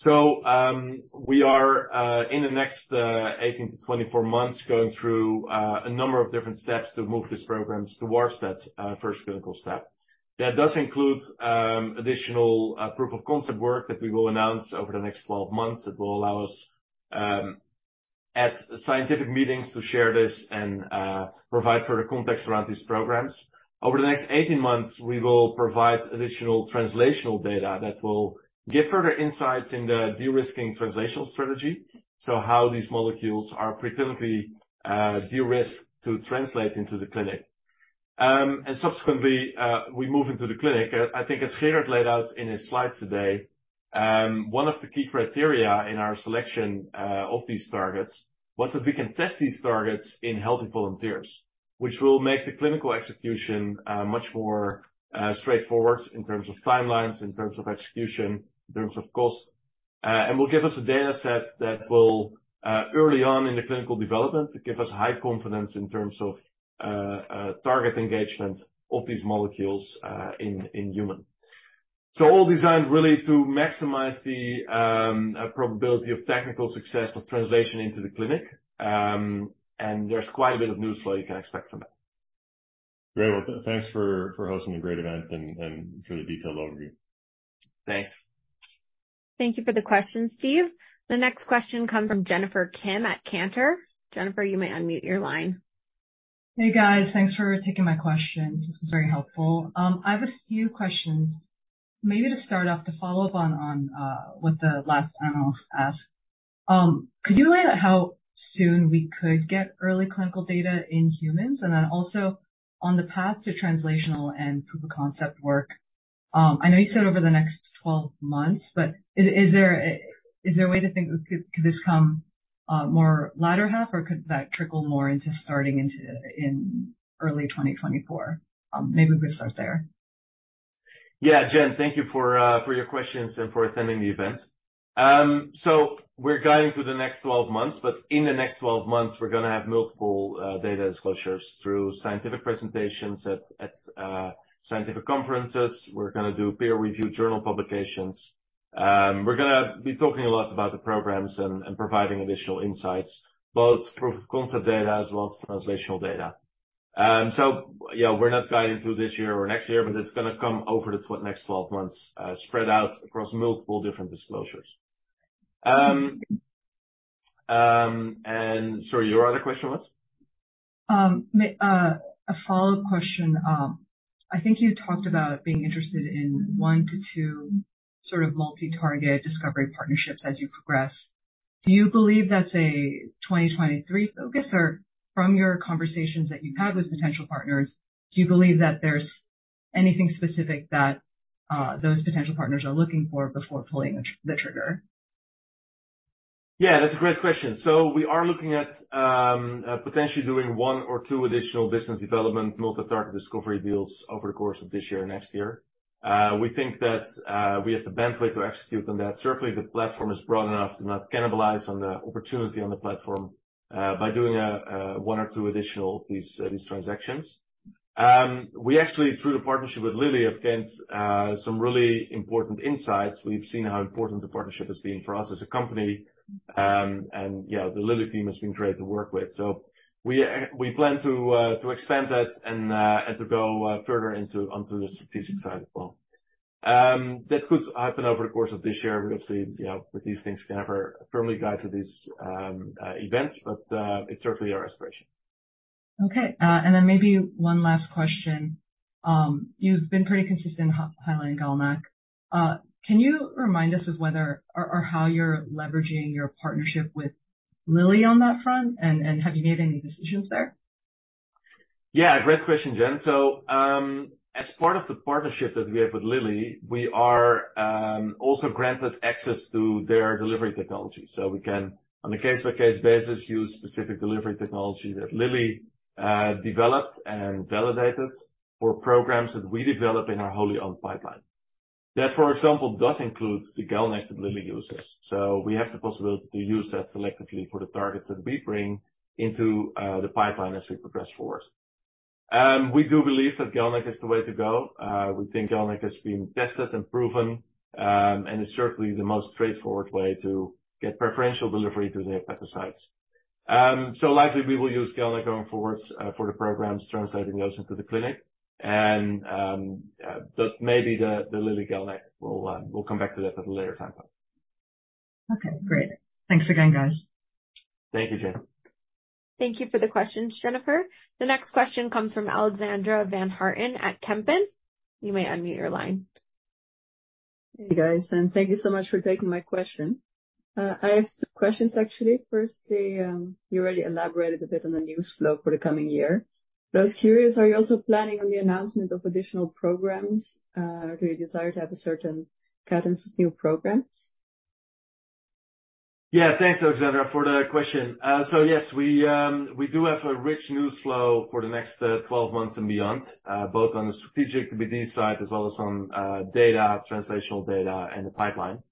We are in the next 18-24 months, going through a number of different steps to move these programs towards that first clinical step. That does include additional proof of concept work that we will announce over the next 12 months that will allow us at scientific meetings to share this and provide further context around these programs. Over the next 18 months, we will provide additional translational data that will give further insights in the de-risking translational strategy. So how these molecules are preemptively de-risked to translate into the clinic. And subsequently, we move into the clinic. I think as Gerard laid out in his slides today, one of the key criteria in our selection of these targets was that we can test these targets in healthy volunteers, which will make the clinical execution much more straightforward in terms of timelines, in terms of execution, in terms of cost. Will give us a data set that will early on in the clinical development, give us high confidence in terms of target engagement of these molecules in human. All designed really to maximize the probability of technical success of translation into the clinic. There's quite a bit of news flow you can expect from that. Great. Well, thanks for hosting a great event and for the detailed overview. Thanks. Thank you for the question, Steve. The next question comes from Jennifer Kim at Cantor. Jennifer, you may unmute your line. Hey, guys. Thanks for taking my questions. This is very helpful. I have a few questions. Maybe to start off, to follow up on what the last analyst asked. Could you elaborate how soon we could get early clinical data in humans? Also on the path to translational and proof of concept work, I know you said over the next 12 months, but is there a way to think could this come more latter half or could that trickle more into starting into in early 2024? Maybe we could start there. Jen, thank you for your questions and for attending the event. We're guiding through the next 12 months, but in the next 12 months we're gonna have multiple data disclosures through scientific presentations at scientific conferences. We're gonna do peer-reviewed journal publications. We're gonna be talking a lot about the programs and providing additional insights, both proof of concept data as well as translational data. Yeah, we're not guiding through this year or next year, but it's gonna come over the next 12 months, spread out across multiple different disclosures. Sorry, your other question was? A follow-up question. I think you talked about being interested in one to two sort of multi-target discovery partnerships as you progress. Do you believe that's a 2023 focus? From your conversations that you've had with potential partners, do you believe that there's anything specific that those potential partners are looking for before pulling the trigger? Yeah, that's a great question. We are looking at, potentially doing one or two additional business development multi-target discovery deals over the course of this year or next year. We think that, we have the bandwidth to execute on that. Certainly, the platform is broad enough to not cannibalize on the opportunity on the platform, by doing, one or two additional of these transactions. We actually, through the partnership with Lilly, have gained, some really important insights. We've seen how important the partnership has been for us as a company. Yeah, the Lilly team has been great to work with. We, we plan to expand that and to go, further onto the strategic side as well. That could happen over the course of this year. We obviously, you know, with these things can never firmly guide to these events, but it's certainly our aspiration. Okay. Then maybe one last question. You've been pretty consistent highlighting GalNAc. Can you remind us of whether or how you're leveraging your partnership with Lilly on that front? Have you made any decisions there? Yeah, great question, Jennifer Kim. As part of the partnership that we have with Eli Lilly, we are also granted access to their delivery technology. We can, on a case-by-case basis, use specific delivery technology that Eli Lilly developed and validated for programs that we develop in our wholly owned pipelines. That, for example, does include the GalNAc that Eli Lilly uses. We have the possibility to use that selectively for the targets that we bring into the pipeline as we progress forward. We do believe that GalNAc is the way to go. We think GalNAc has been tested and proven and is certainly the most straightforward way to get preferential delivery to the hepatocytes. Likely we will use GalNAc going forwards for the programs translating those into the clinic. Maybe the Eli Lilly GalNAc, we'll come back to that at a later time point. Okay, great. Thanks again, guys. Thank you, Jennifer. Thank you for the question, Jennifer. The next question comes from Alexandra Van Harten at Kempen. You may unmute your line. Hey, guys, thank you so much for taking my question. I have some questions, actually. Firstly, you already elaborated a bit on the news flow for the coming year. I was curious, are you also planning on the announcement of additional programs, or do you desire to have a certain cadence of new programs? Thanks, Alexandra, for the question. Yes, we do have a rich news flow for the next 12 months and beyond, both on the strategic BD side as well as on data, translational data and the pipeline.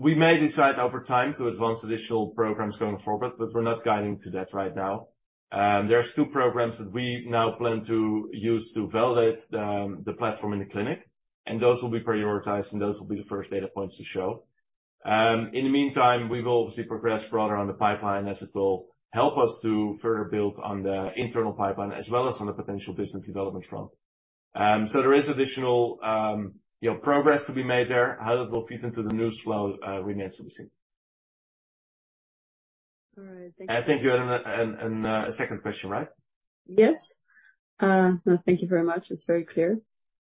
We may decide over time to advance additional programs going forward, but we're not guiding to that right now. There's two programs that we now plan to use to validate the platform in the clinic, and those will be prioritized, and those will be the first data points to show. In the meantime, we will obviously progress further on the pipeline as it will help us to further build on the internal pipeline as well as on the potential business development front. There is additional progress to be made there. How that will fit into the news flow, remains to be seen. All right. Thank you. Thank you. A second question, right? Yes. No, thank you very much. It's very clear.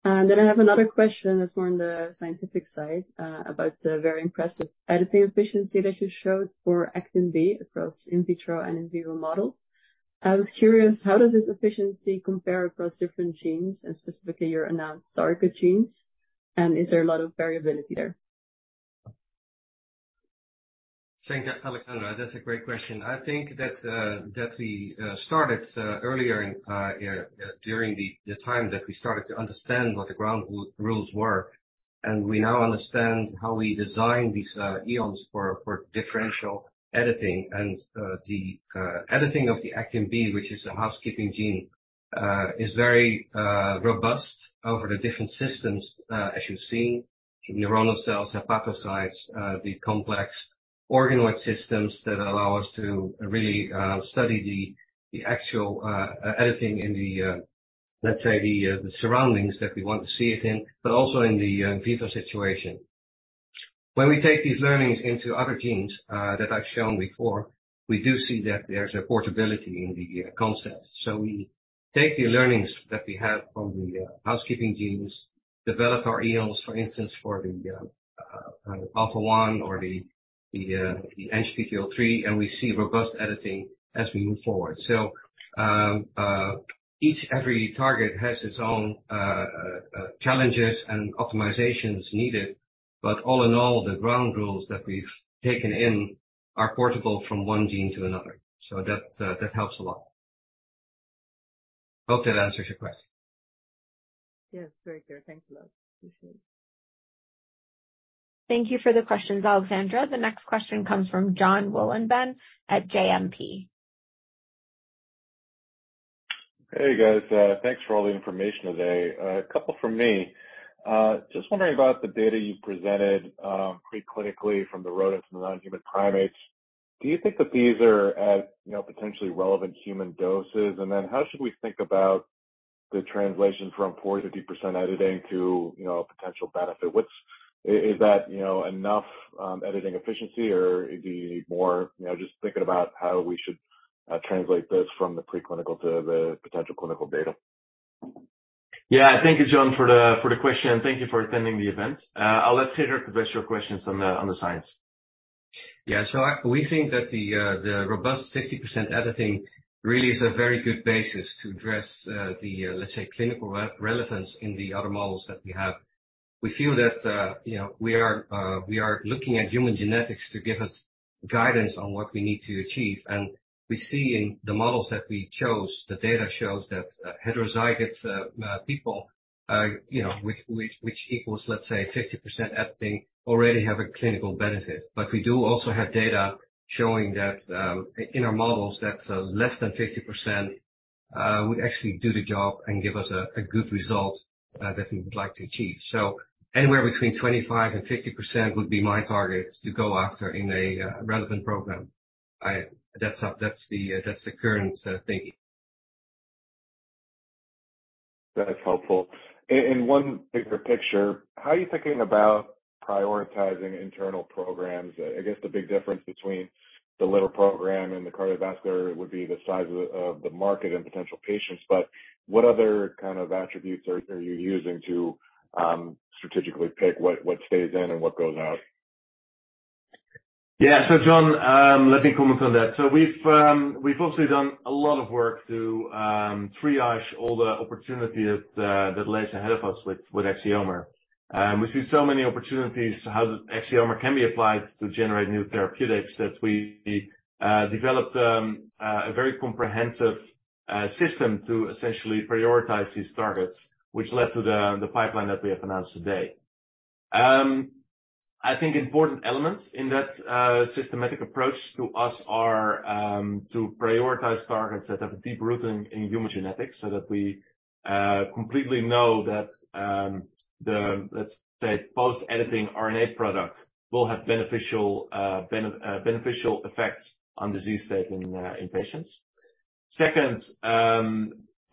I have another question that's more on the scientific side, about the very impressive editing efficiency that you showed for ACTB across in vitro and in vivo models. I was curious, how does this efficiency compare across different genes and specifically your announced target genes? Is there a lot of variability there? Thanks, Alexandra. That's a great question. I think that we started earlier in during the time that we started to understand what the ground rules were, and we now understand how we design these EONs for for differential editing. The editing of the ACTB, which is a housekeeping gene, is very robust over the different systems, as you've seen, from neuronal cells, hepatocytes, the complex organoid systems that allow us to really study the actual editing in the, let's say, the surroundings that we want to see it in, but also in the vivo situation. When we take these learnings into other genes that I've shown before, we do see that there's a portability in the concept. We take the learnings that we have from the housekeeping genes, develop our EONs, for instance, for the Alpha-1 or the ANGPTL3, we see robust editing as we move forward. Every target has its own challenges and optimizations needed. All in all, the ground rules that we've taken in are portable from one gene to another. That helps a lot. Hope that answers your question. Yes, very clear. Thanks a lot. Appreciate it. Thank you for the questions, Alexandra. The next question comes from Jon Wolleben at JMP. Hey, guys. Thanks for all the information today. A couple from me. Just wondering about the data you presented pre-clinically from the rodents and the non-human primates. Do you think that these are at, you know, potentially relevant human doses? How should we think about the translation from 40%-50% editing to, you know, a potential benefit? Is that, you know, enough editing efficiency or do you need more? You know, just thinking about how we should translate this from the pre-clinical to the potential clinical data. Yeah. Thank you, Jon, for the question. Thank you for attending the event. I'll let Pieter address your questions on the science. We think that the robust 50% editing really is a very good basis to address the, let's say, clinical relevance in the other models that we have. We feel that, you know, we are looking at human genetics to give us guidance on what we need to achieve. We see in the models that we chose, the data shows that heterozygotes, people, you know, which equals, let's say 50% editing already have a clinical benefit. We do also have data showing that, in our models, that less than 50% would actually do the job and give us a good result that we would like to achieve. Anywhere between 25 and 50% would be my target to go after in a relevant program. That's the current thinking. That's helpful. One bigger picture, how are you thinking about prioritizing internal programs? I guess the big difference between the liver program and the cardiovascular would be the size of the market and potential patients. What other kind of attributes are you using to strategically pick what stays in and what goes out? Yeah. Jon, let me comment on that. We've obviously done a lot of work to triage all the opportunity that lays ahead of us with Axiomer. We see so many opportunities how Axiomer can be applied to generate new therapeutics that we developed a very comprehensive system to essentially prioritize these targets, which led to the pipeline that we have announced today. I think important elements in that systematic approach to us are to prioritize targets that have a deep root in human genetics so that we completely know that the, let's say, post-editing RNA product will have beneficial effects on disease state in patients. Second,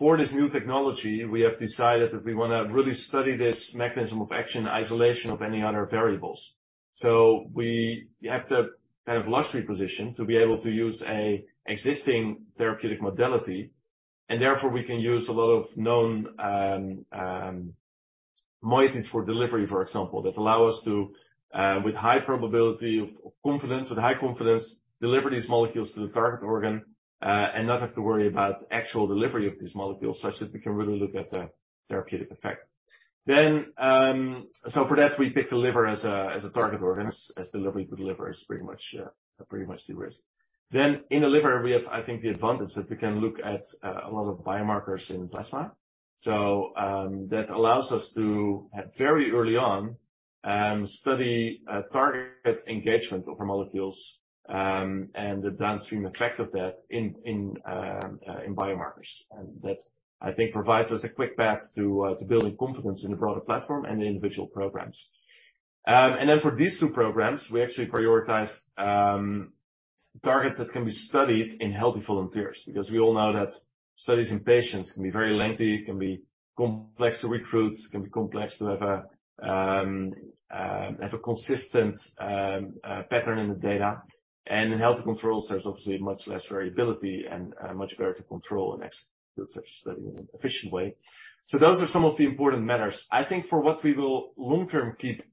for this new technology, we have decided that we wanna really study this mechanism of action isolation of any other variables. We have the kind of luxury position to be able to use a existing therapeutic modality, and therefore we can use a lot of known moieties for delivery, for example, that allow us to with high probability of confidence, with high confidence, deliver these molecules to the target organ and not have to worry about actual delivery of these molecules, such that we can really look at the therapeutic effect. For that we pick the liver as a target organ, as delivery to liver is pretty much the risk. In the liver we have, I think, the advantage that we can look at a lot of biomarkers in plasma. That allows us to, at very early on, study target engagement of our molecules and the downstream effect of that in biomarkers. That, I think, provides us a quick path to building confidence in the broader platform and the individual programs. For these two programs, we actually prioritize targets that can be studied in healthy volunteers, because we all know that studies in patients can be very lengthy, can be complex to recruit, can be complex to have a consistent pattern in the data. In healthy controls, there's obviously much less variability and much better to control and execute such study in an efficient way. Those are some of the important matters. I think for what we will long-term keep,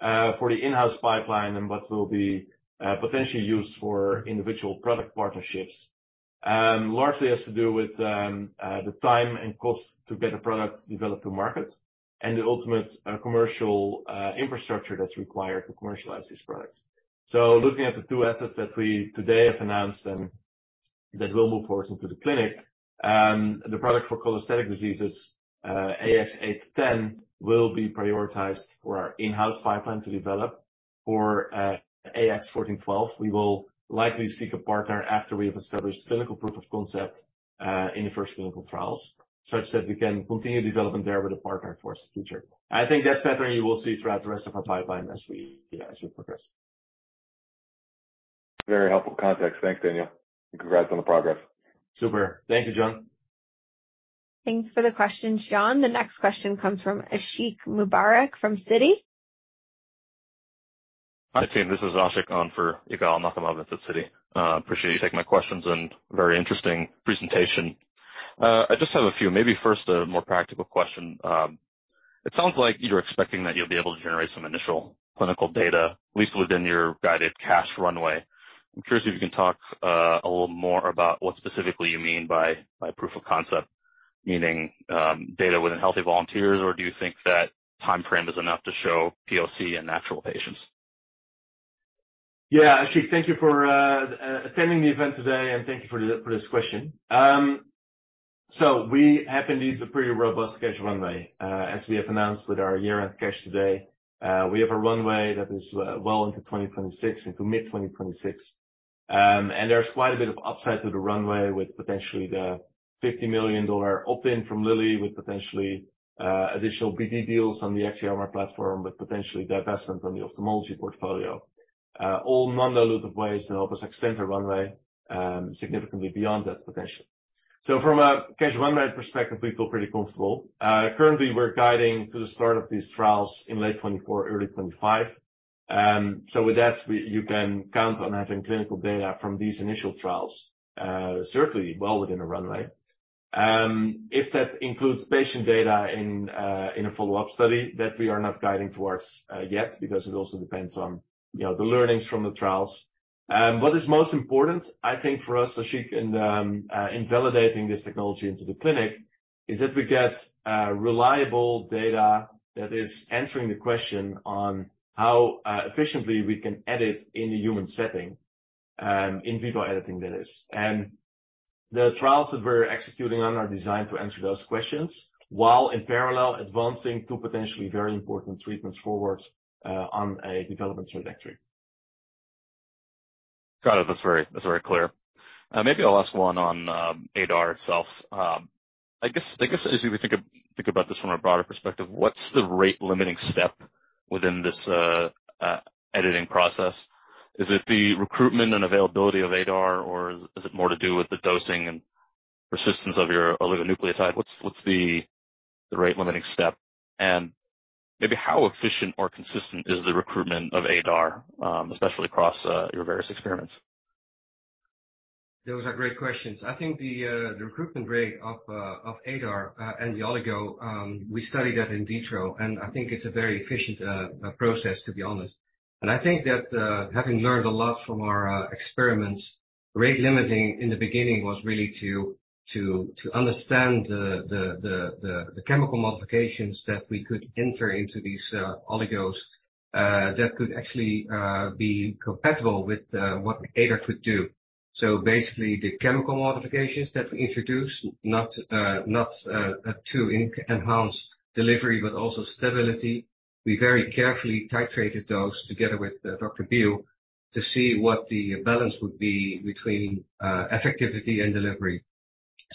for the in-house pipeline and what will be potentially used for individual product partnerships, largely has to do with the time and cost to get a product developed to market and the ultimate commercial infrastructure that's required to commercialize this product. Looking at the two assets that we today have announced and that will move forward into the clinic, the product for cholestatic diseases, AX-0810 will be prioritized for our in-house pipeline to develop. For AX-1412, we will likely seek a partner after we have established clinical proof of concept in the first clinical trials, such that we can continue development there with a partner for the future. I think that pattern you will see throughout the rest of our pipeline as we, you know, as we progress. Very helpful context. Thanks, Daniel, and congrats on the progress. Super. Thank you, Jon. Thanks for the question, Jon. The next question comes from Yigal Nochomovitz from Citi. Hi, team. This is Ashik on for Yigal Nochomovitz on Citi. Appreciate you taking my questions and very interesting presentation. I just have a few, maybe first a more practical question. It sounds like you're expecting that you'll be able to generate some initial clinical data, at least within your guided cash runway. I'm curious if you can talk a little more about what specifically you mean by proof of concept, meaning data within healthy volunteers, or do you think that timeframe is enough to show POC in natural patients? Yeah. Ashik, thank you for attending the event today, thank you for this question. We have indeed a pretty robust cash runway. As we have announced with our year-end cash today, we have a runway that is well into 2026, into mid-2026. There's quite a bit of upside to the runway with potentially the $50 million opt-in from Lilly with potentially additional BD deals on the Axiomer platform, with potentially divestment from the ophthalmology portfolio. All non-dilutive ways to help us extend our runway significantly beyond that potential. From a cash runway perspective, we feel pretty comfortable. Currently, we're guiding to the start of these trials in late 2024, early 2025. With that, you can count on having clinical data from these initial trials, certainly well within a runway. If that includes patient data in a follow-up study, that we are not guiding towards yet because it also depends on, you know, the learnings from the trials. What is most important, I think, for us, Ashik, in validating this technology into the clinic is that we get reliable data that is answering the question on how efficiently we can edit in a human setting, in vivo editing, that is. The trials that we're executing on are designed to answer those questions while in parallel advancing two potentially very important treatments forwards on a development trajectory. Got it. That's very clear. Maybe I'll ask one on ADAR itself. I guess as we think about this from a broader perspective, what's the rate limiting step within this editing process? Is it the recruitment and availability of ADAR, or is it more to do with the dosing and persistence of your oligonucleotide? What's the rate limiting step? And maybe how efficient or consistent is the recruitment of ADAR, especially across your various experiments? Those are great questions. I think the recruitment rate of ADAR and the oligo, we studied that in detail, and I think it's a very efficient process, to be honest. I think that, having learned a lot from our experiments, rate limiting in the beginning was really to understand the chemical modifications that we could enter into these oligos that could actually be compatible with what ADAR could do. Basically, the chemical modifications that we introduced, not to enhance delivery, but also stability. We very carefully titrated those together with Dr. Beal to see what the balance would be between effectivity and delivery.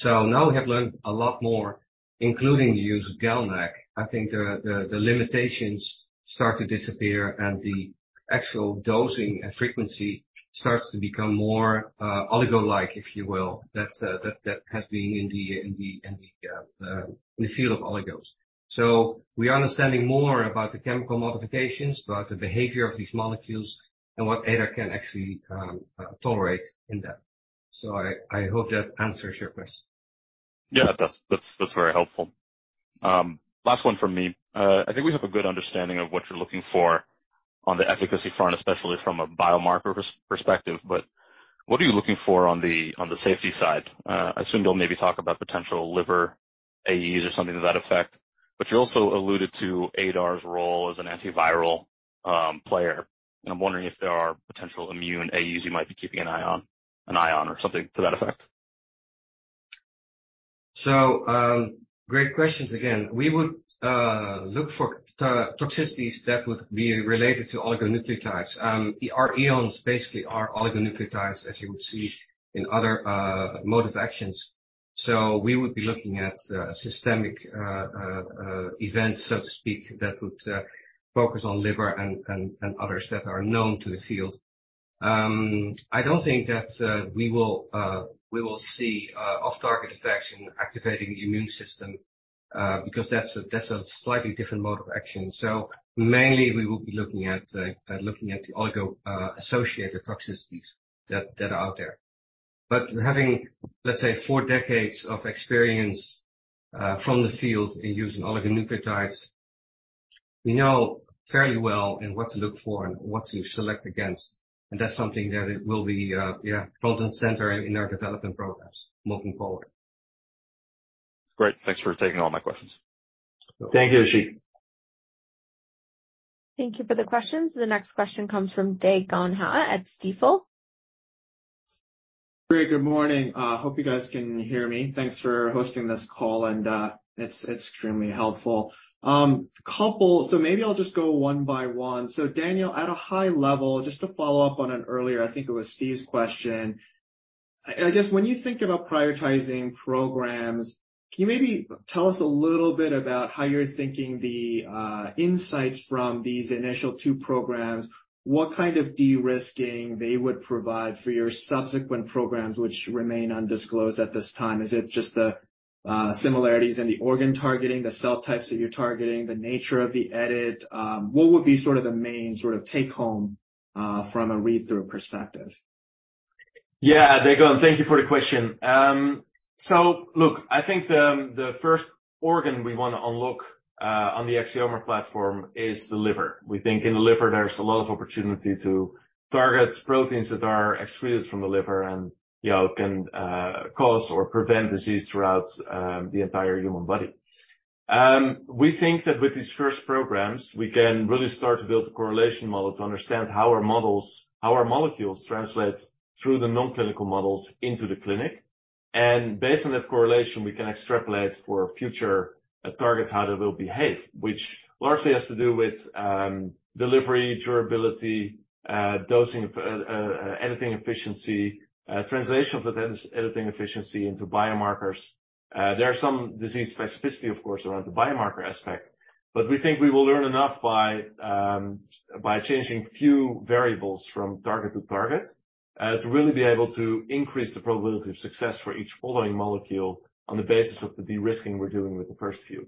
Now we have learned a lot more. Including the use of GalNAc, I think the limitations start to disappear, and the actual dosing and frequency starts to become more oligo-like, if you will. That has been in the field of oligos. We're understanding more about the chemical modifications, about the behavior of these molecules, and what ADAR can actually tolerate in that. I hope that answers your question. Yeah, that's very helpful. Last one from me. I think we have a good understanding of what you're looking for on the efficacy front, especially from a biomarker perspective, but what are you looking for on the safety side? I assume you'll maybe talk about potential liver AEs or something to that effect, but you also alluded to ADAR's role as an antiviral player. I'm wondering if there are potential immune AEs you might be keeping an eye on or something to that effect. Great questions again. We would look for toxicities that would be related to oligonucleotides. Our EONs basically are oligonucleotides, as you would see in other mode of actions. We would be looking at systemic events, so to speak, that would focus on liver and others that are known to the field. I don't think that we will see off-target effects in activating the immune system because that's a slightly different mode of action. Mainly we will be looking at the oligo associated toxicities that are out there. Having, let's say, 4 decades of experience from the field in using oligonucleotides, we know fairly well in what to look for and what to select against. That's something that it will be, yeah, front and center in our development programs moving forward. Great. Thanks for taking all my questions. Thank you, Ashik. Thank you for the questions. The next question comes from Dae Gon Ha at Stifel. Great. Good morning. Hope you guys can hear me. Thanks for hosting this call, and it's extremely helpful. Maybe I'll just go one by one. Daniel, at a high level, just to follow up on an earlier, I think it was Steve's question. I guess when you think about prioritizing programs, can you maybe tell us a little bit about how you're thinking the insights from these initial two programs, what kind of de-risking they would provide for your subsequent programs which remain undisclosed at this time? Is it just the similarities in the organ targeting, the cell types that you're targeting, the nature of the edit? What would be sort of the main sort of take home from a read-through perspective? Yeah, Dae Gon, thank you for the question. Look, I think the first organ we wanna unlock on the Axiomer platform is the liver. We think in the liver, there's a lot of opportunity to target proteins that are excreted from the liver and, you know, can cause or prevent disease throughout the entire human body. We think that with these first programs, we can really start to build a correlation model to understand how our molecules translate through the non-clinical models into the clinic. Based on that correlation, we can extrapolate for future targets, how they will behave, which largely has to do with delivery, durability, dosing, editing efficiency, translation of that editing efficiency into biomarkers. There are some disease specificity, of course, around the biomarker aspect, but we think we will learn enough by changing few variables from target to target, to really be able to increase the probability of success for each following molecule on the basis of the de-risking we're doing with the first few.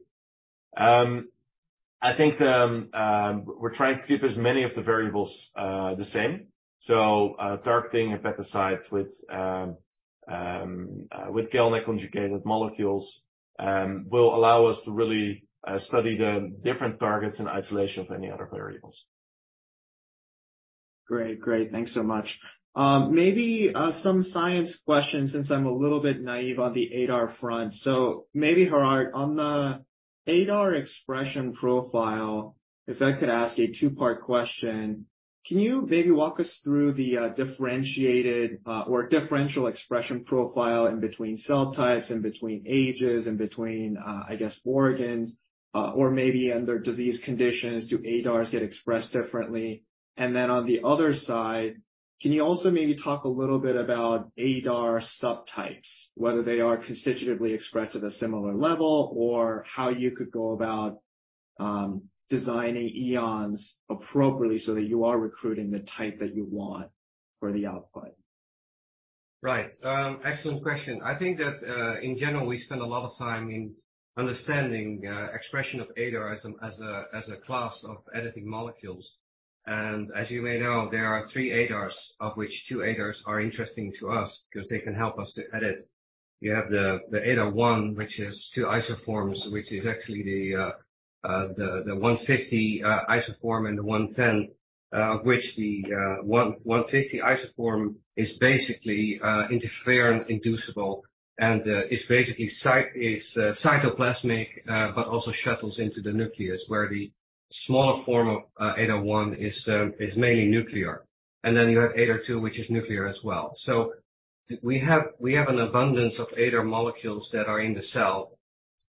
I think the, we're trying to keep as many of the variables, the same. Targeting hepatocytes with GalNAc-conjugated molecules will allow us to really study the different targets in isolation of any other variables. Great. Great. Thanks so much. Maybe some science questions since I'm a little bit naive on the ADAR front. Maybe, Gerard, on the ADAR expression profile, if I could ask a two-part question. Can you maybe walk us through the differentiated or differential expression profile in between cell types, in between ages, in between, I guess, organs, or maybe under disease conditions, do ADARs get expressed differently? Then on the other side, can you also maybe talk a little bit about ADAR subtypes, whether they are constitutively expressed at a similar level, or how you could go about designing EONs appropriately so that you are recruiting the type that you want for the output? Right. Excellent question. I think that in general, we spend a lot of time in understanding expression of ADAR as a class of editing molecules. As you may know, there are three ADARs, of which two ADARs are interesting to us because they can help us to edit. You have the ADAR1, which has two isoforms, which is actually the 150 isoform and the 110, which the 150 isoform is basically interferon inducible and is basically cytoplasmic, but also shuttles into the nucleus where the smaller form of ADAR1 is mainly nuclear. Then you have ADAR2, which is nuclear as well. We have an abundance of ADAR molecules that are in the cell.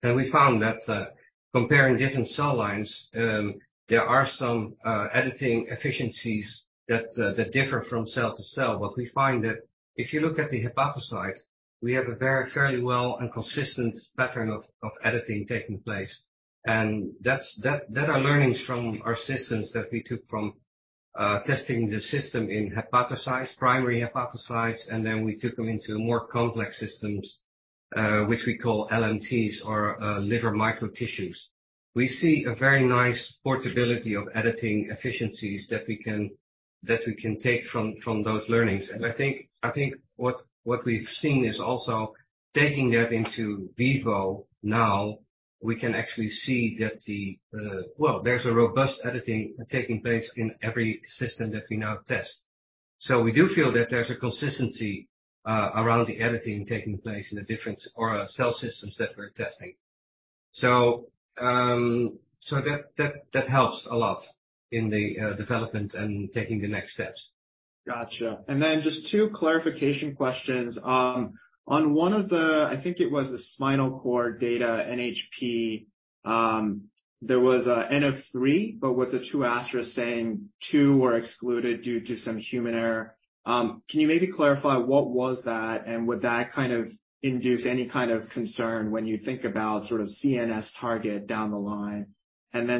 We found that comparing different cell lines, there are some editing efficiencies that differ from cell to cell. We find that if you look at the hepatocyte, we have a very fairly well and consistent pattern of editing taking place. That's, that are learnings from our systems that we took from testing the system in hepatocytes, primary hepatocytes, and then we took them into more complex systems, which we call LMTs or liver microtissues. We see a very nice portability of editing efficiencies that we can take from those learnings. I think what we've seen is also taking that into vivo now we can actually see that the... Well, there's a robust editing taking place in every system that we now test. We do feel that there's a consistency around the editing taking place in the different or cell systems that we're testing. So that helps a lot in the development and taking the next steps. Gotcha. Just two clarification questions. On one of the, I think it was the spinal cord data NHP, there was an N=3, but with the two asterisks saying two were excluded due to some human error. Can you maybe clarify what was that and would that kind of induce any kind of concern when you think about sort of CNS target down the line?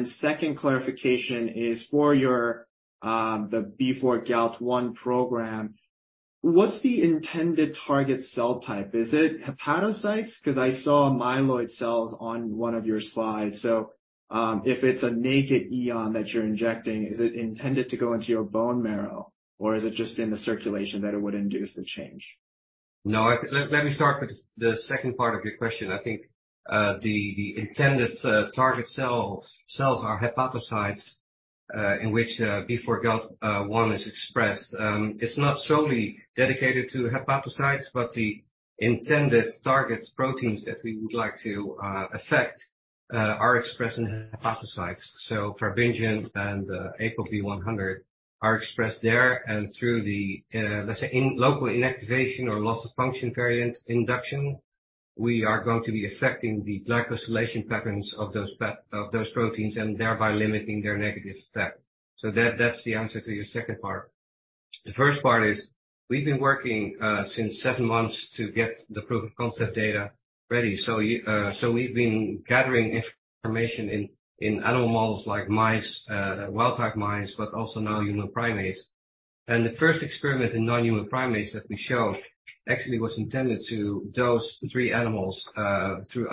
second clarification is for your, the B4GALT1 program, what's the intended target cell type? Is it hepatocytes? Because I saw myeloid cells on one of your slides. If it's a naked EON that you're injecting, is it intended to go into your bone marrow, or is it just in the circulation that it would induce the change? No. Let me start with the second part of your question. I think the intended target cells are hepatocytes, in which B4GALT1 is expressed. It's not solely dedicated to hepatocytes, but the intended target proteins that we would like to affect are expressed in hepatocytes. fibrinogen and ApoB-100 are expressed there and through the, let's say in local inactivation or loss of function variant induction, we are going to be affecting the glycosylation patterns of those proteins and thereby limiting their negative effect. That's the answer to your second part. The first part is we've been working since seven months to get the proof of concept data ready. We've been gathering information in animal models like mice, wild type mice, but also now human primates. The first experiment in non-human primates that we show actually was intended to dose three animals through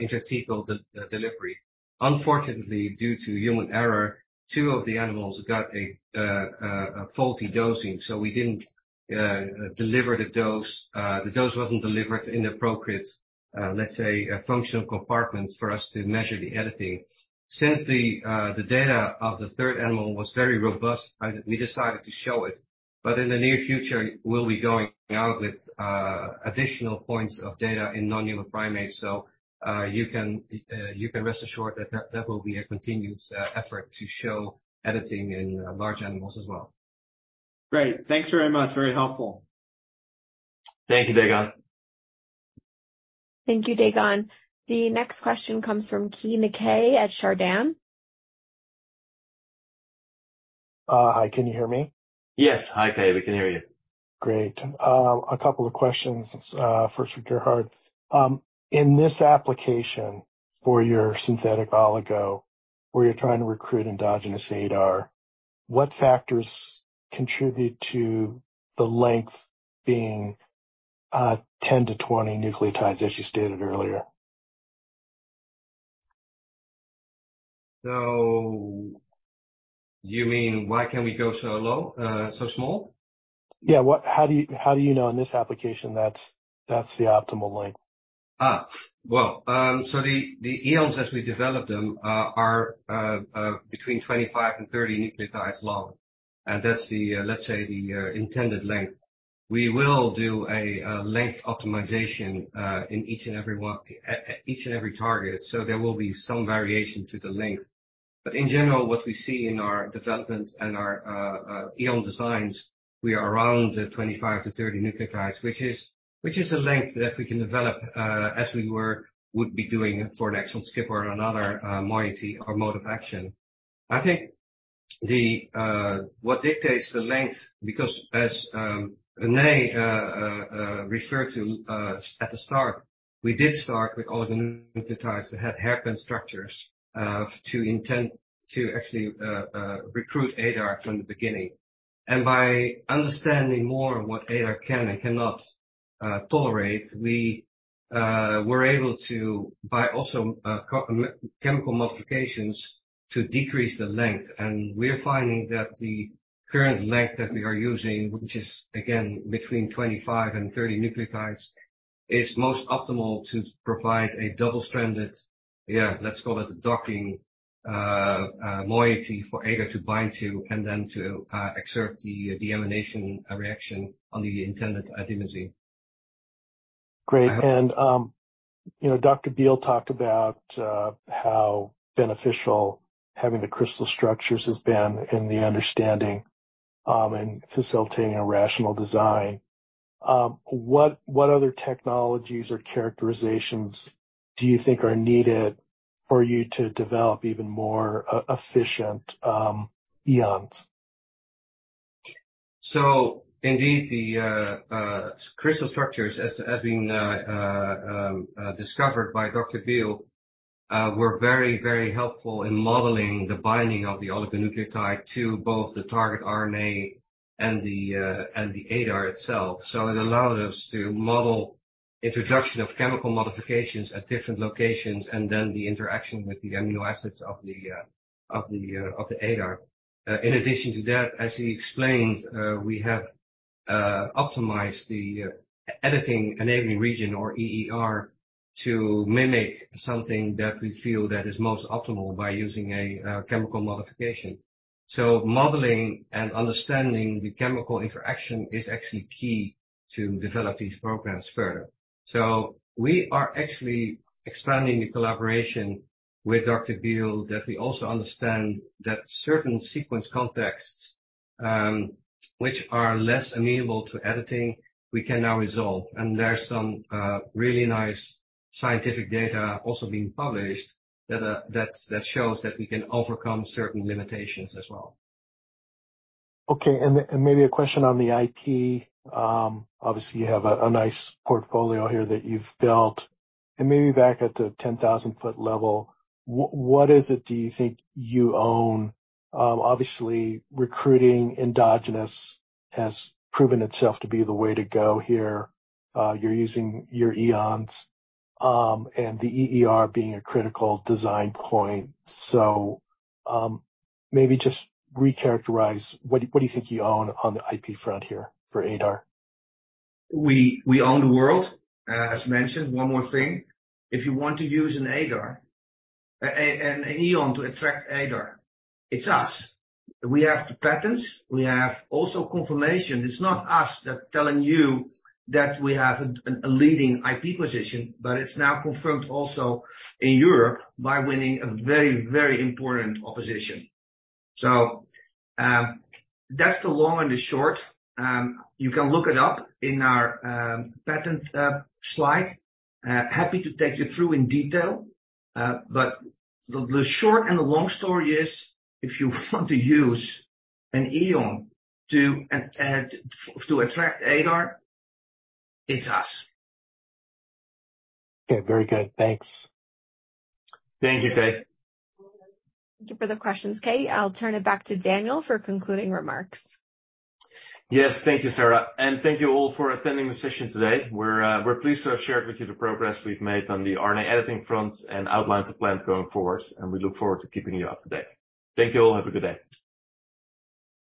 intrathecal delivery. Unfortunately, due to human error, two of the animals got a faulty dosing, so we didn't deliver the dose. The dose wasn't delivered in appropriate, let's say a functional compartment for us to measure the editing. Since the data of the 3rd animal was very robust, we decided to show it. In the near future, we'll be going out with additional points of data in non-human primates. You can rest assured that will be a continued effort to show editing in large animals as well. Great. Thanks very much. Very helpful. Thank you, Dae Gon. Thank you, Dae Gon. The next question comes from Keay Nakae at Chardan. Hi, can you hear me? Yes. Hi, Keay. We can hear you. Great. A couple of questions, first for Gerard. In this application for your synthetic oligo where you're trying to recruit endogenous ADAR, what factors contribute to the length being, 10-20 nucleotides, as you stated earlier? You mean why can we go so low, so small? Yeah. How do you know in this application that's the optimal length? Well, the EONs as we develop them are between 25 and 30 nucleotides long, and that's the, let's say, the intended length. We will do a length optimization in each and every target, so there will be some variation to the length. In general, what we see in our development and our EON designs, we are around the 25 to 30 nucleotides, which is a length that we can develop as we would be doing for an exon skip or another moiety or mode of action. I think the what dictates the length because as René referred to at the start, we did start with all the nucleotides that had hairpin structures to intend to actually recruit ADAR from the beginning. By understanding more what ADAR can and cannot tolerate, we were able to, by also chemical modifications, to decrease the length. We're finding that the current length that we are using, which is again between 25 and 30 nucleotides, is most optimal to provide a double-stranded, yeah, let's call it a docking moiety for ADAR to bind to and then to exert the deamination reaction on the intended adenosine. Great. You know, Dr. Beal talked about how beneficial having the crystal structures has been in the understanding and facilitating a rational design. What other technologies or characterizations do you think are needed for you to develop even more e-efficient, EONs? Indeed the crystal structures as being discovered by Dr. Beal were very, very helpful in modeling the binding of the oligonucleotide to both the target RNA and the ADAR itself. It allowed us to model introduction of chemical modifications at different locations and then the interaction with the amino acids of the ADAR. In addition to that, as he explained, we have optimized the editing-enabling region or EER to mimic something that we feel that is most optimal by using a chemical modification. Modeling and understanding the chemical interaction is actually key to develop these programs further. We are actually expanding the collaboration with Dr. Beal that we also understand that certain sequence contexts, which are less amenable to editing, we can now resolve. There's some really nice scientific data also being published that shows that we can overcome certain limitations as well. Okay. Maybe a question on the IP. Obviously you have a nice portfolio here that you've built. Maybe back at the 10,000 foot level, what is it do you think you own? Obviously recruiting endogenous has proven itself to be the way to go here. You're using your EONs, and the EER being a critical design point. Maybe just recharacterize what do you think you own on the IP front here for ADAR? We own the world. As mentioned, one more thing, if you want to use an ADAR, an EON to attract ADAR, it's us. We have the patents, we have also confirmation. It's not us that telling you that we have a leading IP position, but it's now confirmed also in Europe by winning a very, very important opposition. That's the long and the short. You can look it up in our patent slide. Happy to take you through in detail. But the short and the long story is, if you want to use an EON to attract ADAR, it's us. Okay. Very good. Thanks. Thank you, Keay. Thank you for the questions, Keay Nakae. I'll turn it back to Daniel for concluding remarks. Yes. Thank you, Sarah. Thank you all for attending the session today. We're pleased to have shared with you the progress we've made on the RNA editing front and outline to plan going forward. We look forward to keeping you up to date. Thank you all. Have a good day.